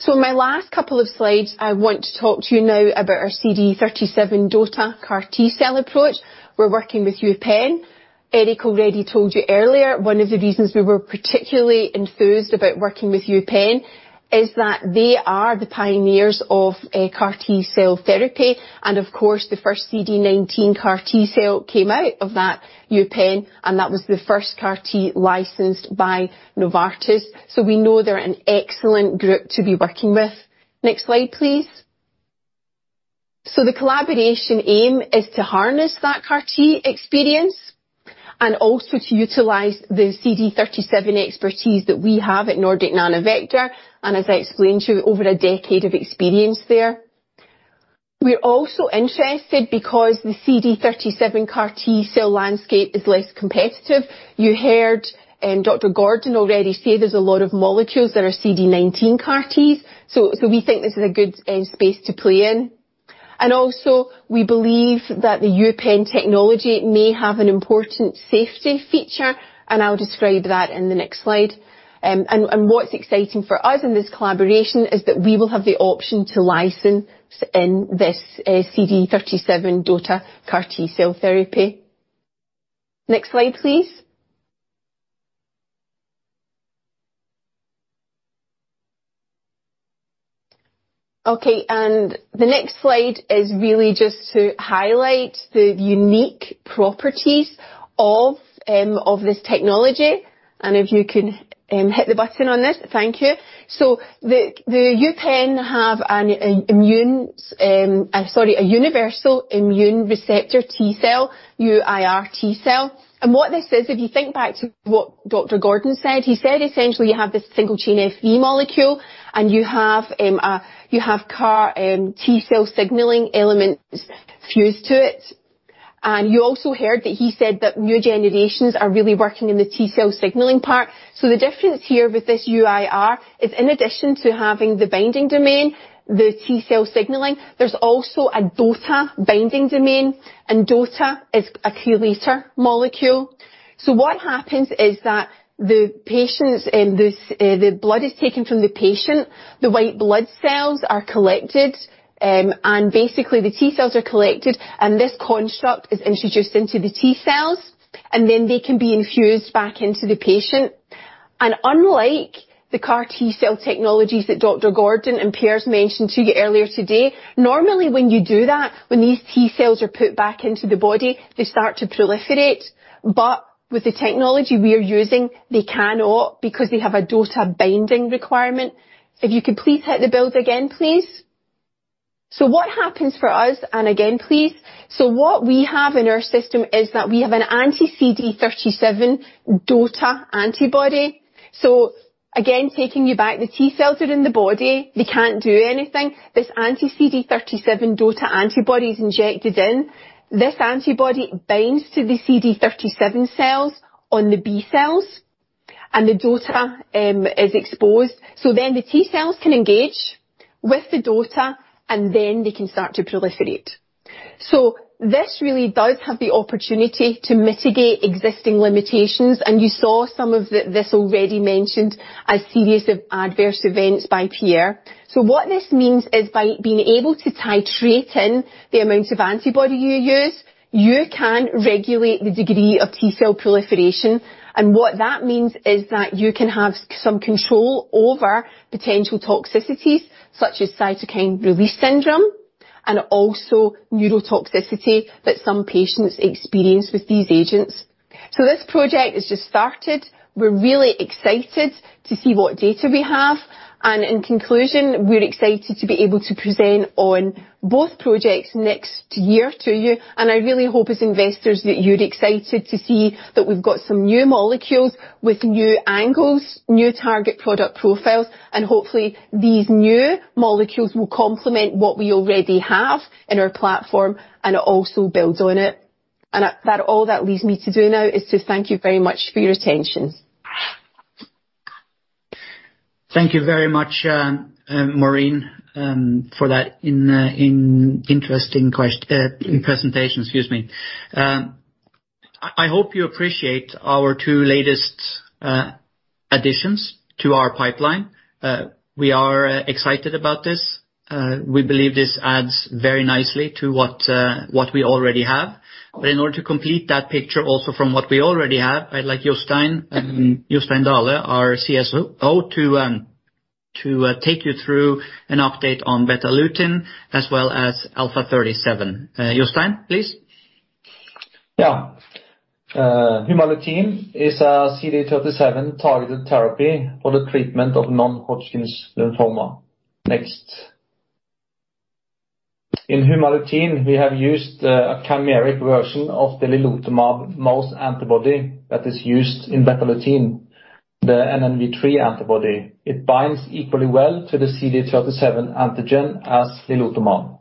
My last couple of slides, I want to talk to you now about our CD37 DOTA CAR T-cell approach. We're working with UPenn. Erik already told you earlier, one of the reasons we were particularly enthused about working with UPenn is that they are the pioneers of CAR T-cell therapy. Of course, the first CD19 CAR T-cell came out of that UPenn, and that was the first CAR T licensed by Novartis. We know they're an excellent group to be working with. Next slide, please. The collaboration aim is to harness that CAR T experience and also to utilize the CD37 expertise that we have at Nordic Nanovector, and as I explained to you, over a decade of experience there. We're also interested because the CD37 CAR T-cell landscape is less competitive. You heard, Dr. Gordon already said there's a lot of molecules that are CD19 CAR Ts. We think this is a good space to play in. We also believe that the UPenn technology may have an important safety feature, and I'll describe that in the next slide. What's exciting for us in this collaboration is that we will have the option to license in this CD37 DOTA CAR T-cell therapy. Next slide, please. The next slide is really just to highlight the unique properties of this technology, and if you can hit the button on this. Thank you. The UPenn have a universal immune receptor T-cell, UIR T-cell. What this is, if you think back to what Dr. Gordon said, essentially, you have this single-chain Fv molecule, and you have CAR T-cell signaling elements fused to it. You also heard that he said that new generations are really working in the T-cell signaling part. The difference here with this UIR is, in addition to having the binding domain, the T-cell signaling, there's also a DOTA binding domain, and DOTA is a chelator molecule. What happens is that the blood is taken from the patient, the white blood cells are collected, and basically, the T-cells are collected, and this construct is introduced into the T-cells, and then they can be infused back into the patient. Unlike the CAR T-cell technologies that Dr. Gordon and Pierre mentioned to you earlier today, normally when you do that, when these T-cells are put back into the body, they start to proliferate. With the technology we are using, they cannot because they have a DOTA binding requirement. If you could please hit the build again, please. What happens for us. And again, please. What we have in our system is that we have an anti-CD37 DOTA antibody. Again, taking you back, the T-cells are in the body, they can't do anything. This anti-CD37 DOTA antibody is injected in. This antibody binds to the CD37 cells on the B cells, and the DOTA is exposed. Then the T-cells can engage with the DOTA, and then they can start to proliferate. This really does have the opportunity to mitigate existing limitations, and you saw some of this already mentioned a series of adverse events by Pierre. What this means is by being able to titrate in the amount of antibody you use, you can regulate the degree of T-cell proliferation. What that means is that you can have some control over potential toxicities, such as cytokine release syndrome and also neurotoxicity that some patients experience with these agents. This project has just started. We're really excited to see what data we have. In conclusion, we're excited to be able to present on both projects next year to you. I really hope, as investors, that you're excited to see that we've got some new molecules with new angles, new target product profiles. Hopefully, these new molecules will complement what we already have in our platform and also build on it. All that leaves me to do now is to thank you very much for your attention. Thank you very much, Maureen, for that interesting presentation. Excuse me. I hope you appreciate our two latest additions to our pipeline. We are excited about this. We believe this adds very nicely to what we already have. In order to complete that picture also from what we already have, I'd like Jostein Dahle, our CSO, to take you through an update on Betalutin as well as Alpha37. Jostein, please. Humalutin is a CD37-targeted therapy for the treatment of non-Hodgkin lymphoma. Next. In Humalutin, we have used a chimeric version of the lilotomab mouse antibody that is used in Betalutin, the NNV3 antibody. It binds equally well to the CD37 antigen as lilotomab.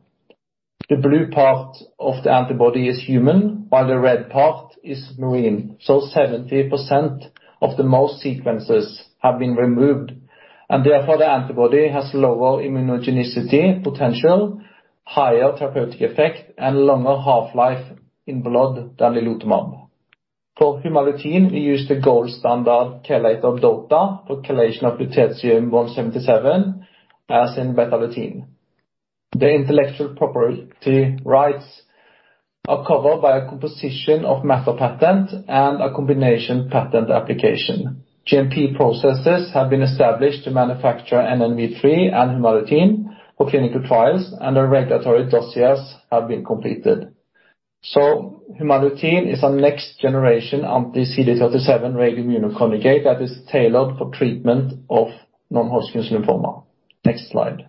The blue part of the antibody is human, while the red part is murine. 70% of the mouse sequences have been removed, and therefore the antibody has lower immunogenicity potential, higher therapeutic effect, and longer half-life in blood than lilotomab. For Humalutin, we use the gold standard chelator DOTA for chelation of Lutetium-177, as in Betalutin. The intellectual property rights are covered by a composition of matter patent and a combination patent application. GMP processes have been established to manufacture NNV3 and Humalutin for clinical trials, and the regulatory dossiers have been completed. Humalutin is a next-generation anti-CD37 radioimmunoconjugate that is tailored for treatment of non-Hodgkin lymphoma. Next slide.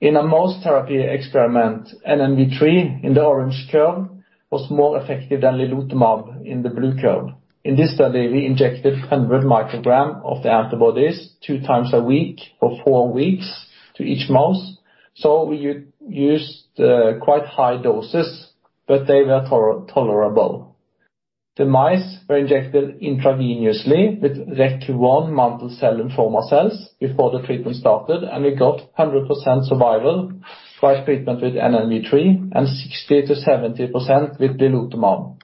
In a mouse therapy experiment, NNV003, in the orange curve, was more effective than lilotomab, in the blue curve. In this study, we injected 100 mcg of the antibodies two times a week for four weeks to each mouse. We used quite high doses, but they were tolerable. The mice were injected intravenously with REC-1 mantle cell lymphoma cells before the treatment started, and we got 100% survival by treatment with NNV003 and 60%-70% with lilotomab,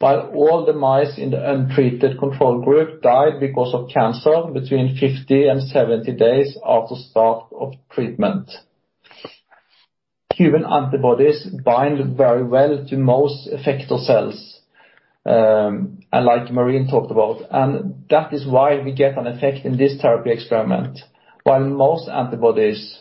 while all the mice in the untreated control group died because of cancer between 50 and 70 days after start of treatment. Human antibodies bind very well to most effector cells, and like Maureen talked about, and that is why we get an effect in this therapy experiment, while most antibodies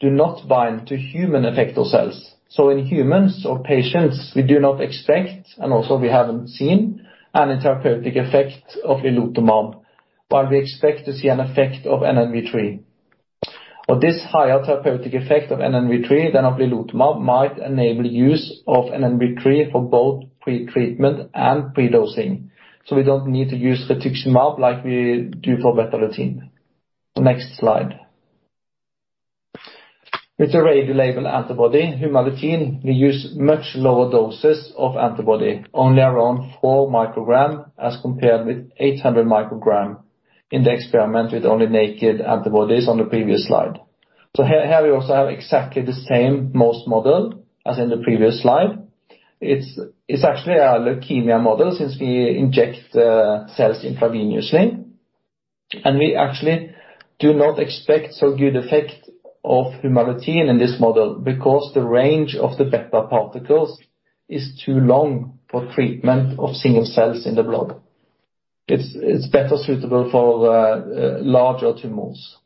do not bind to human effector cells. In humans or patients, we do not expect, and also we haven't seen, any therapeutic effect of lilotomab, while we expect to see an effect of NNV003. This higher therapeutic effect of NNV003 than of lilotomab might enable use of NNV003 for both pretreatment and predosing. We don't need to use rituximab like we do for Betalutin. Next slide. With the radiolabeled antibody Humalutin, we use much lower doses of antibody, only around 4 mcg as compared with 800 mcg in the experiment with only naked antibodies on the previous slide. Here we also have exactly the same mouse model as in the previous slide. It's actually a leukemia model since we inject the cells intravenously, and we actually do not expect so good effect of Humalutin in this model because the range of the beta particles is too long for treatment of single cells in the blood. It's better suitable for larger tumors.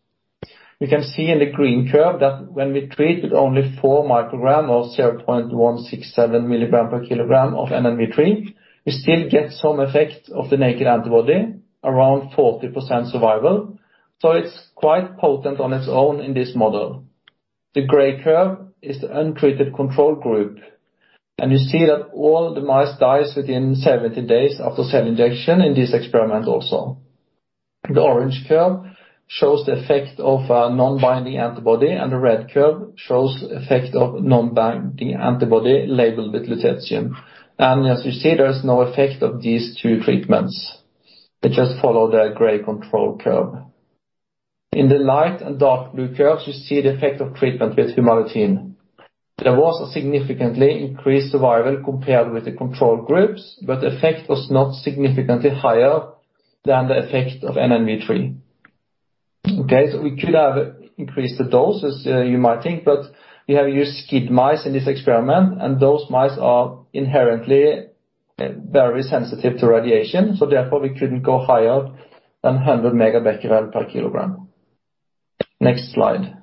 You can see in the green curve that when we treat with only 4 mcg or 0.167 mg/kg of NNV3, we still get some effect of the naked antibody, around 40% survival. So it's quite potent on its own in this model. The gray curve is the untreated control group, and you see that all the mice dies within 70 days after cell injection in this experiment also. The orange curve shows the effect of a non-binding antibody, and the red curve shows effect of non-binding antibody labeled with lutetium. As you see, there's no effect of these two treatments. They just follow the gray control curve. In the light and dark blue curves, you see the effect of treatment with Humalutin. There was a significantly increased survival compared with the control groups, but effect was not significantly higher than the effect of NNV3. Okay, so we could have increased the doses, you might think, but we have used SCID mice in this experiment, and those mice are inherently very sensitive to radiation, so therefore, we couldn't go higher than 100 MBq/kg. Next slide.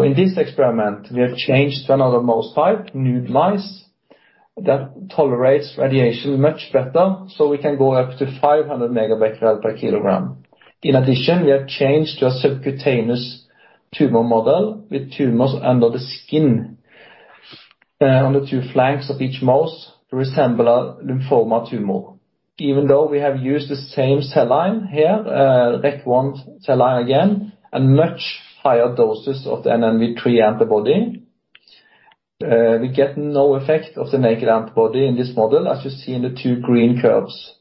In this experiment, we have changed another mouse type, nude mice, that tolerates radiation much better, so we can go up to 500 MBq/kg. In addition, we have changed to a subcutaneous tumor model with tumors under the skin on the two flanks of each mouse to resemble a lymphoma tumor. Even though we have used the same cell line here, REC-1 cell line again, and much higher doses of the NNV003 antibody, we get no effect of the naked antibody in this model as you see in the two green curves.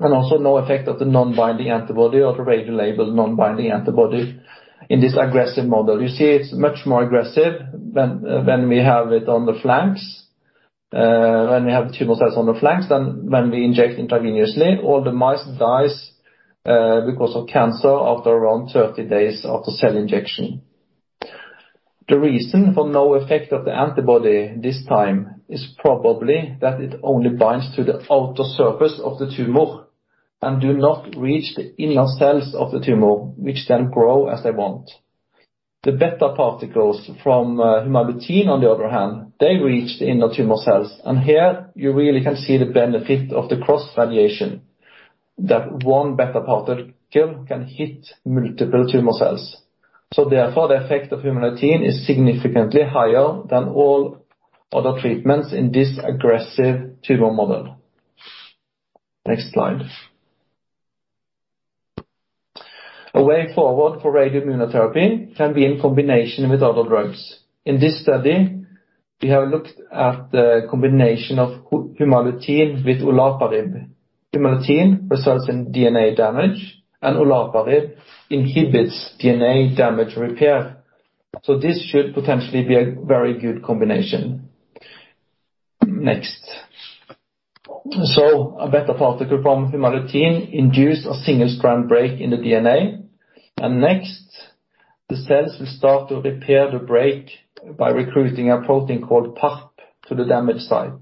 Also no effect of the non-binding antibody or the radiolabeled non-binding antibody in this aggressive model. You see it's much more aggressive when we have it on the flanks. When we have tumor cells on the flanks than when we inject intravenously, all the mice dies because of cancer after around 30 days after cell injection. The reason for no effect of the antibody this time is probably that it only binds to the outer surface of the tumor and do not reach the inner cells of the tumor, which then grow as they want. The beta particles from Humalutin on the other hand, they reach the inner tumor cells. Here you really can see the benefit of the cross radiation that one beta particle can hit multiple tumor cells. Therefore, the effect of Humalutin is significantly higher than all other treatments in this aggressive tumor model. Next slide. A way forward for radioimmunotherapy can be in combination with other drugs. In this study, we have looked at the combination of Humalutin with olaparib. Humalutin results in DNA damage, and olaparib inhibits DNA damage repair. This should potentially be a very good combination. Next. A beta particle from Humalutin induced a single-strand break in the DNA. The cells will start to repair the break by recruiting a protein called PARP to the damage site.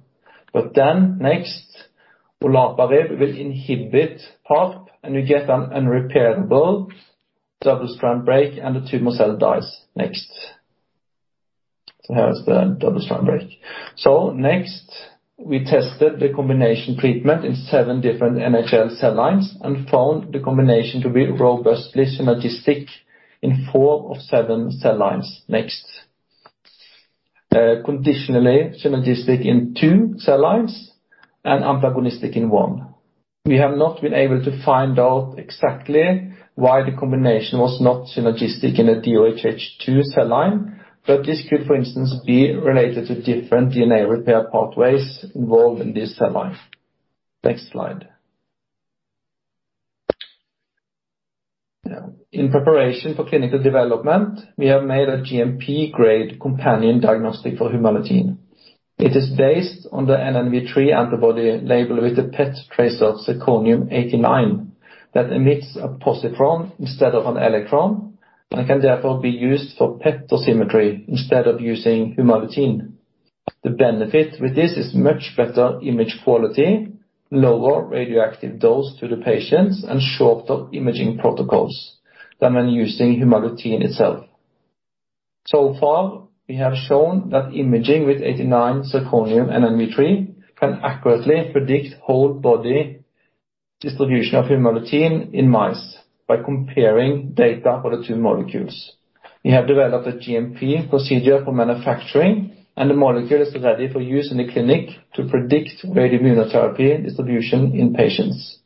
Olaparib will inhibit PARP, and you get an unrepairable double-strand break, and the tumor cell dies. Here's the double-strand break. We tested the combination treatment in seven different NHL cell lines and found the combination to be robustly synergistic in four of seven cell lines. Conditionally synergistic in two cell lines and antagonistic in one. We have not been able to find out exactly why the combination was not synergistic in a DOHH2 cell line, but this could, for instance, be related to different DNA repair pathways involved in this cell line. In preparation for clinical development, we have made a GMP-grade companion diagnostic for Humalutin. It is based on the NNV003 antibody labeled with the PET tracer Zirconium-89 that emits a positron instead of an electron, and can therefore be used for PET or scintigraphy instead of using Humalutin. The benefit with this is much better image quality, lower radioactive dose to the patients and shorter imaging protocols than when using Humalutin itself. Far, we have shown that imaging with 89 zirconium NNV003 can accurately predict whole body distribution of Humalutin in mice by comparing data of the two molecules. We have developed a GMP procedure for manufacturing, and the molecule is ready for use in the clinic to predict radioimmunotherapy distribution in patients.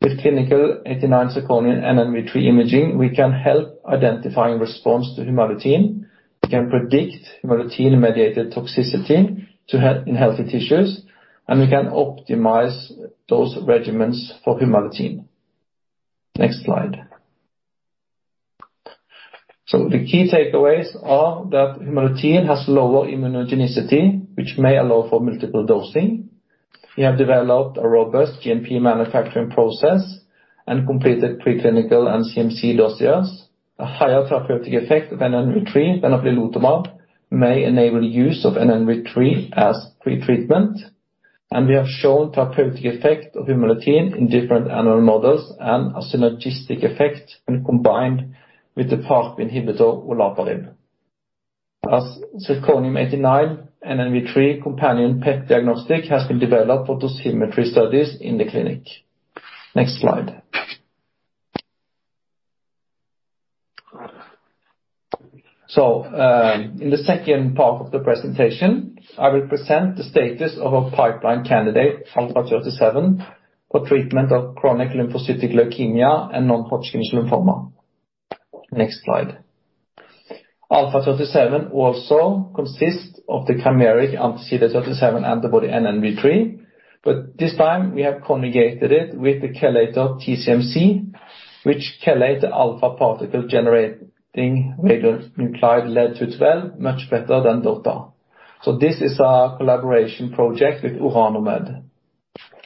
With clinical 89 zirconium NNV003 imaging, we can help identifying response to Humalutin, we can predict Humalutin-mediated toxicity in healthy tissues, and we can optimize those regimens for Humalutin. Next slide. The key takeaways are that Humalutin has lower immunogenicity, which may allow for multiple dosing. We have developed a robust GMP manufacturing process and completed pre-clinical and CMC dossiers. A higher therapeutic effect of NNV3 than obinutuzumab may enable use of NNV3 as pretreatment. We have shown therapeutic effect of Humalutin in different animal models and a synergistic effect when combined with the PARP inhibitor olaparib. A zirconium-89 NNV3 companion PET diagnostic has been developed for dosimetry studies in the clinic. Next slide. In the second part of the presentation, I will present the status of a pipeline candidate, Alpha37, for treatment of chronic lymphocytic leukemia and non-Hodgkin's lymphoma. Next slide. Alpha37 also consists of the chimeric anti-CD37 antibody, NNV003, but this time we have conjugated it with the chelator TCMC, which chelates the alpha particle generating radionuclide lead-212 much better than DOTA. This is a collaboration project with Orano Med.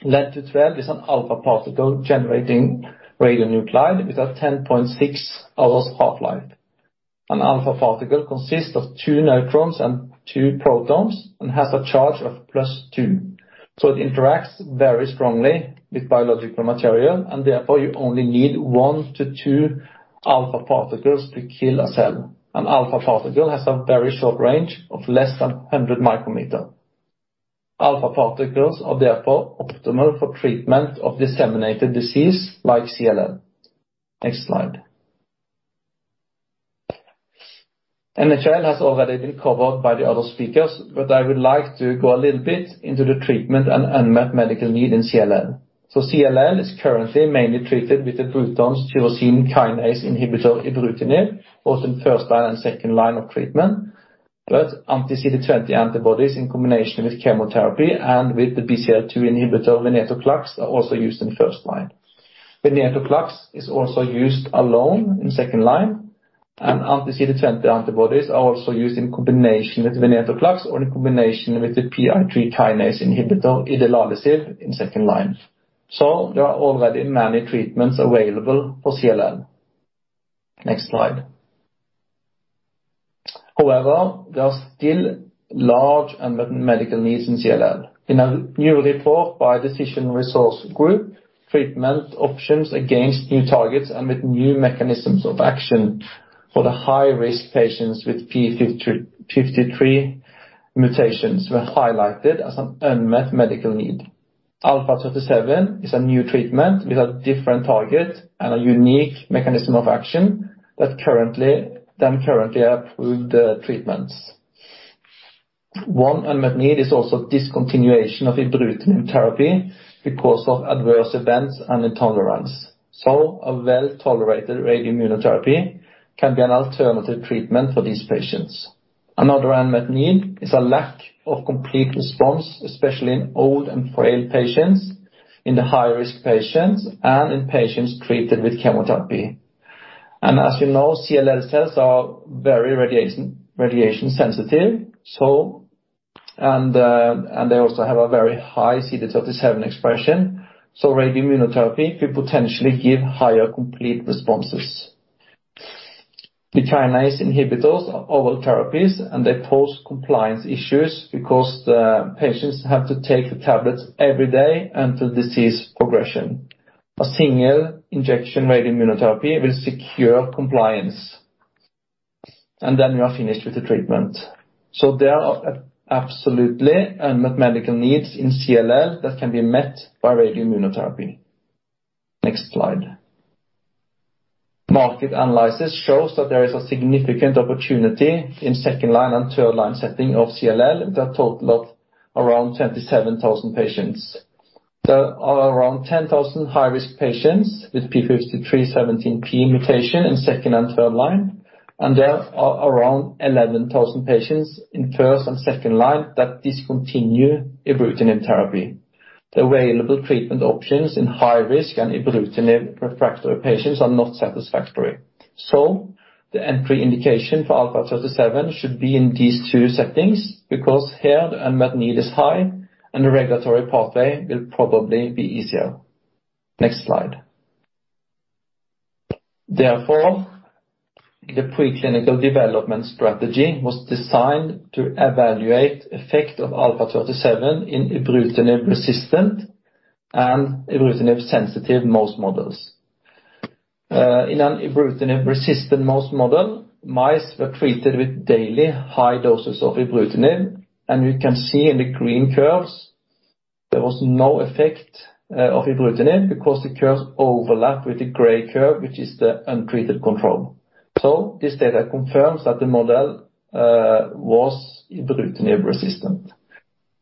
Lead-212 is an alpha particle generating radionuclide with a 10.6-hour half-life. An alpha particle consists of two neutrons and two protons and has a charge of +2. It interacts very strongly with biological material, and therefore you only need one to two alpha particles to kill a cell. An alpha particle has a very short range of less than 100 um. Alpha particles are therefore optimal for treatment of disseminated disease like CLL. Next slide. NHL has already been covered by the other speakers, but I would like to go a little bit into the treatment and unmet medical need in CLL. CLL is currently mainly treated with the Bruton's tyrosine kinase inhibitor ibrutinib, both in first line and second line of treatment. Anti-CD20 antibodies in combination with chemotherapy and with the BCL-2 inhibitor venetoclax are also used in first line. Venetoclax is also used alone in second line, and anti-CD20 antibodies are also used in combination with venetoclax or in combination with the PI3 kinase inhibitor idelalisib in second line. There are already many treatments available for CLL. Next slide. However, there are still large unmet medical needs in CLL. In a new report by Decision Resources Group, treatment options against new targets and with new mechanisms of action for the high-risk patients with P53, 53 mutations were highlighted as an unmet medical need. Alpha37 is a new treatment with a different target and a unique mechanism of action different than currently approved treatments. One unmet need is also discontinuation of ibrutinib therapy because of adverse events and intolerance. A well-tolerated radioimmunotherapy can be an alternative treatment for these patients. Another unmet need is a lack of complete response, especially in old and frail patients, in the high-risk patients and in patients treated with chemotherapy. As you know, CLL cells are very radiation sensitive, and they also have a very high CD37 expression, so radioimmunotherapy could potentially give higher complete responses. Tyrosine inhibitors are oral therapies, and they pose compliance issues because the patients have to take the tablets every day until disease progression. A single injection radioimmunotherapy will secure compliance, and then you are finished with the treatment. There are absolutely unmet medical needs in CLL that can be met by radioimmunotherapy. Next slide. Market analysis shows that there is a significant opportunity in second-line and third-line setting of CLL that total of around 27,000 patients. There are around 10,000 high-risk patients with P53 17p mutation in second- and third-line, and there are around 11,000 patients in first- and second-line that discontinue ibrutinib therapy. The available treatment options in high-risk and ibrutinib-refractory patients are not satisfactory. The entry indication for Alpha37 should be in these two settings because here the unmet need is high, and the regulatory pathway will probably be easier. Next slide. Therefore, the preclinical development strategy was designed to evaluate effect of Alpha37 in ibrutinib-resistant and ibrutinib-sensitive mouse models. In an ibrutinib-resistant mouse model, mice were treated with daily high doses of ibrutinib, and you can see in the green curves there was no effect of ibrutinib because the curves overlap with the gray curve, which is the untreated control. This data confirms that the model was ibrutinib resistant.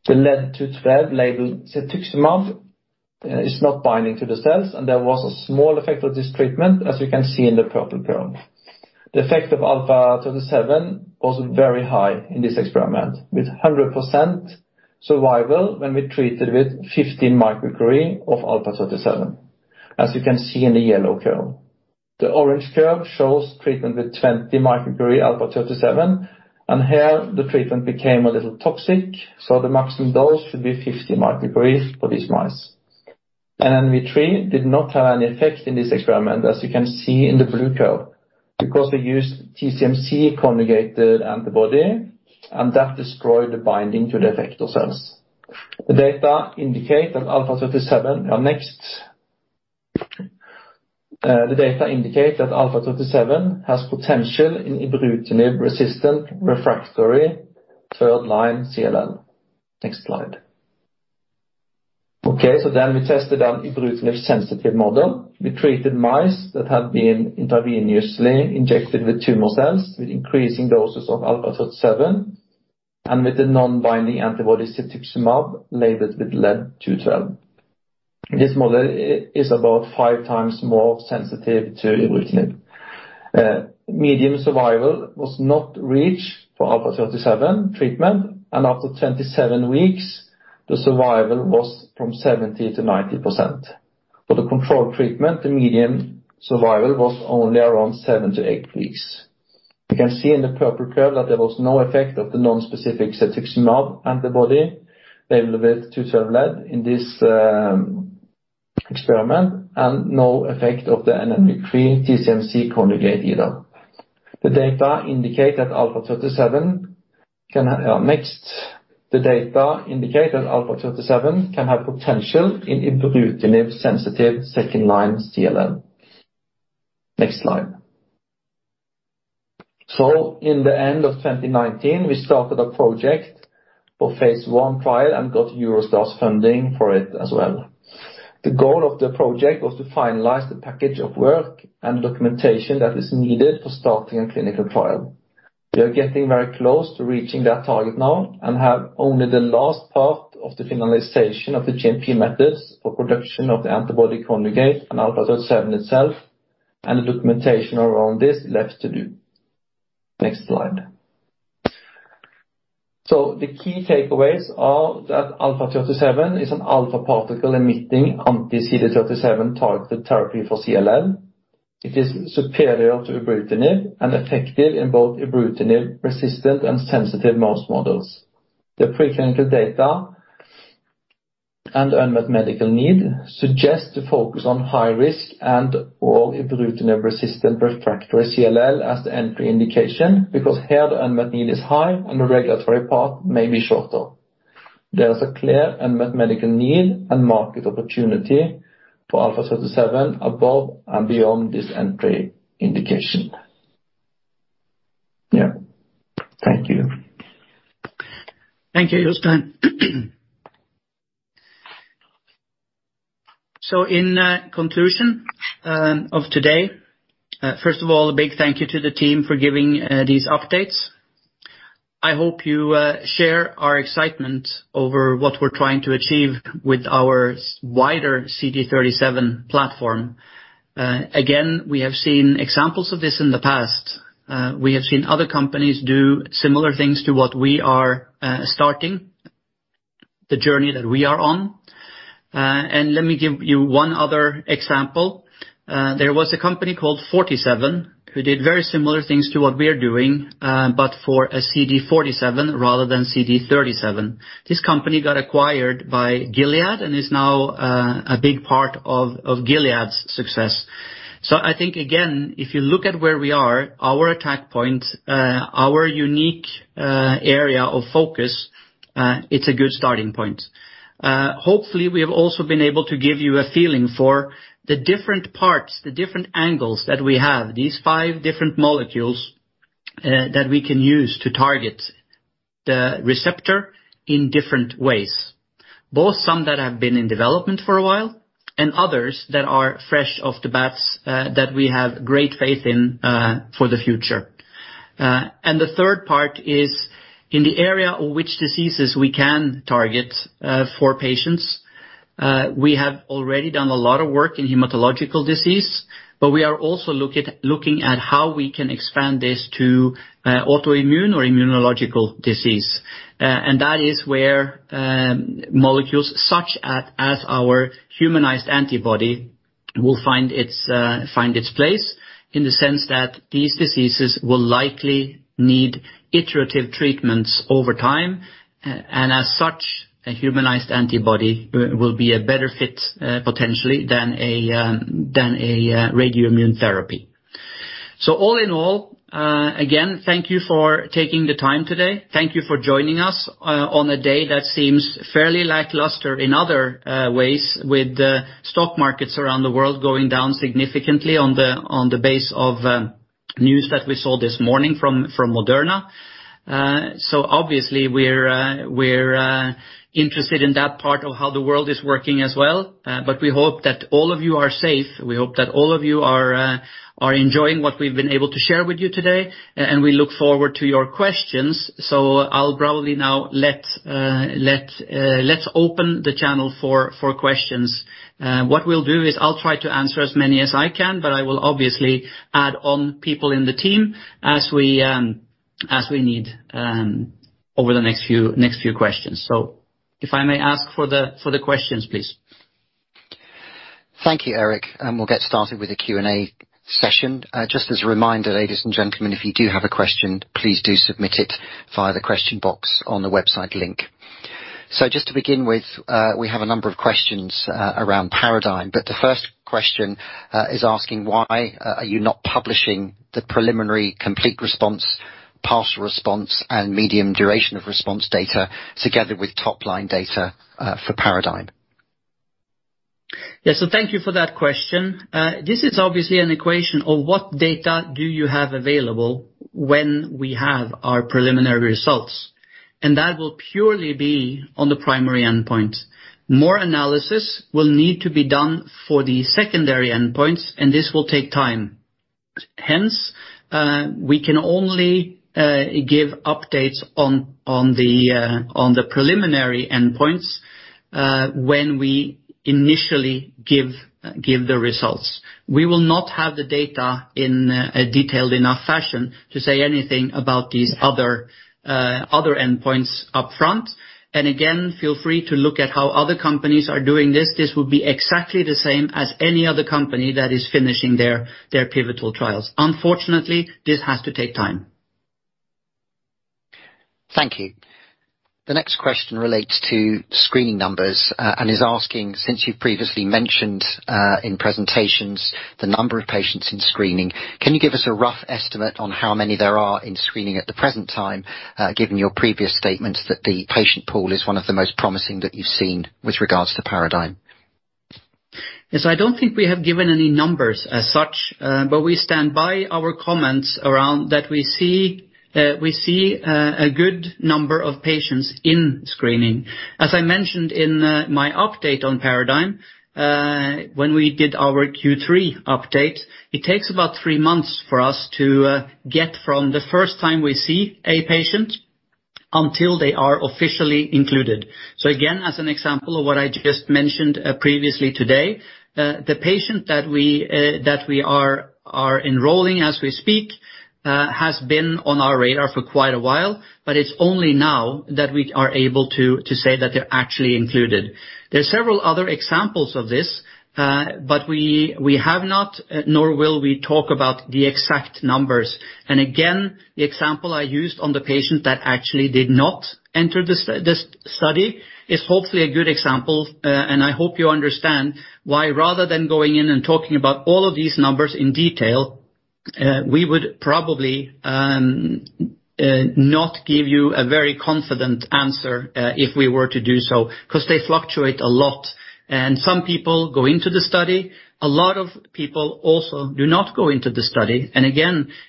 The Lead-212 labeled cetuximab is not binding to the cells, and there was a small effect of this treatment, as you can see in the purple curve. The effect of Alpha37 was very high in this experiment, with 100% survival when we treated with 15 µCi of Alpha37, as you can see in the yellow curve. The orange curve shows treatment with 20 µCi Alpha37, and here the treatment became a little toxic, so the maximum dose should be 50 µCi for these mice. NME three did not have any effect in this experiment, as you can see in the blue curve, because they used TCMC conjugated antibody, and that destroyed the binding to the effector cells. The data indicate that Alpha37 has potential in ibrutinib-resistant refractory third-line CLL. Next slide. We tested an ibrutinib-sensitive model. We treated mice that had been intravenously injected with tumor cells with increasing doses of Alpha37 and with the non-binding antibody cetuximab labeled with lead-212. This model is about five times more sensitive to ibrutinib. Median survival was not reached for Alpha37 treatment, and after 27 weeks, the survival was 70%-90%. For the control treatment, the median survival was only around seven to eight weeks. You can see in the purple curve that there was no effect of the non-specific cetuximab antibody labeled with lead-212 in this experiment and no effect of the NNV003 TCMC conjugate either. The data indicate that Alpha37 can have potential in ibrutinib-sensitive second-line CLL. Next slide. In the end of 2019, we started a project for phase I trial and got Eurostars funding for it as well. The goal of the project was to finalize the package of work and documentation that is needed for starting a clinical trial. We are getting very close to reaching that target now and have only the last part of the finalization of the GMP methods for production of the antibody conjugate and Alpha37 itself and the documentation around this left to do. Next slide. The key takeaways are that Alpha37 is an alpha particle emitting anti-CD37-targeted therapy for CLL. It is superior to ibrutinib and effective in both ibrutinib-resistant and sensitive mouse models. The preclinical data and unmet medical need suggest to focus on high-risk and/or ibrutinib-resistant refractory CLL as the entry indication because here the unmet need is high and the regulatory path may be shorter. There is a clear unmet medical need and market opportunity for Alpha37 above and beyond this entry indication. Yeah. Thank you. Thank you, Jostein. In conclusion of today, first of all, a big thank you to the team for giving these updates. I hope you share our excitement over what we're trying to achieve with our SWIDER CD37 platform. Again, we have seen examples of this in the past. We have seen other companies do similar things to what we are starting, the journey that we are on. Let me give you one other example. There was a company called Forty Seven who did very similar things to what we are doing, but for a CD47 rather than CD37. This company got acquired by Gilead and is now a big part of Gilead's success. I think, again, if you look at where we are, our attack point, our unique area of focus, it's a good starting point. Hopefully, we have also been able to give you a feeling for the different parts, the different angles that we have, these five different molecules that we can use to target the receptor in different ways. Both some that have been in development for a while and others that are fresh off the bat that we have great faith in for the future. The third part is in the area of which diseases we can target for patients. We have already done a lot of work in hematological disease, but we are also looking at how we can expand this to autoimmune or immunological disease. That is where molecules such as our humanized antibody will find its place in the sense that these diseases will likely need iterative treatments over time. And as such, a humanized antibody will be a better fit, potentially than a radioimmunotherapy. All in all, again, thank you for taking the time today. Thank you for joining us on a day that seems fairly lackluster in other ways, with the stock markets around the world going down significantly on the basis of news that we saw this morning from Moderna. Obviously we're interested in that part of how the world is working as well. We hope that all of you are safe. We hope that all of you are enjoying what we've been able to share with you today, and we look forward to your questions. I'll probably now let's open the channel for questions. What we'll do is I'll try to answer as many as I can, but I will obviously add on people in the team as we need over the next few questions. If I may ask for the questions, please. Thank you, Erik. We'll get started with the Q&A session. Just as a reminder, ladies and gentlemen, if you do have a question, please do submit it via the question box on the website link. Just to begin with, we have a number of questions around PARADIGME, but the first question is asking why are you not publishing the preliminary complete response, partial response, and medium duration of response data together with top-line data for PARADIGME? Yeah. Thank you for that question. This is obviously a question of what data do you have available when we have our preliminary results, and that will purely be on the primary endpoint. More analysis will need to be done for the secondary endpoints, and this will take time. Hence, we can only give updates on the preliminary endpoints when we initially give the results. We will not have the data in a detailed enough fashion to say anything about these other endpoints up front. Again, feel free to look at how other companies are doing this. This will be exactly the same as any other company that is finishing their pivotal trials. Unfortunately, this has to take time. Thank you. The next question relates to screening numbers, and is asking, since you've previously mentioned, in presentations, the number of patients in screening, can you give us a rough estimate on how many there are in screening at the present time, given your previous statements that the patient pool is one of the most promising that you've seen with regards to PARADIGME? Yes, I don't think we have given any numbers as such, but we stand by our comments around that we see a good number of patients in screening. As I mentioned in my update on PARADIGME, when we did our Q3 update, it takes about three months for us to get from the first time we see a patient until they are officially included. Again, as an example of what I just mentioned previously today, the patient that we are enrolling as we speak has been on our radar for quite a while, but it's only now that we are able to say that they're actually included. There are several other examples of this, but we have not, nor will we talk about the exact numbers. Again, the example I used on the patient that actually did not enter this study is hopefully a good example, and I hope you understand why, rather than going in and talking about all of these numbers in detail, we would probably not give you a very confident answer if we were to do so, 'cause they fluctuate a lot. Some people go into the study, a lot of people also do not go into the study.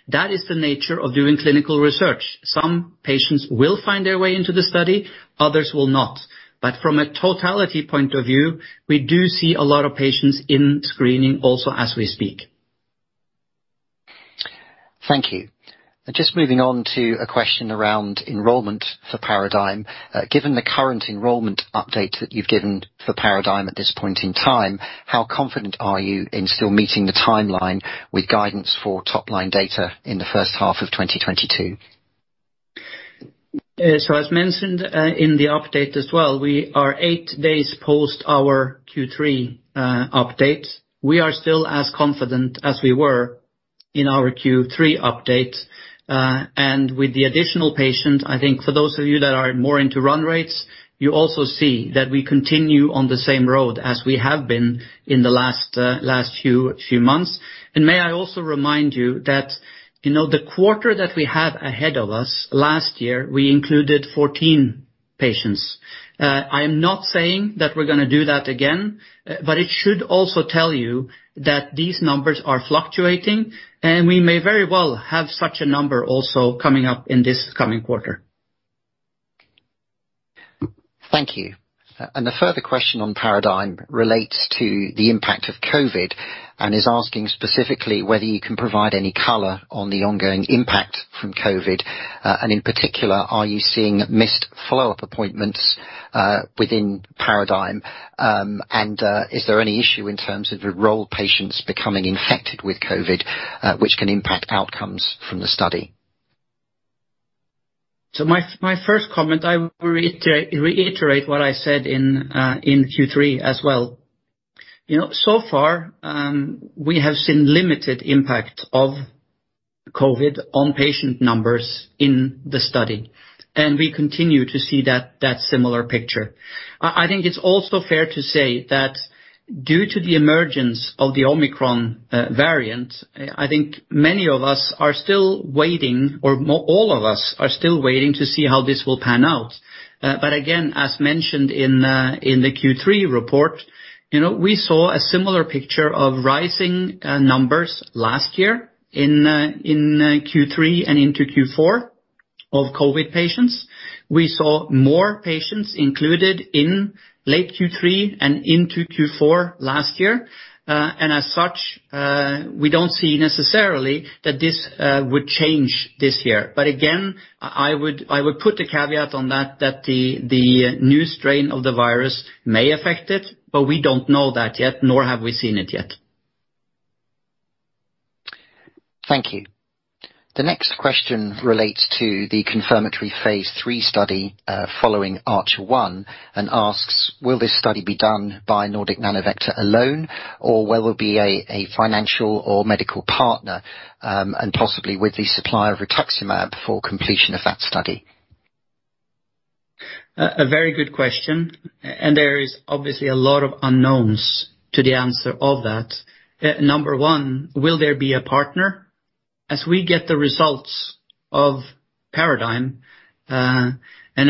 That is the nature of doing clinical research. Some patients will find their way into the study, others will not. From a totality point of view, we do see a lot of patients in screening also as we speak. Thank you. Just moving on to a question around enrollment for PARADIGME. Given the current enrollment update that you've given for PARADIGME at this point in time, how confident are you in still meeting the timeline with guidance for top-line data in the first half of 2022? As mentioned in the update as well, we are eight days post our Q3 update. We are still as confident as we were in our Q3 update. With the additional patient, I think for those of you that are more into run rates, you also see that we continue on the same road as we have been in the last few months. May I also remind you that, you know, the quarter that we have ahead of us, last year we included 14 patients. I am not saying that we're gonna do that again, but it should also tell you that these numbers are fluctuating, and we may very well have such a number also coming up in this coming quarter. Thank you. A further question on PARADIGME relates to the impact of COVID, and is asking specifically whether you can provide any color on the ongoing impact from COVID. In particular, are you seeing missed follow-up appointments within PARADIGME? Is there any issue in terms of enrolled patients becoming infected with COVID, which can impact outcomes from the study? My first comment, I will reiterate what I said in Q3 as well. You know, so far, we have seen limited impact of COVID on patient numbers in the study, and we continue to see that similar picture. I think it's also fair to say that due to the emergence of the Omicron variant, I think many of us are still waiting or all of us are still waiting to see how this will pan out. Again, as mentioned in the Q3 report, you know, we saw a similar picture of rising numbers last year in Q3 and into Q4 of COVID patients. We saw more patients included in late Q3 and into Q4 last year. As such, we don't see necessarily that this would change this year. Again, I would put the caveat on that, the new strain of the virus may affect it, but we don't know that yet, nor have we seen it yet. Thank you. The next question relates to the confirmatory phase III study following ARCHER-1, and asks, "Will this study be done by Nordic Nanovector alone, or will there be a financial or medical partner, and possibly with the supply of rituximab for completion of that study? A very good question, and there is obviously a lot of unknowns to the answer of that. Number one, will there be a partner? As we get the results of PARADIGME, and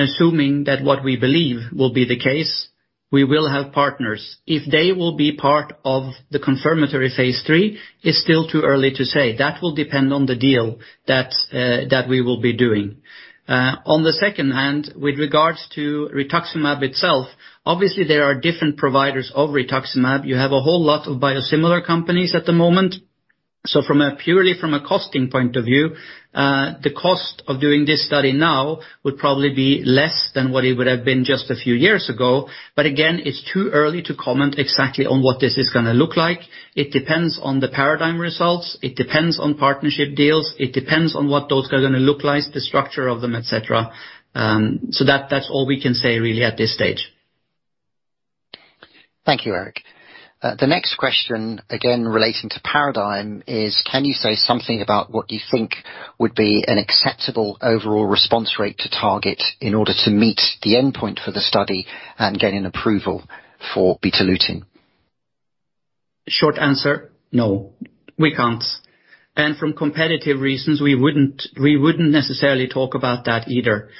assuming that what we believe will be the case, we will have partners. If they will be part of the confirmatory phase III, it's still too early to say. That will depend on the deal that we will be doing. On the second hand, with regards to rituximab itself, obviously there are different providers of rituximab. You have a whole lot of biosimilar companies at the moment. So purely from a costing point of view, the cost of doing this study now would probably be less than what it would have been just a few years ago. Again, it's too early to comment exactly on what this is gonna look like. It depends on the PARADIGME results. It depends on partnership deals. It depends on what those are gonna look like, the structure of them, et cetera. That's all we can say really at this stage. Thank you, Erik. The next question, again relating to PARADIGME, is, can you say something about what you think would be an acceptable overall response rate to target in order to meet the endpoint for the study and gain an approval for Betalutin? Short answer, no, we can't. From competitive reasons, we wouldn't necessarily talk about that either.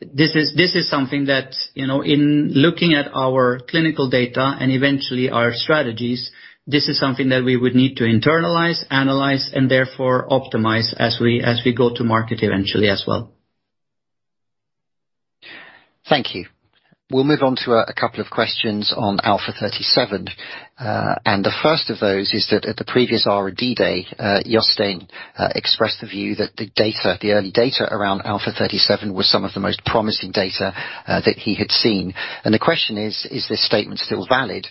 This is something that, you know, in looking at our clinical data and eventually our strategies, this is something that we would need to internalize, analyze, and therefore optimize as we go to market eventually as well. Thank you. We'll move on to a couple of questions on Alpha37. The first of those is that at the previous R&D Day, Jostein expressed the view that the data, the early data around Alpha37 was some of the most promising data that he had seen. The question is this statement still valid?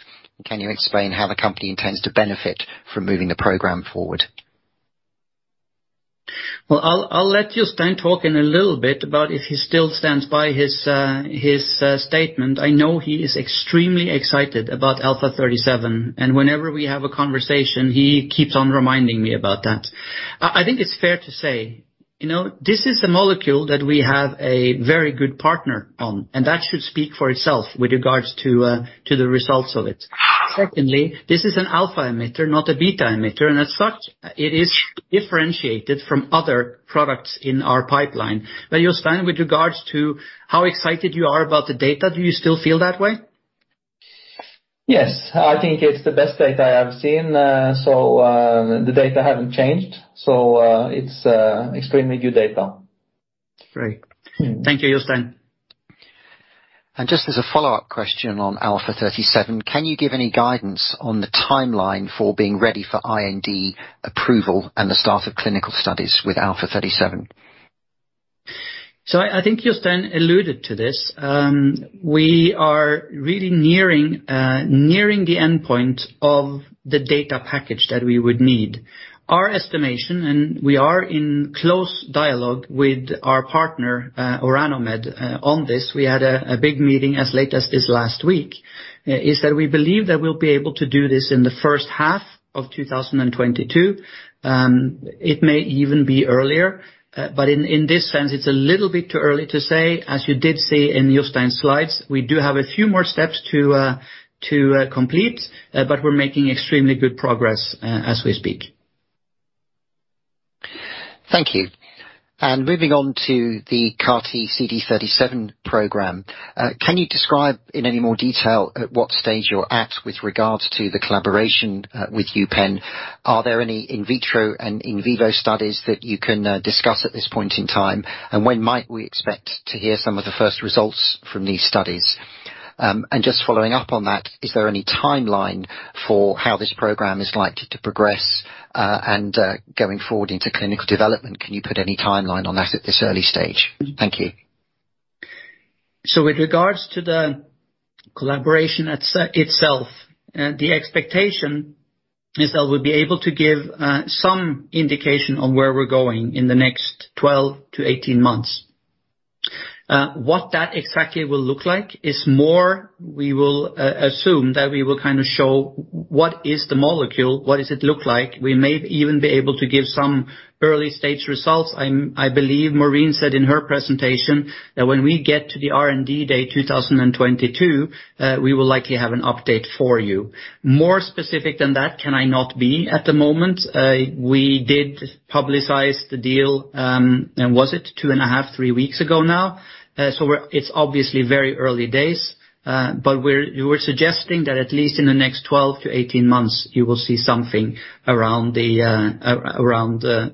Can you explain how the company intends to benefit from moving the program forward? Well, I'll let Jostein talk in a little bit about if he still stands by his statement. I know he is extremely excited about Alpha37, and whenever we have a conversation, he keeps on reminding me about that. I think it's fair to say, you know, this is a molecule that we have a very good partner on, and that should speak for itself with regards to the results of it. Secondly, this is an alpha emitter, not a beta emitter, and as such, it is differentiated from other products in our pipeline. But Jostein, with regards to how excited you are about the data, do you still feel that way? Yes. I think it's the best data I have seen. The data haven't changed, so it's extremely good data. Great. Thank you, Jostein. Just as a follow-up question on Alpha37, can you give any guidance on the timeline for being ready for IND approval and the start of clinical studies with Alpha37? I think Jostein alluded to this. We are really nearing the endpoint of the data package that we would need. Our estimation, and we are in close dialogue with our partner, Orano Med, on this, we had a big meeting as late as this last week, is that we believe that we'll be able to do this in the first half of 2022. It may even be earlier. In this sense, it's a little bit too early to say. As you did see in Jostein's slides, we do have a few more steps to complete, but we're making extremely good progress as we speak. Thank you. Moving on to the CAR-T CD37 program, can you describe in any more detail at what stage you're at with regards to the collaboration with UPenn? Are there any in vitro and in vivo studies that you can discuss at this point in time? Just following up on that, is there any timeline for how this program is likely to progress, going forward into clinical development? Can you put any timeline on that at this early stage? Thank you. With regards to the collaboration itself, the expectation is that we'll be able to give some indication on where we're going in the next 12 to 18 months. What that exactly will look like is more we will assume that we will kind of show what is the molecule, what does it look like. We may even be able to give some early-stage results. I believe Maureen said in her presentation that when we get to the R&D Day 2022, we will likely have an update for you. More specific than that can I not be at the moment. We did publicize the deal, and was it 2.5-3 weeks ago now. It's obviously very early days, but we're suggesting that at least in the next 12-18 months, you will see something around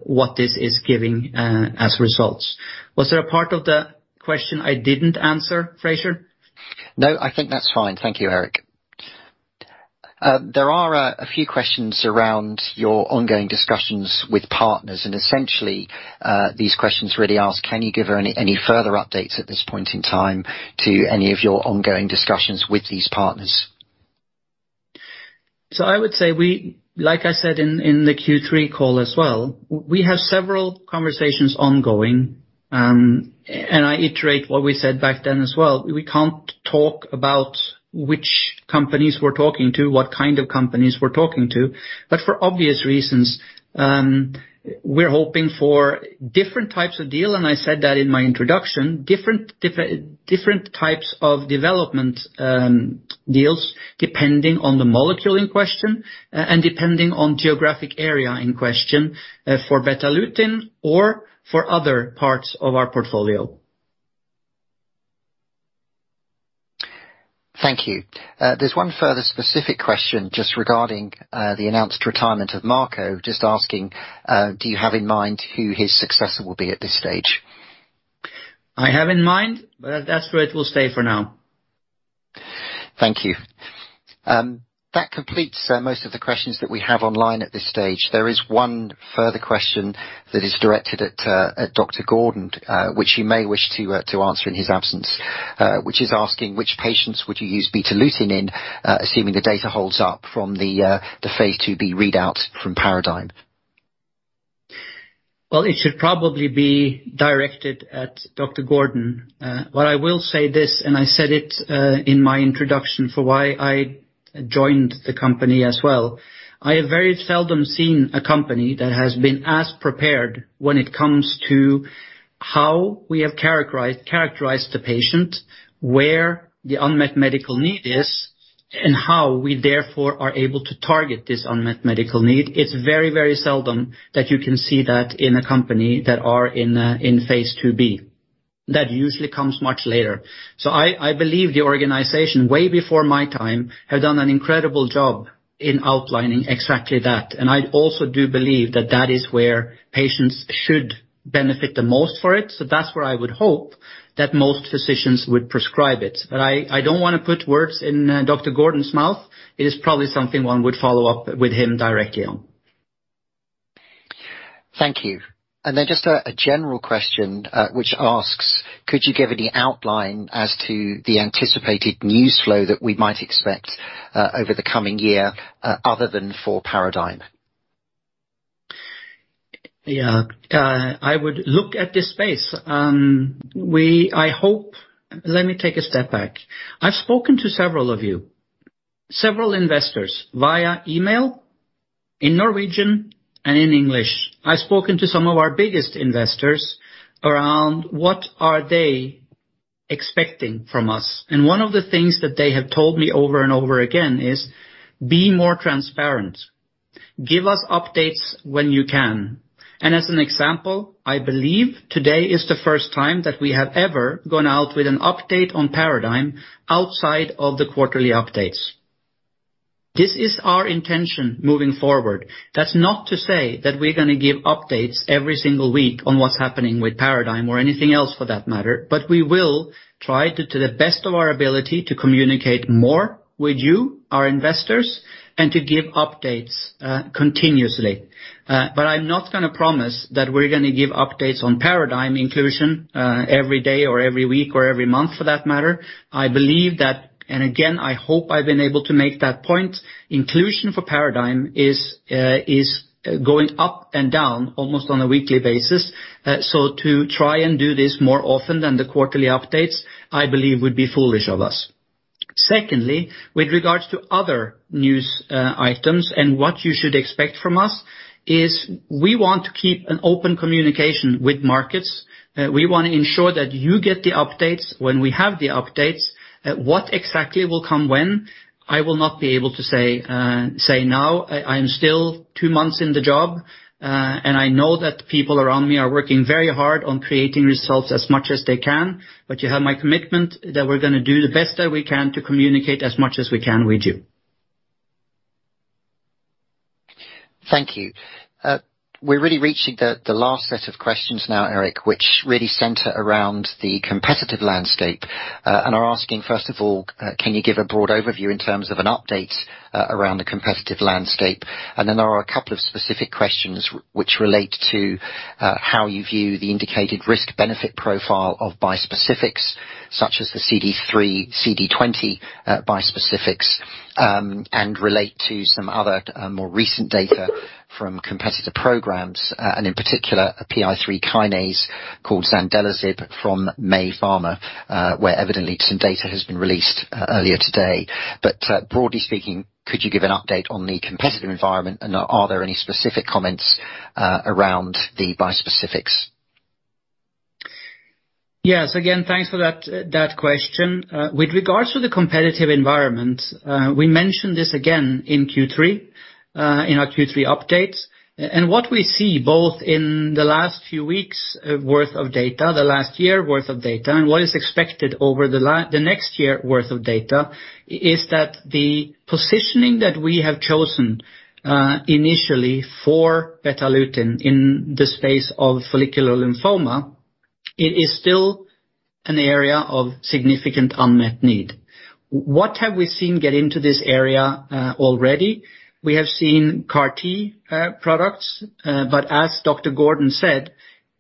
what this is giving as results. Was there a part of the question I didn't answer, Fraser? No, I think that's fine. Thank you, Erik. There are a few questions around your ongoing discussions with partners and essentially, these questions really ask, can you give any further updates at this point in time to any of your ongoing discussions with these partners? I would say, like I said in the Q3 call as well, we have several conversations ongoing, and I reiterate what we said back then as well. We can't talk about which companies we're talking to, what kind of companies we're talking to, but for obvious reasons, we're hoping for different types of deal, and I said that in my introduction. Different types of development deals depending on the molecule in question, and depending on geographic area in question, for Betalutin or for other parts of our portfolio. Thank you. There's one further specific question just regarding the announced retirement of Marco Renoldi, just asking, do you have in mind who his successor will be at this stage? I have in mind, but that's where it will stay for now. Thank you. That completes most of the questions that we have online at this stage. There is one further question that is directed at Dr. Gordon, which he may wish to answer in his absence, which is asking which patients would you use Betalutin in, assuming the data holds up from the phase IIb readout from PARADIGME? It should probably be directed at Dr. Gordon. What I will say is this, and I said it in my introduction for why I joined the company as well. I have very seldom seen a company that has been as prepared when it comes to how we have characterized the patient, where the unmet medical need is, and how we therefore are able to target this unmet medical need. It's very, very seldom that you can see that in a company that are in phase IIb. That usually comes much later. I believe the organization, way before my time, have done an incredible job in outlining exactly that. I also do believe that that is where patients should benefit the most for it, so that's where I would hope that most physicians would prescribe it. I don't wanna put words in Dr. Gordon's mouth. It is probably something one would follow up with him directly on. Thank you. Just a general question, which asks, could you give any outline as to the anticipated news flow that we might expect over the coming year, other than for PARADIGME? Yeah. I would look at this space. Let me take a step back. I've spoken to several of you, several investors via email in Norwegian and in English. I've spoken to some of our biggest investors around what they are expecting from us, and one of the things that they have told me over and over again is be more transparent. Give us updates when you can. As an example, I believe today is the first time that we have ever gone out with an update on PARADIGME outside of the quarterly updates. This is our intention moving forward. That's not to say that we're gonna give updates every single week on what's happening with PARADIGME or anything else for that matter, but we will try to the best of our ability to communicate more with you, our investors, and to give updates continuously. I'm not gonna promise that we're gonna give updates on PARADIGME inclusion every day or every week or every month for that matter. I believe that, and again, I hope I've been able to make that point, inclusion for PARADIGME is going up and down almost on a weekly basis. To try and do this more often than the quarterly updates, I believe would be foolish of us. Secondly, with regards to other news, items and what you should expect from us is we want to keep an open communication with markets. We wanna ensure that you get the updates when we have the updates. What exactly will come when, I will not be able to say now. I am still two months in the job, and I know that people around me are working very hard on creating results as much as they can, but you have my commitment that we're gonna do the best that we can to communicate as much as we can with you. Thank you. We're really reaching the last set of questions now, Erik, which really center around the competitive landscape, and are asking, first of all, can you give a broad overview in terms of an update around the competitive landscape? Then there are a couple of specific questions which relate to how you view the indicated risk-benefit profile of bispecifics such as the CD3, CD20 bispecifics, and relate to some other more recent data from competitor programs, and in particular, a PI3K called zandelisib from MEI Pharma, where evidently some data has been released earlier today. Broadly speaking, could you give an update on the competitive environment, and are there any specific comments around the bispecifics? Yes. Again, thanks for that question. With regards to the competitive environment, we mentioned this again in Q3, in our Q3 updates. And what we see both in the last few weeks' worth of data, the last year's worth of data, and what is expected over the next year's worth of data, is that the positioning that we have chosen, initially for Betalutin in the space of follicular lymphoma, it is still an area of significant unmet need. What have we seen get into this area, already? We have seen CAR T products, but as Dr. Gordon said,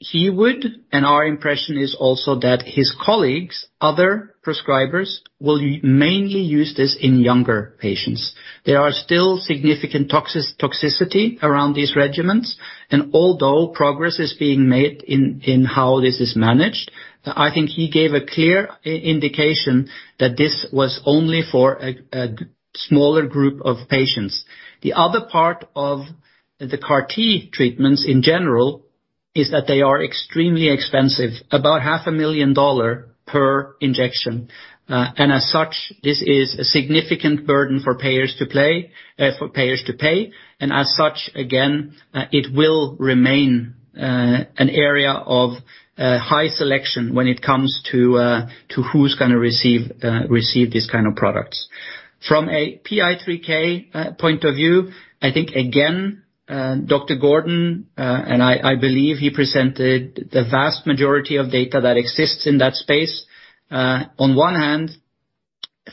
he would, and our impression is also that his colleagues, other prescribers, will mainly use this in younger patients. There are still significant toxicity around these regimens, and although progress is being made in how this is managed, I think he gave a clear indication that this was only for a smaller group of patients. The other part of the CAR T treatments in general is that they are extremely expensive, about $500,000 per injection. As such, this is a significant burden for payers to pay. As such, again, it will remain an area of high selection when it comes to who's gonna receive these kind of products. From a PI3K point of view, I think again, Dr. Gordon and I believe he presented the vast majority of data that exists in that space. On one hand,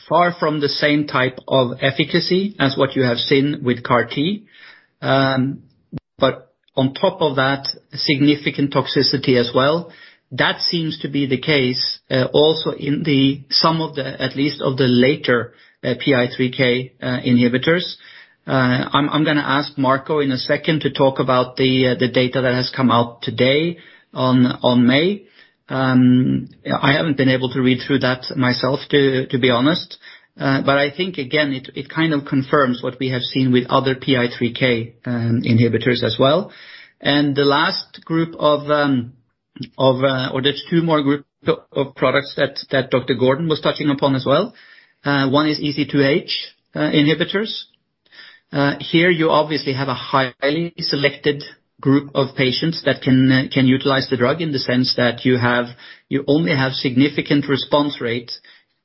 far from the same type of efficacy as what you have seen with CAR T. But on top of that, significant toxicity as well. That seems to be the case also in some of the, at least the later PI3K inhibitors. I'm gonna ask Marco in a second to talk about the data that has come out today on MEI. I haven't been able to read through that myself, to be honest. But I think again, it kind of confirms what we have seen with other PI3K inhibitors as well. The last group of, or there's two more groups of products that Dr. Gordon was touching upon as well. One is EZH2 inhibitors. Here you obviously have a highly selected group of patients that can utilize the drug in the sense that you only have significant response rate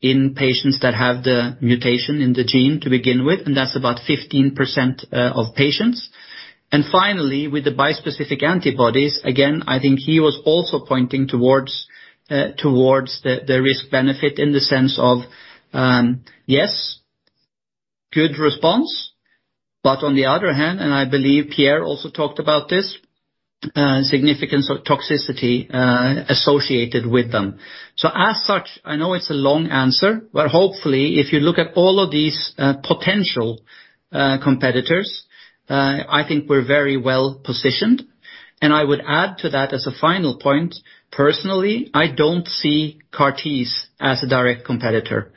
in patients that have the mutation in the gene to begin with, and that's about 15% of patients. Finally, with the bispecific antibodies, again, I think he was also pointing towards the risk benefit in the sense of, yes, good response, but on the other hand, and I believe Pierre also talked about this, significance of toxicity associated with them. As such, I know it's a long answer, but hopefully, if you look at all of these potential competitors, I think we're very well-positioned. I would add to that as a final point, personally, I don't see CAR Ts as a direct competitor,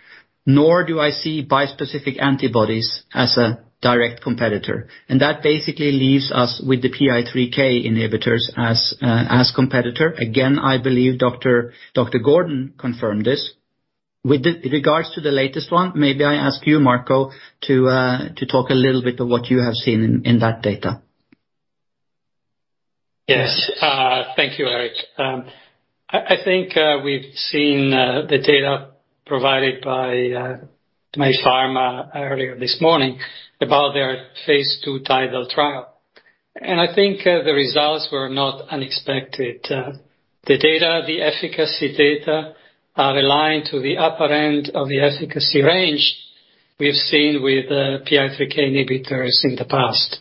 nor do I see bispecific antibodies as a direct competitor. That basically leaves us with the PI3K inhibitors as a competitor. Again, I believe Dr. Leo Gordon confirmed this. With regards to the latest one, maybe I ask you, Marco Renoldi, to talk a little bit of what you have seen in that data. Yes. Thank you, Erik. I think we've seen the data provided by MEI Pharma earlier this morning about their phase II TIDAL trial. I think the results were not unexpected. The data, the efficacy data are aligned to the upper end of the efficacy range we've seen with PI3K inhibitors in the past.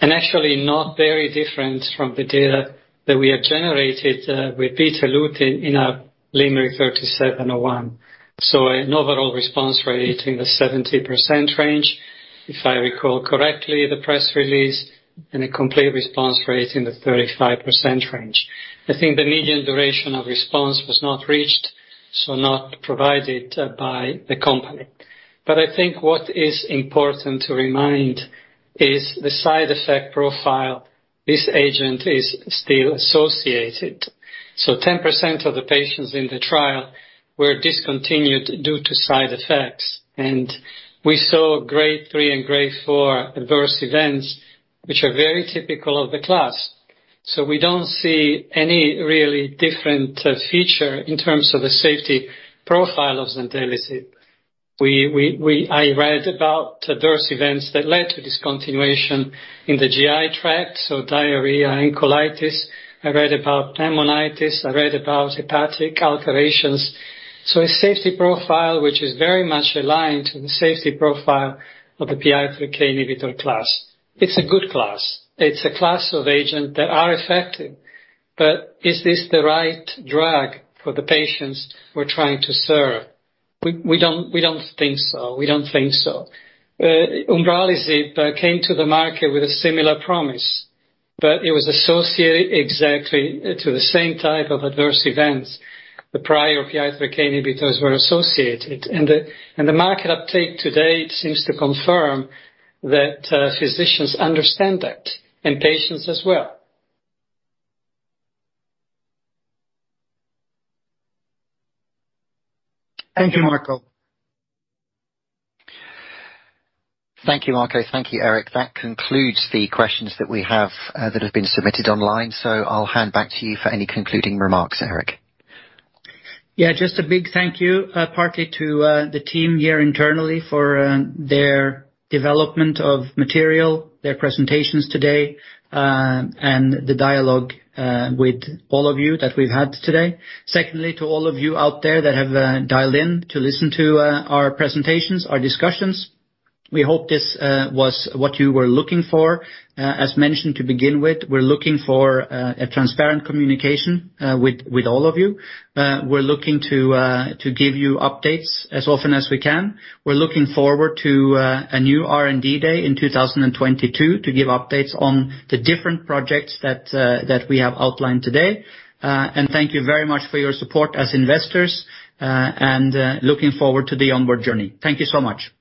Actually not very different from the data that we have generated with Betalutin in our LYMRIT-37-01. An overall response rate in the 70% range, if I recall correctly, the press release, and a complete response rate in the 35% range. I think the median duration of response was not reached, so not provided by the company. I think what is important to remind is the side effect profile this agent is still associated. 10% of the patients in the trial were discontinued due to side effects, and we saw Grade 3 and Grade 4 adverse events, which are very typical of the class. We don't see any really different feature in terms of the safety profile of zandelisib. We read about adverse events that led to discontinuation in the GI tract, so diarrhea and colitis. I read about pneumonitis, I read about hepatic alterations. A safety profile, which is very much aligned to the safety profile of the PI3K inhibitor class. It's a good class. It's a class of agent that are effective. Is this the right drug for the patients we're trying to serve? We don't think so. Umbralisib came to the market with a similar promise, but it was associated exactly to the same type of adverse events the prior PI3K inhibitors were associated. The market uptake to date seems to confirm that, physicians understand that, and patients as well. Thank you, Marco. Thank you, Marco. Thank you, Erik. That concludes the questions that we have, that have been submitted online, so I'll hand back to you for any concluding remarks, Erik. Yeah. Just a big thank you, partly to the team here internally for their development of material, their presentations today, and the dialogue with all of you that we've had today. Secondly, to all of you out there that have dialed in to listen to our presentations, our discussions, we hope this was what you were looking for. As mentioned to begin with, we're looking for a transparent communication with all of you. We're looking to give you updates as often as we can. We're looking forward to a new R&D day in 2022 to give updates on the different projects that we have outlined today. Thank you very much for your support as investors. Looking forward to the onward journey. Thank you so much.